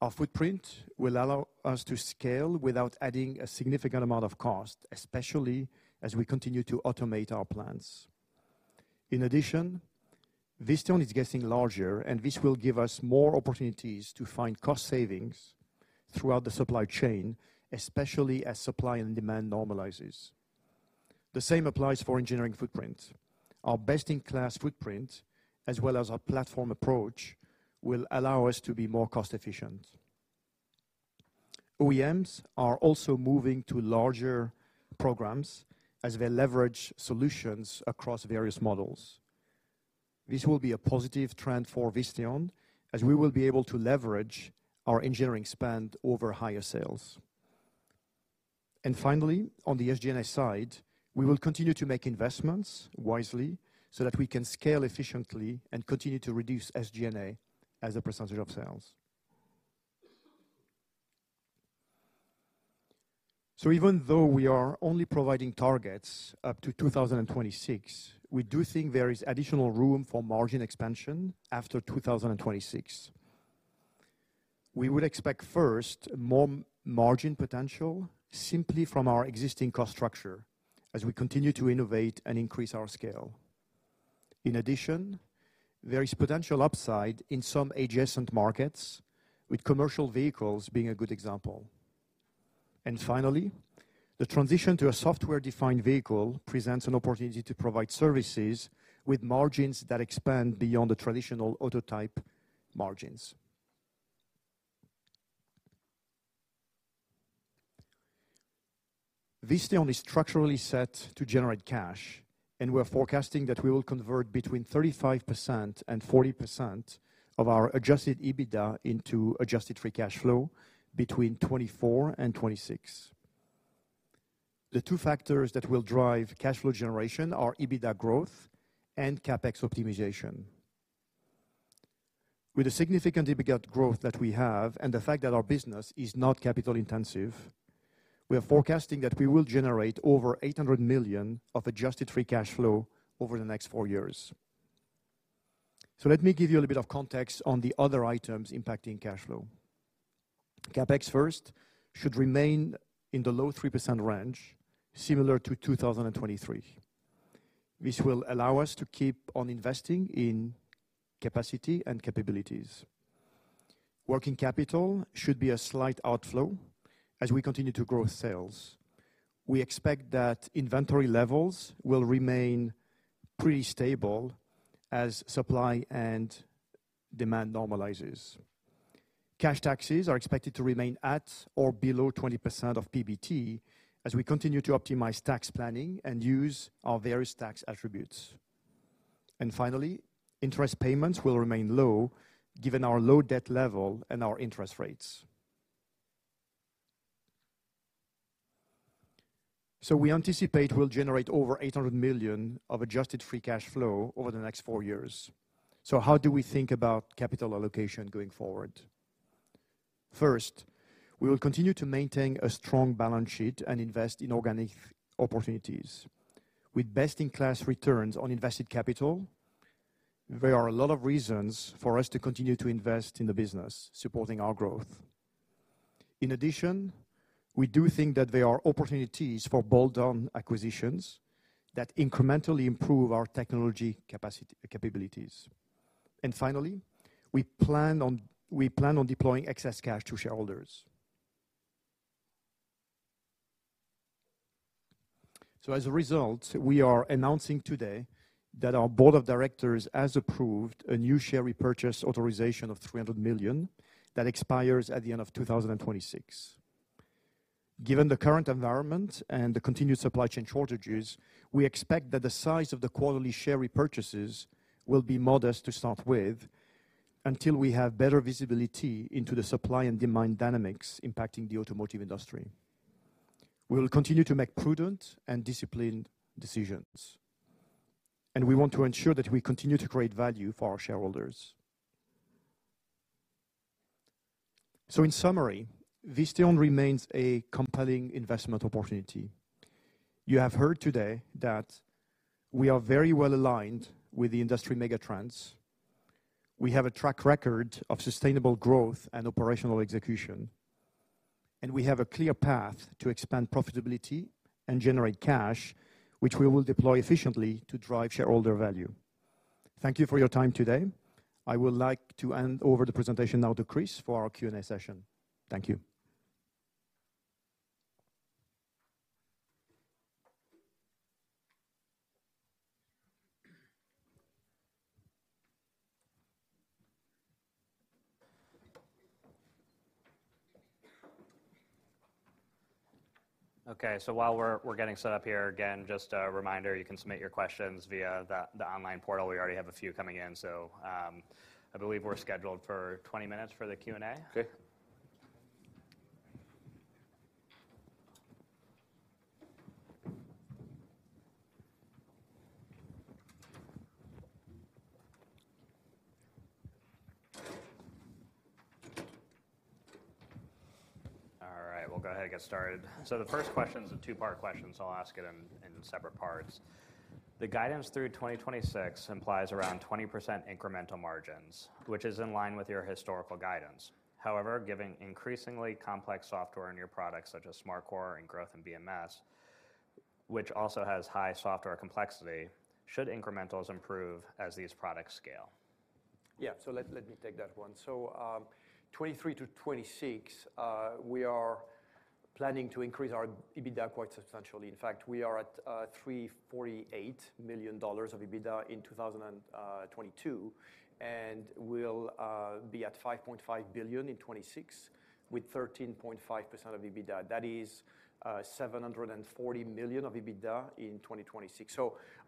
Our footprint will allow us to scale without adding a significant amount of cost, especially as we continue to automate our plans. In addition, Visteon is getting larger, this will give us more opportunities to find cost savings throughout the supply chain, especially as supply and demand normalizes. The same applies for engineering footprint. Our best-in-class footprint as well as our platform approach will allow us to be more cost efficient. OEMs are also moving to larger programs as they leverage solutions across various models. This will be a positive trend for Visteon as we will be able to leverage our engineering spend over higher sales. Finally, on the SG&A side, we will continue to make investments wisely so that we can scale efficiently and continue to reduce SG&A as a percentage of sales. Even though we are only providing targets up to 2026, we do think there is additional room for margin expansion after 2026. We would expect first more margin potential simply from our existing cost structure as we continue to innovate and increase our scale. There is potential upside in some adjacent markets, with commercial vehicles being a good example. Finally, the transition to a software-defined vehicle presents an opportunity to provide services with margins that expand beyond the traditional auto type margins. Visteon is structurally set to generate cash, and we're forecasting that we will convert between 35% and 40% of our adjusted EBITDA into adjusted free cash flow between 2024 and 2026. The two factors that will drive cash flow generation are EBITDA growth and CapEx optimization. With the significant EBITDA growth that we have and the fact that our business is not capital-intensive, we are forecasting that we will generate over $800 million of adjusted free cash flow over the next 4 years. Let me give you a little bit of context on the other items impacting cash flow. CapEx first should remain in the low 3% range, similar to 2023. This will allow us to keep on investing in capacity and capabilities. Working capital should be a slight outflow as we continue to grow sales. We expect that inventory levels will remain pretty stable as supply and demand normalizes. Cash taxes are expected to remain at or below 20% of PBT as we continue to optimize tax planning and use our various tax attributes. Finally, interest payments will remain low given our low debt level and our interest rates. We anticipate we'll generate over $800 million of adjusted free cash flow over the next 4 years. How do we think about capital allocation going forward? First, we will continue to maintain a strong balance sheet and invest in organic opportunities. With best-in-class returns on invested capital, there are a lot of reasons for us to continue to invest in the business supporting our growth. In addition, we do think that there are opportunities for bolt-on acquisitions that incrementally improve our technology capabilities. Finally, we plan on deploying excess cash to shareholders. As a result, we are announcing today that our board of directors has approved a new share repurchase authorization of $300 million that expires at the end of 2026. Given the current environment and the continued supply chain shortages, we expect that the size of the quarterly share repurchases will be modest to start with until we have better visibility into the supply and demand dynamics impacting the automotive industry. We will continue to make prudent and disciplined decisions. We want to ensure that we continue to create value for our shareholders. In summary, Visteon remains a compelling investment opportunity. You have heard today that we are very well aligned with the industry megatrends. We have a track record of sustainable growth and operational execution. We have a clear path to expand profitability and generate cash, which we will deploy efficiently to drive shareholder value. Thank you for your time today. I would like to hand over the presentation now to Kris for our Q&A session. Thank you. Okay. While we're getting set up here, again, just a reminder, you can submit your questions via the online portal. We already have a few coming in. I believe we're scheduled for 20 minutes for the Q&A. Okay. All right, we'll go ahead and get started. The first question is a two-part question, so I'll ask it in separate parts. The guidance through 2026 implies around 20% incremental margins, which is in line with your historical guidance. However, giving increasingly complex software in your products such as SmartCore and growth in BMS, which also has high software complexity, should incrementals improve as these products scale? Let me take that one. 2023 to 2026, we are planning to increase our EBITDA quite substantially. In fact, we are at $348 million of EBITDA in 2022, and we'll be at $5.5 billion in 2026 with 13.5% of EBITDA. That is $740 million of EBITDA in 2026.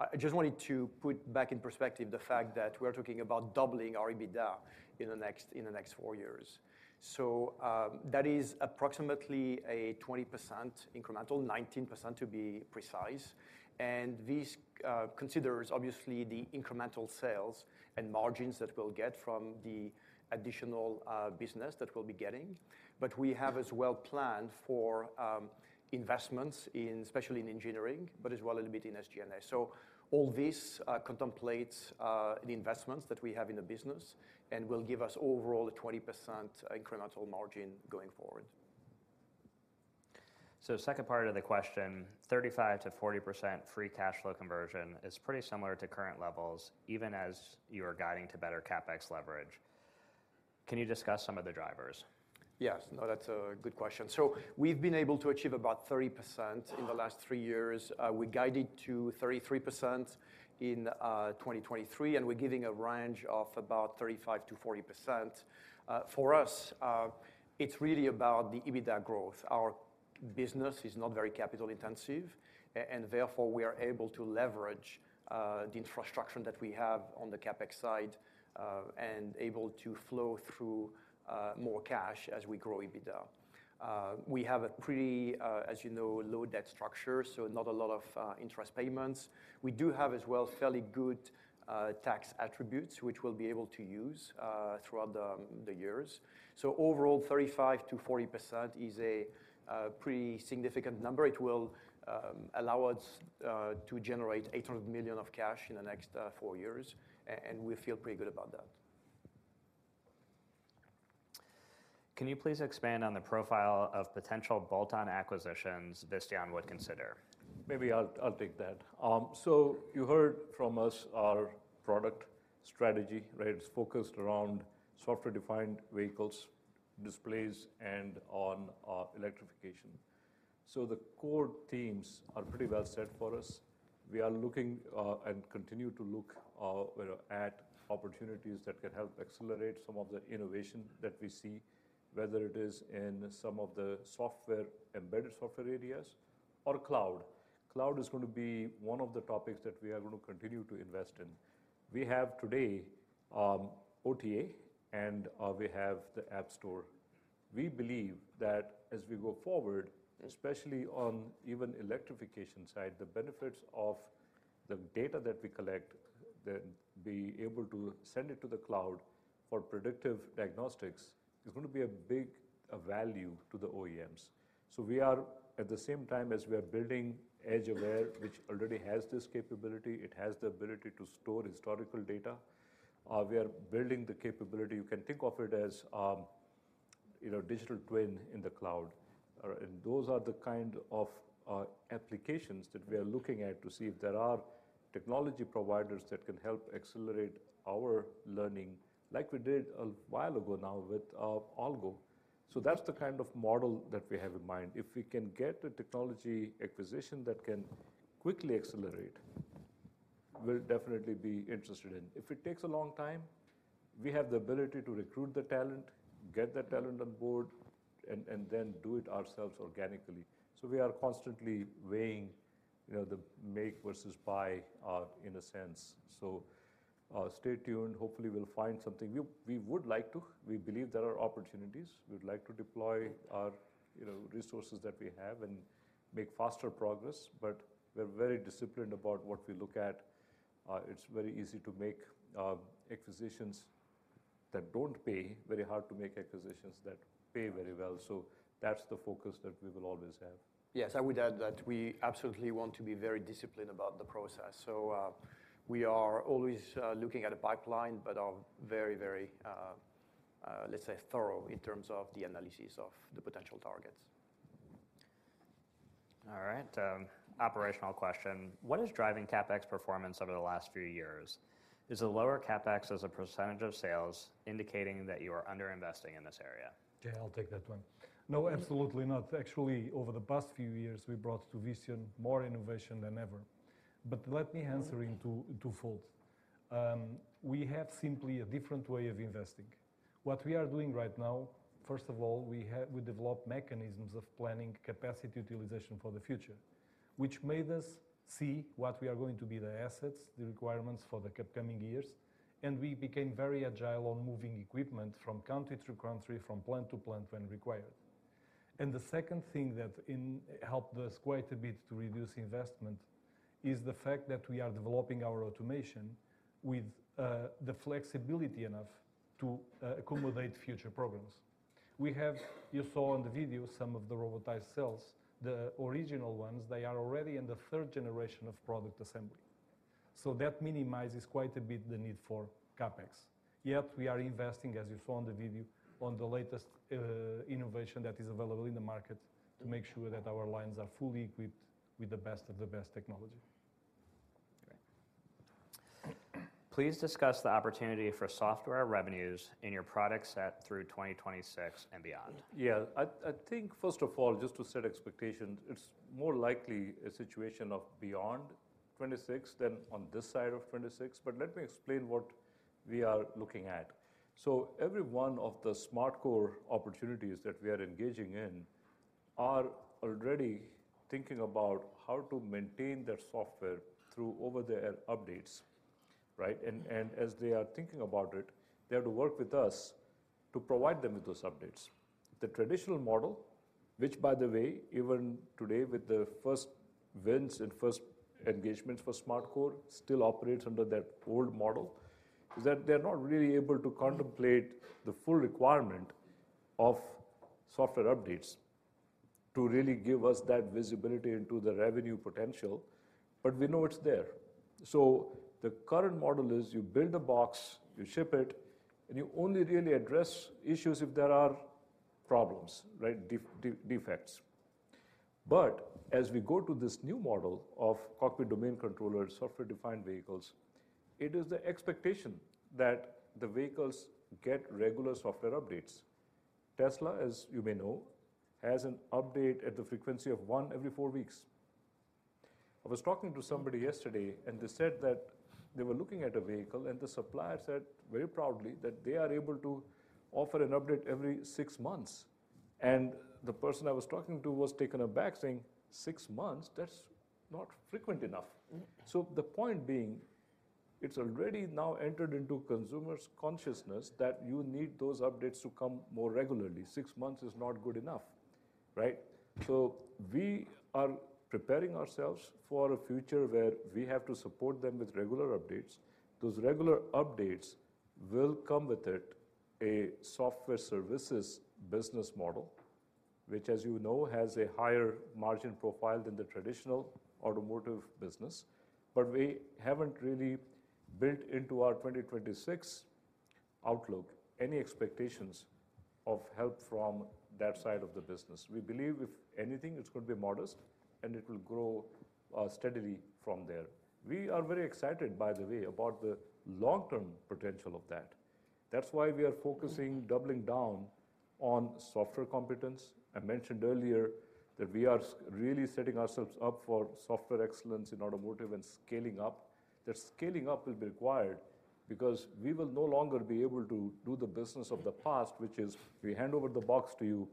I just wanted to put back in perspective the fact that we are talking about doubling our EBITDA in the next 4 years. That is approximately a 20% incremental, 19% to be precise. This considers obviously the incremental sales and margins that we'll get from the additional business that we'll be getting. We have as well planned for investments in, especially in engineering, but as well a little bit in SG&A. All this contemplates the investments that we have in the business and will give us overall a 20% incremental margin going forward. Second part of the question, 35%-40% free cash flow conversion is pretty similar to current levels, even as you are guiding to better CapEx leverage. Can you discuss some of the drivers? Yes. No, that's a good question. We've been able to achieve about 30% in the last 3 years. We guided to 33% in 2023, and we're giving a range of about 35%-40%. For us, it's really about the EBITDA growth. Our business is not very capital intensive, and therefore, we are able to leverage the infrastructure that we have on the CapEx side, and able to flow through more cash as we grow EBITDA. We have a pretty, as you know, low debt structure, so not a lot of interest payments. We do have as well, fairly good tax attributes, which we'll be able to use throughout the years. Overall, 35%-40% is a pretty significant number. It will allow us to generate $800 million of cash in the next 4 years. We feel pretty good about that. Can you please expand on the profile of potential bolt-on acquisitions Visteon would consider? Maybe I'll take that. You heard from us our product strategy, right? It's focused around software-defined vehicles, displays, and on electrification. The core themes are pretty well set for us. We are looking and continue to look, you know, at opportunities that can help accelerate some of the innovation that we see, whether it is in some of the software, embedded software areas or cloud. Cloud is gonna be one of the topics that we are gonna continue to invest in. We have today OTA, and we have the app store. We believe that as we go forward, especially on even electrification side, the benefits of the data that we collect, then be able to send it to the cloud for predictive diagnostics, is gonna be a big value to the OEMs. We are, at the same time as we are building EdgeAware, which already has this capability, it has the ability to store historical data, we are building the capability, you can think of it as, you know, digital twin in the cloud. Those are the kind of applications that we are looking at to see if there are technology providers that can help accelerate our learning like we did a while ago now with AllGo. That's the kind of model that we have in mind. If we can get a technology acquisition that can quickly accelerate, we'll definitely be interested in. If it takes a long time, we have the ability to recruit the talent, get that talent on board, and then do it ourselves organically. We are constantly weighing, you know, the make versus buy, in a sense. Stay tuned. Hopefully, we'll find something. We would like to. We believe there are opportunities. We'd like to deploy our, you know, resources that we have and make faster progress, but we're very disciplined about what we look at. It's very easy to make acquisitions that don't pay, very hard to make acquisitions that pay very well. That's the focus that we will always have. Yes, I would add that we absolutely want to be very disciplined about the process. We are always looking at a pipeline, but are very, very, let's say, thorough in terms of the analysis of the potential targets. All right, operational question? What is driving CapEx performance over the last few years? Is the lower CapEx as a percentage of sales indicating that you are under-investing in this area? Okay, I'll take that one. No, absolutely not. Actually, over the past few years, we brought to Visteon more innovation than ever. Let me answer in two folds. We have simply a different way of investing. What we are doing right now, first of all, we developed mechanisms of planning capacity utilization for the future, which made us see what we are going to be the assets, the requirements for the upcoming years, and we became very agile on moving equipment from country to country, from plant to plant when required. The second thing that helped us quite a bit to reduce investment is the fact that we are developing our automation with the flexibility enough to accommodate future programs. We have, you saw on the video, some of the robotized cells. The original ones, they are already in the 3rd generation of product assembly. That minimizes quite a bit the need for CapEx. We are investing, as you saw on the video, on the latest innovation that is available in the market to make sure that our lines are fully equipped with the best of the best technology. Great. Please discuss the opportunity for software revenues in your product set through 2026 and beyond. Yeah. I think first of all, just to set expectations, it's more likely a situation of beyond 2026 than on this side of 2026, but let me explain what we are looking at. Every one of the SmartCore opportunities that we are engaging in are already thinking about how to maintain their software through over-the-air updates. Right? As they are thinking about it, they have to work with us to provide them with those updates. The traditional model, which by the way, even today with the first wins and first engagements for SmartCore, still operates under that old model, is that they're not really able to contemplate the full requirement of software updates to really give us that visibility into the revenue potential, but we know it's there. The current model is you build a box, you ship it, and you only really address issues if there are problems, right? Defects. As we go to this new model of cockpit domain controller, software-defined vehicles, it is the expectation that the vehicles get regular software updates. Tesla, as you may know, has an update at the frequency of 1 every 4 weeks. I was talking to somebody yesterday, and they said that they were looking at a vehicle, and the supplier said very proudly that they are able to offer an update every 6 months. The person I was talking to was taken aback saying, "6 months? That's not frequent enough. Mm. The point being, it's already now entered into consumers' consciousness that you need those updates to come more regularly. 6 months is not good enough, right? We are preparing ourselves for a future where we have to support them with regular updates. Those regular updates will come with it a software services business model, which as you know, has a higher margin profile than the traditional automotive business. We haven't really built into our 2026 outlook any expectations of help from that side of the business. We believe if anything, it's gonna be modest and it will grow steadily from there. We are very excited, by the way, about the long-term potential of that. That's why we are focusing, doubling down on software competence. I mentioned earlier that we are really setting ourselves up for software excellence in automotive and scaling up. The scaling up will be required because we will no longer be able to do the business of the past, which is we hand over the box to you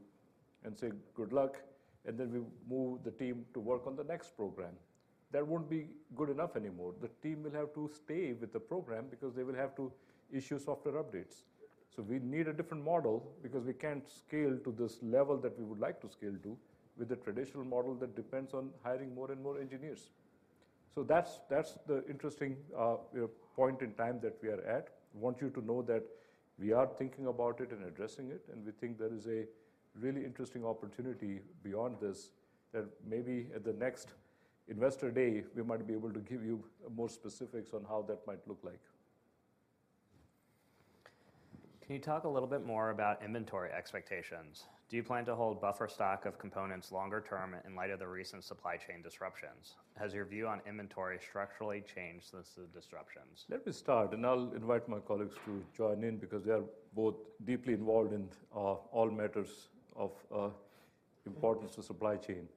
and say, "good luck," and then we move the team to work on the next program. That won't be good enough anymore. The team will have to stay with the program because they will have to issue software updates. We need a different model because we can't scale to this level that we would like to scale to with the traditional model that depends on hiring more and more engineers. That's the interesting, you know, point in time that we are at. Want you to know that we are thinking about it and addressing it. We think there is a really interesting opportunity beyond this that maybe at the next Investor Day, we might be able to give you more specifics on how that might look like. Can you talk a little bit more about inventory expectations? Do you plan to hold buffer stock of components longer term in light of the recent supply chain disruptions? Has your view on inventory structurally changed since the disruptions? Let me start, and I'll invite my colleagues to join in because they are both deeply involved in all matters of importance to supply chain.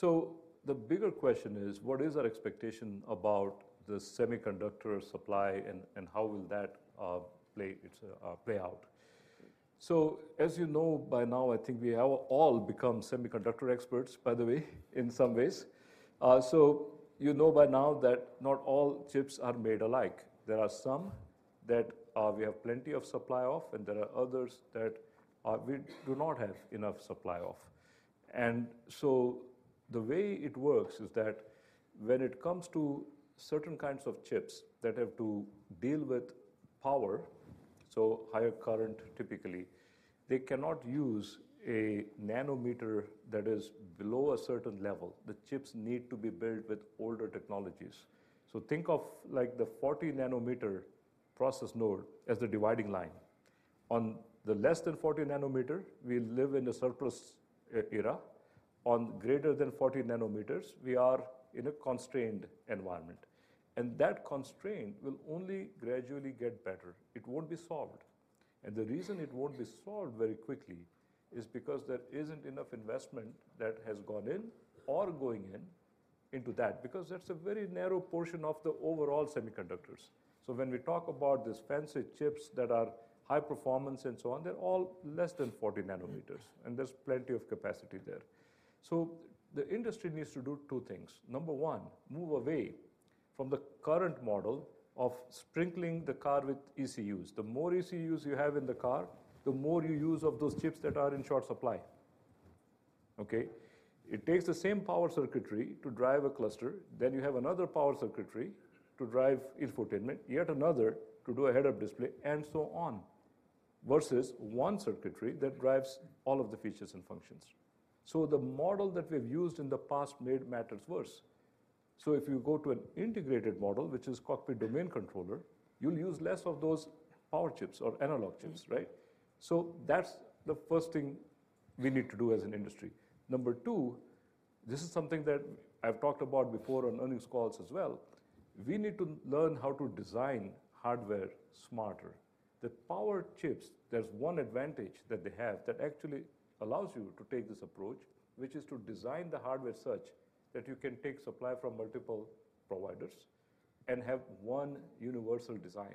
The bigger question is: What is our expectation about the semiconductor supply and how will that play its play out? As you know by now, I think we have all become semiconductor experts, by the way, in some ways. You know by now that not all chips are made alike. There are some that we have plenty of supply of, and there are others that we do not have enough supply of. The way it works is that when it comes to certain kinds of chips that have to deal with power, so higher current typically, they cannot use a nanometer that is below a certain level. The chips need to be built with older technologies. Think of like the 40-nm process node as the dividing line. On the less than 40 nm, we live in a surplus era. On greater than 40 nm, we are in a constrained environment, and that constraint will only gradually get better. It won't be solved. The reason it won't be solved very quickly is because there isn't enough investment that has gone in or going in into that, because that's a very narrow portion of the overall semiconductors. When we talk about these fancy chips that are high performance and so on, they're all less than 40 nm, and there's plenty of capacity there. The industry needs to do two things: Number one, move away from the current model of sprinkling the car with ECUs. The more ECUs you have in the car, the more you use of those chips that are in short supply, okay? It takes the same power circuitry to drive a cluster, then you have another power circuitry to drive infotainment, yet another to do a head-up display, and so on, versus one circuitry that drives all of the features and functions. The model that we've used in the past made matters worse. If you go to an integrated model, which is cockpit domain controller, you'll use less of those power chips or analog chips, right? That's the first thing we need to do as an industry. Number two, this is something that I've talked about before on earnings calls as well, we need to learn how to design hardware smarter. The power chips, there's one advantage that they have that actually allows you to take this approach, which is to design the hardware such that you can take supply from multiple providers and have one universal design,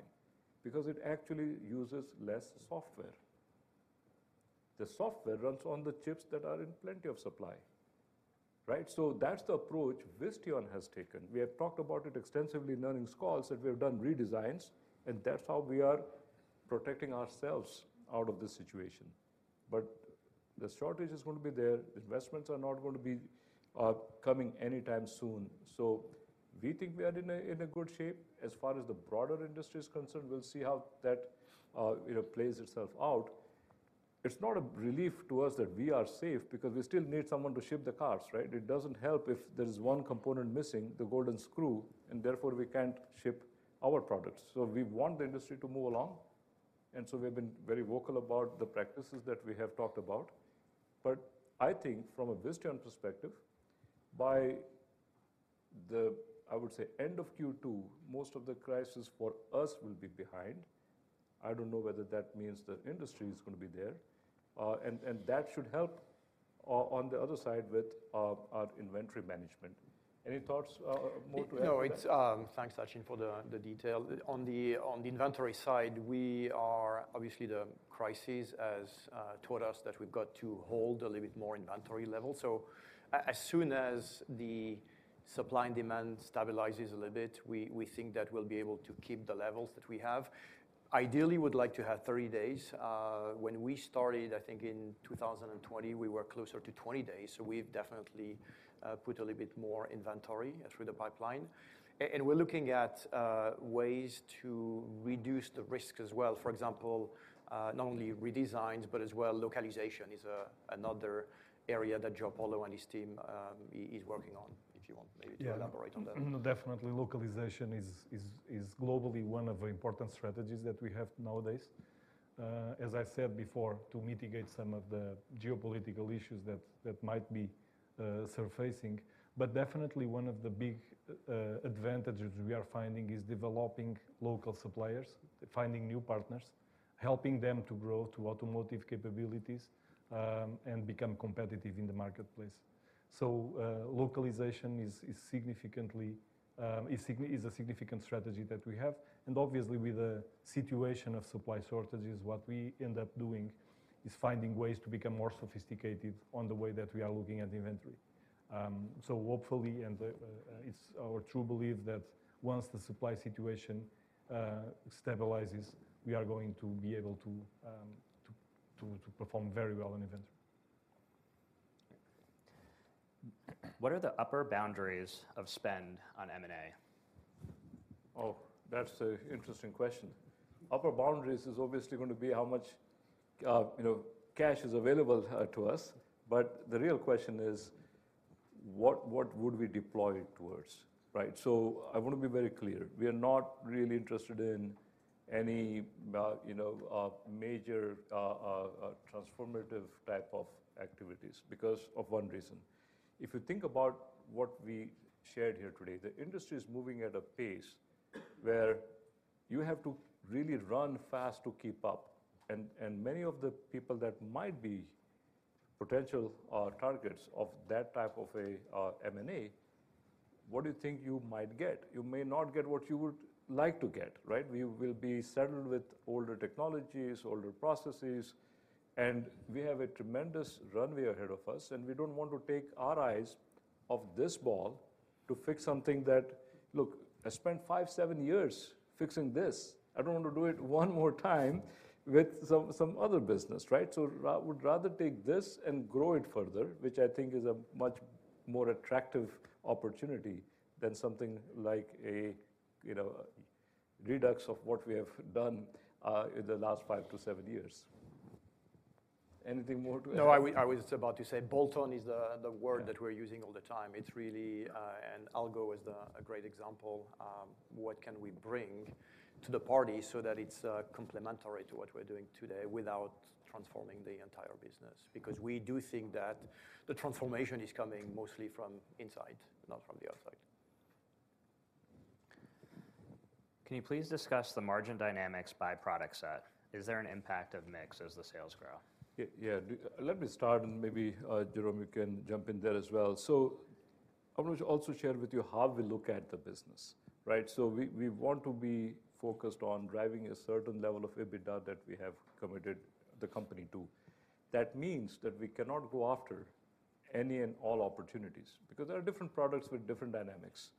because it actually uses less software. The software runs on the chips that are in plenty of supply, right? That's the approach Visteon has taken. We have talked about it extensively in earnings calls that we have done redesigns, and that's how we are protecting ourselves out of this situation. The shortage is going to be there. Investments are not going to be coming anytime soon. We think we are in a, in a good shape. As far as the broader industry is concerned, we'll see how that, you know, plays itself out. It's not a relief to us that we are safe because we still need someone to ship the cars, right? It doesn't help if there's one component missing, the golden screw, and therefore we can't ship our products. We want the industry to move along, we've been very vocal about the practices that we have talked about. I think from a Visteon perspective, by the, I would say, end of Q2, most of the crisis for us will be behind. I don't know whether that means the industry is going to be there. That should help on the other side with our inventory management. Any thoughts, more to add to that? No, it's... Thanks, Sachin, for the detail. On the inventory side, we are. Obviously, the crisis has taught us that we've got to hold a little bit more inventory level. As soon as the supply and demand stabilizes a little bit, we think that we'll be able to keep the levels that we have. Ideally would like to have 30 days. When we started, I think in 2020, we were closer to 20 days, so we've definitely put a little bit more inventory through the pipeline. And we're looking at ways to reduce the risk as well. For example, not only redesigns, but as well localization is another area that Joao Paulo and his team is working on, if you want maybe to elaborate on that. Yeah. Definitely, localization is globally one of the important strategies that we have nowadays, as I said before, to mitigate some of the geopolitical issues that might be surfacing. Definitely one of the big advantages we are finding is developing local suppliers, finding new partners, helping them to grow to automotive capabilities and become competitive in the marketplace. Localization is significantly a significant strategy that we have. Obviously with the situation of supply shortages, what we end up doing is finding ways to become more sophisticated on the way that we are looking at inventory. Hopefully, and it's our true belief that once the supply situation stabilizes, we are going to be able to perform very well on inventory. What are the upper boundaries of spend on M&A? Oh, that's a interesting question. Upper boundaries is obviously going to be how much, you know, cash is available to us. The real question is what would we deploy it towards, right? I wanna be very clear. We are not really interested in any, you know, major transformative type of activities because of one reason. If you think about what we shared here today, the industry is moving at a pace where you have to really run fast to keep up. Many of the people that might be potential targets of that type of a M&A, what do you think you might get? You may not get what you would like to get, right? We will be saddled with older technologies, older processes, and we have a tremendous runway ahead of us, and we don't want to take our eyes off this ball to fix something that. Look, I spent 5, 7 years fixing this. I don't want to do it one more time with some other business, right? I would rather take this and grow it further, which I think is a much more attractive opportunity than something like a, you know, redux of what we have done in the last 5 to 7 years. Anything more to add? No, I was about to say bolt-on is the word that we're using all the time. It's really... AllGo is a great example. What can we bring to the party so that it's complementary to what we're doing today without transforming the entire business? We do think that the transformation is coming mostly from inside, not from the outside. Can you please discuss the margin dynamics by product set? Is there an impact of mix as the sales grow? Yeah. Let me start, and maybe Jerome, you can jump in there as well. I want to also share with you how we look at the business, right? We want to be focused on driving a certain level of EBITDA that we have committed the company to. That means that we cannot go after any and all opportunities, because there are different products with different dynamics.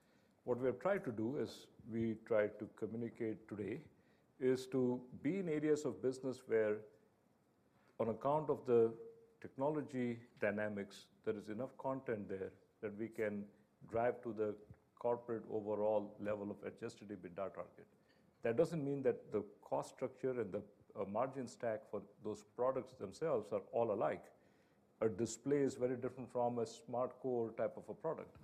What we have tried to do, as we tried to communicate today, is to be in areas of business where on account of the technology dynamics, there is enough content there that we can drive to the corporate overall level of adjusted EBITDA target. That doesn't mean that the cost structure and the margin stack for those products themselves are all alike. A display is very different from a SmartCore-type of a product.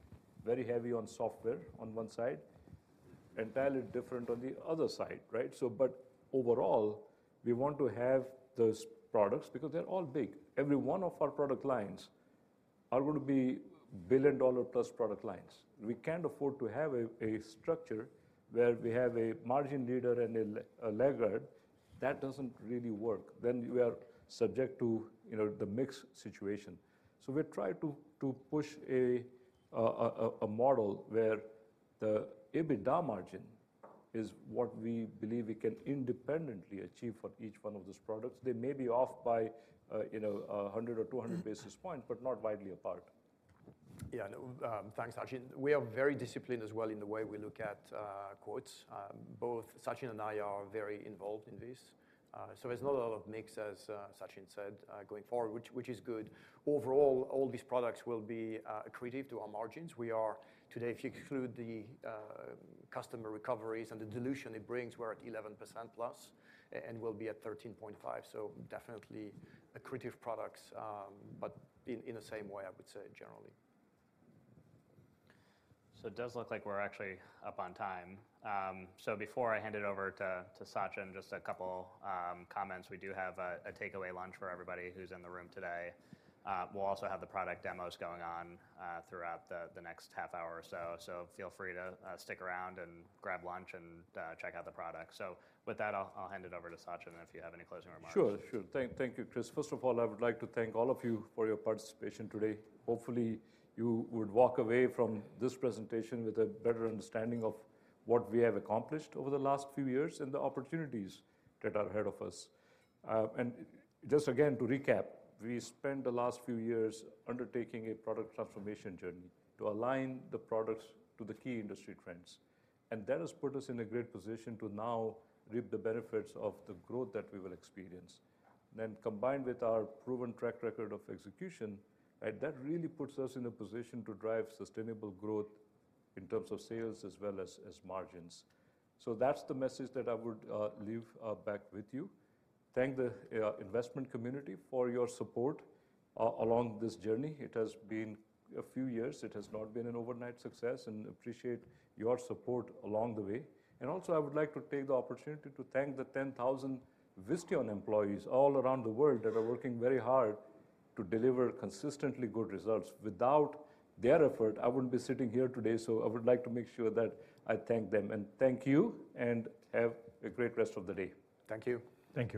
Very heavy on software on one side, entirely different on the other side, right? But overall, we want to have those products because they're all big. Every one of our product lines are going to be billion dollar plus product lines. We can't afford to have a structure where we have a margin leader and a laggard. That doesn't really work. You are subject to, you know, the mix situation. We try to push a model where the EBITDA margin is what we believe we can independently achieve for each one of these products. They may be off by, you know, 100 or 200 basis points, but not widely apart. Thanks, Sachin. We are very disciplined as well in the way we look at quotes. Both Sachin and I are very involved in this. There's not a lot of mix as Sachin said going forward, which is good. Overall, all these products will be accretive to our margins. Today, if you include the customer recoveries and the dilution it brings, we're at +11%, and we'll be at 13.5%. Definitely accretive products, but in the same way I would say generally. It does look like we're actually up on time. Before I hand it over to Sachin, just a couple comments. We do have a takeaway lunch for everybody who's in the room today. We'll also have the product demos going on throughout the next half hour or so. Feel free to stick around and grab lunch and check out the products. With that I'll hand it over to Sachin, and if you have any closing remarks. Sure. Sure. Thank you, Kris. First of all, I would like to thank all of you for your participation today. Hopefully you would walk away from this presentation with a better understanding of what we have accomplished over the last few years and the opportunities that are ahead of us. Just again, to recap, we spent the last few years undertaking a product transformation journey to align the products to the key industry trends, and that has put us in a great position to now reap the benefits of the growth that we will experience. Combined with our proven track record of execution, right? That really puts us in a position to drive sustainable growth in terms of sales as well as margins. That's the message that I would leave back with you. Thank the investment community for your support along this journey. It has been a few years. It has not been an overnight success. Appreciate your support along the way. Also, I would like to take the opportunity to thank the 10,000 Visteon employees all around the world that are working very hard to deliver consistently good results. Without their effort, I wouldn't be sitting here today. I would like to make sure that I thank them. Thank you. Have a great rest of the day. Thank you. Thank you.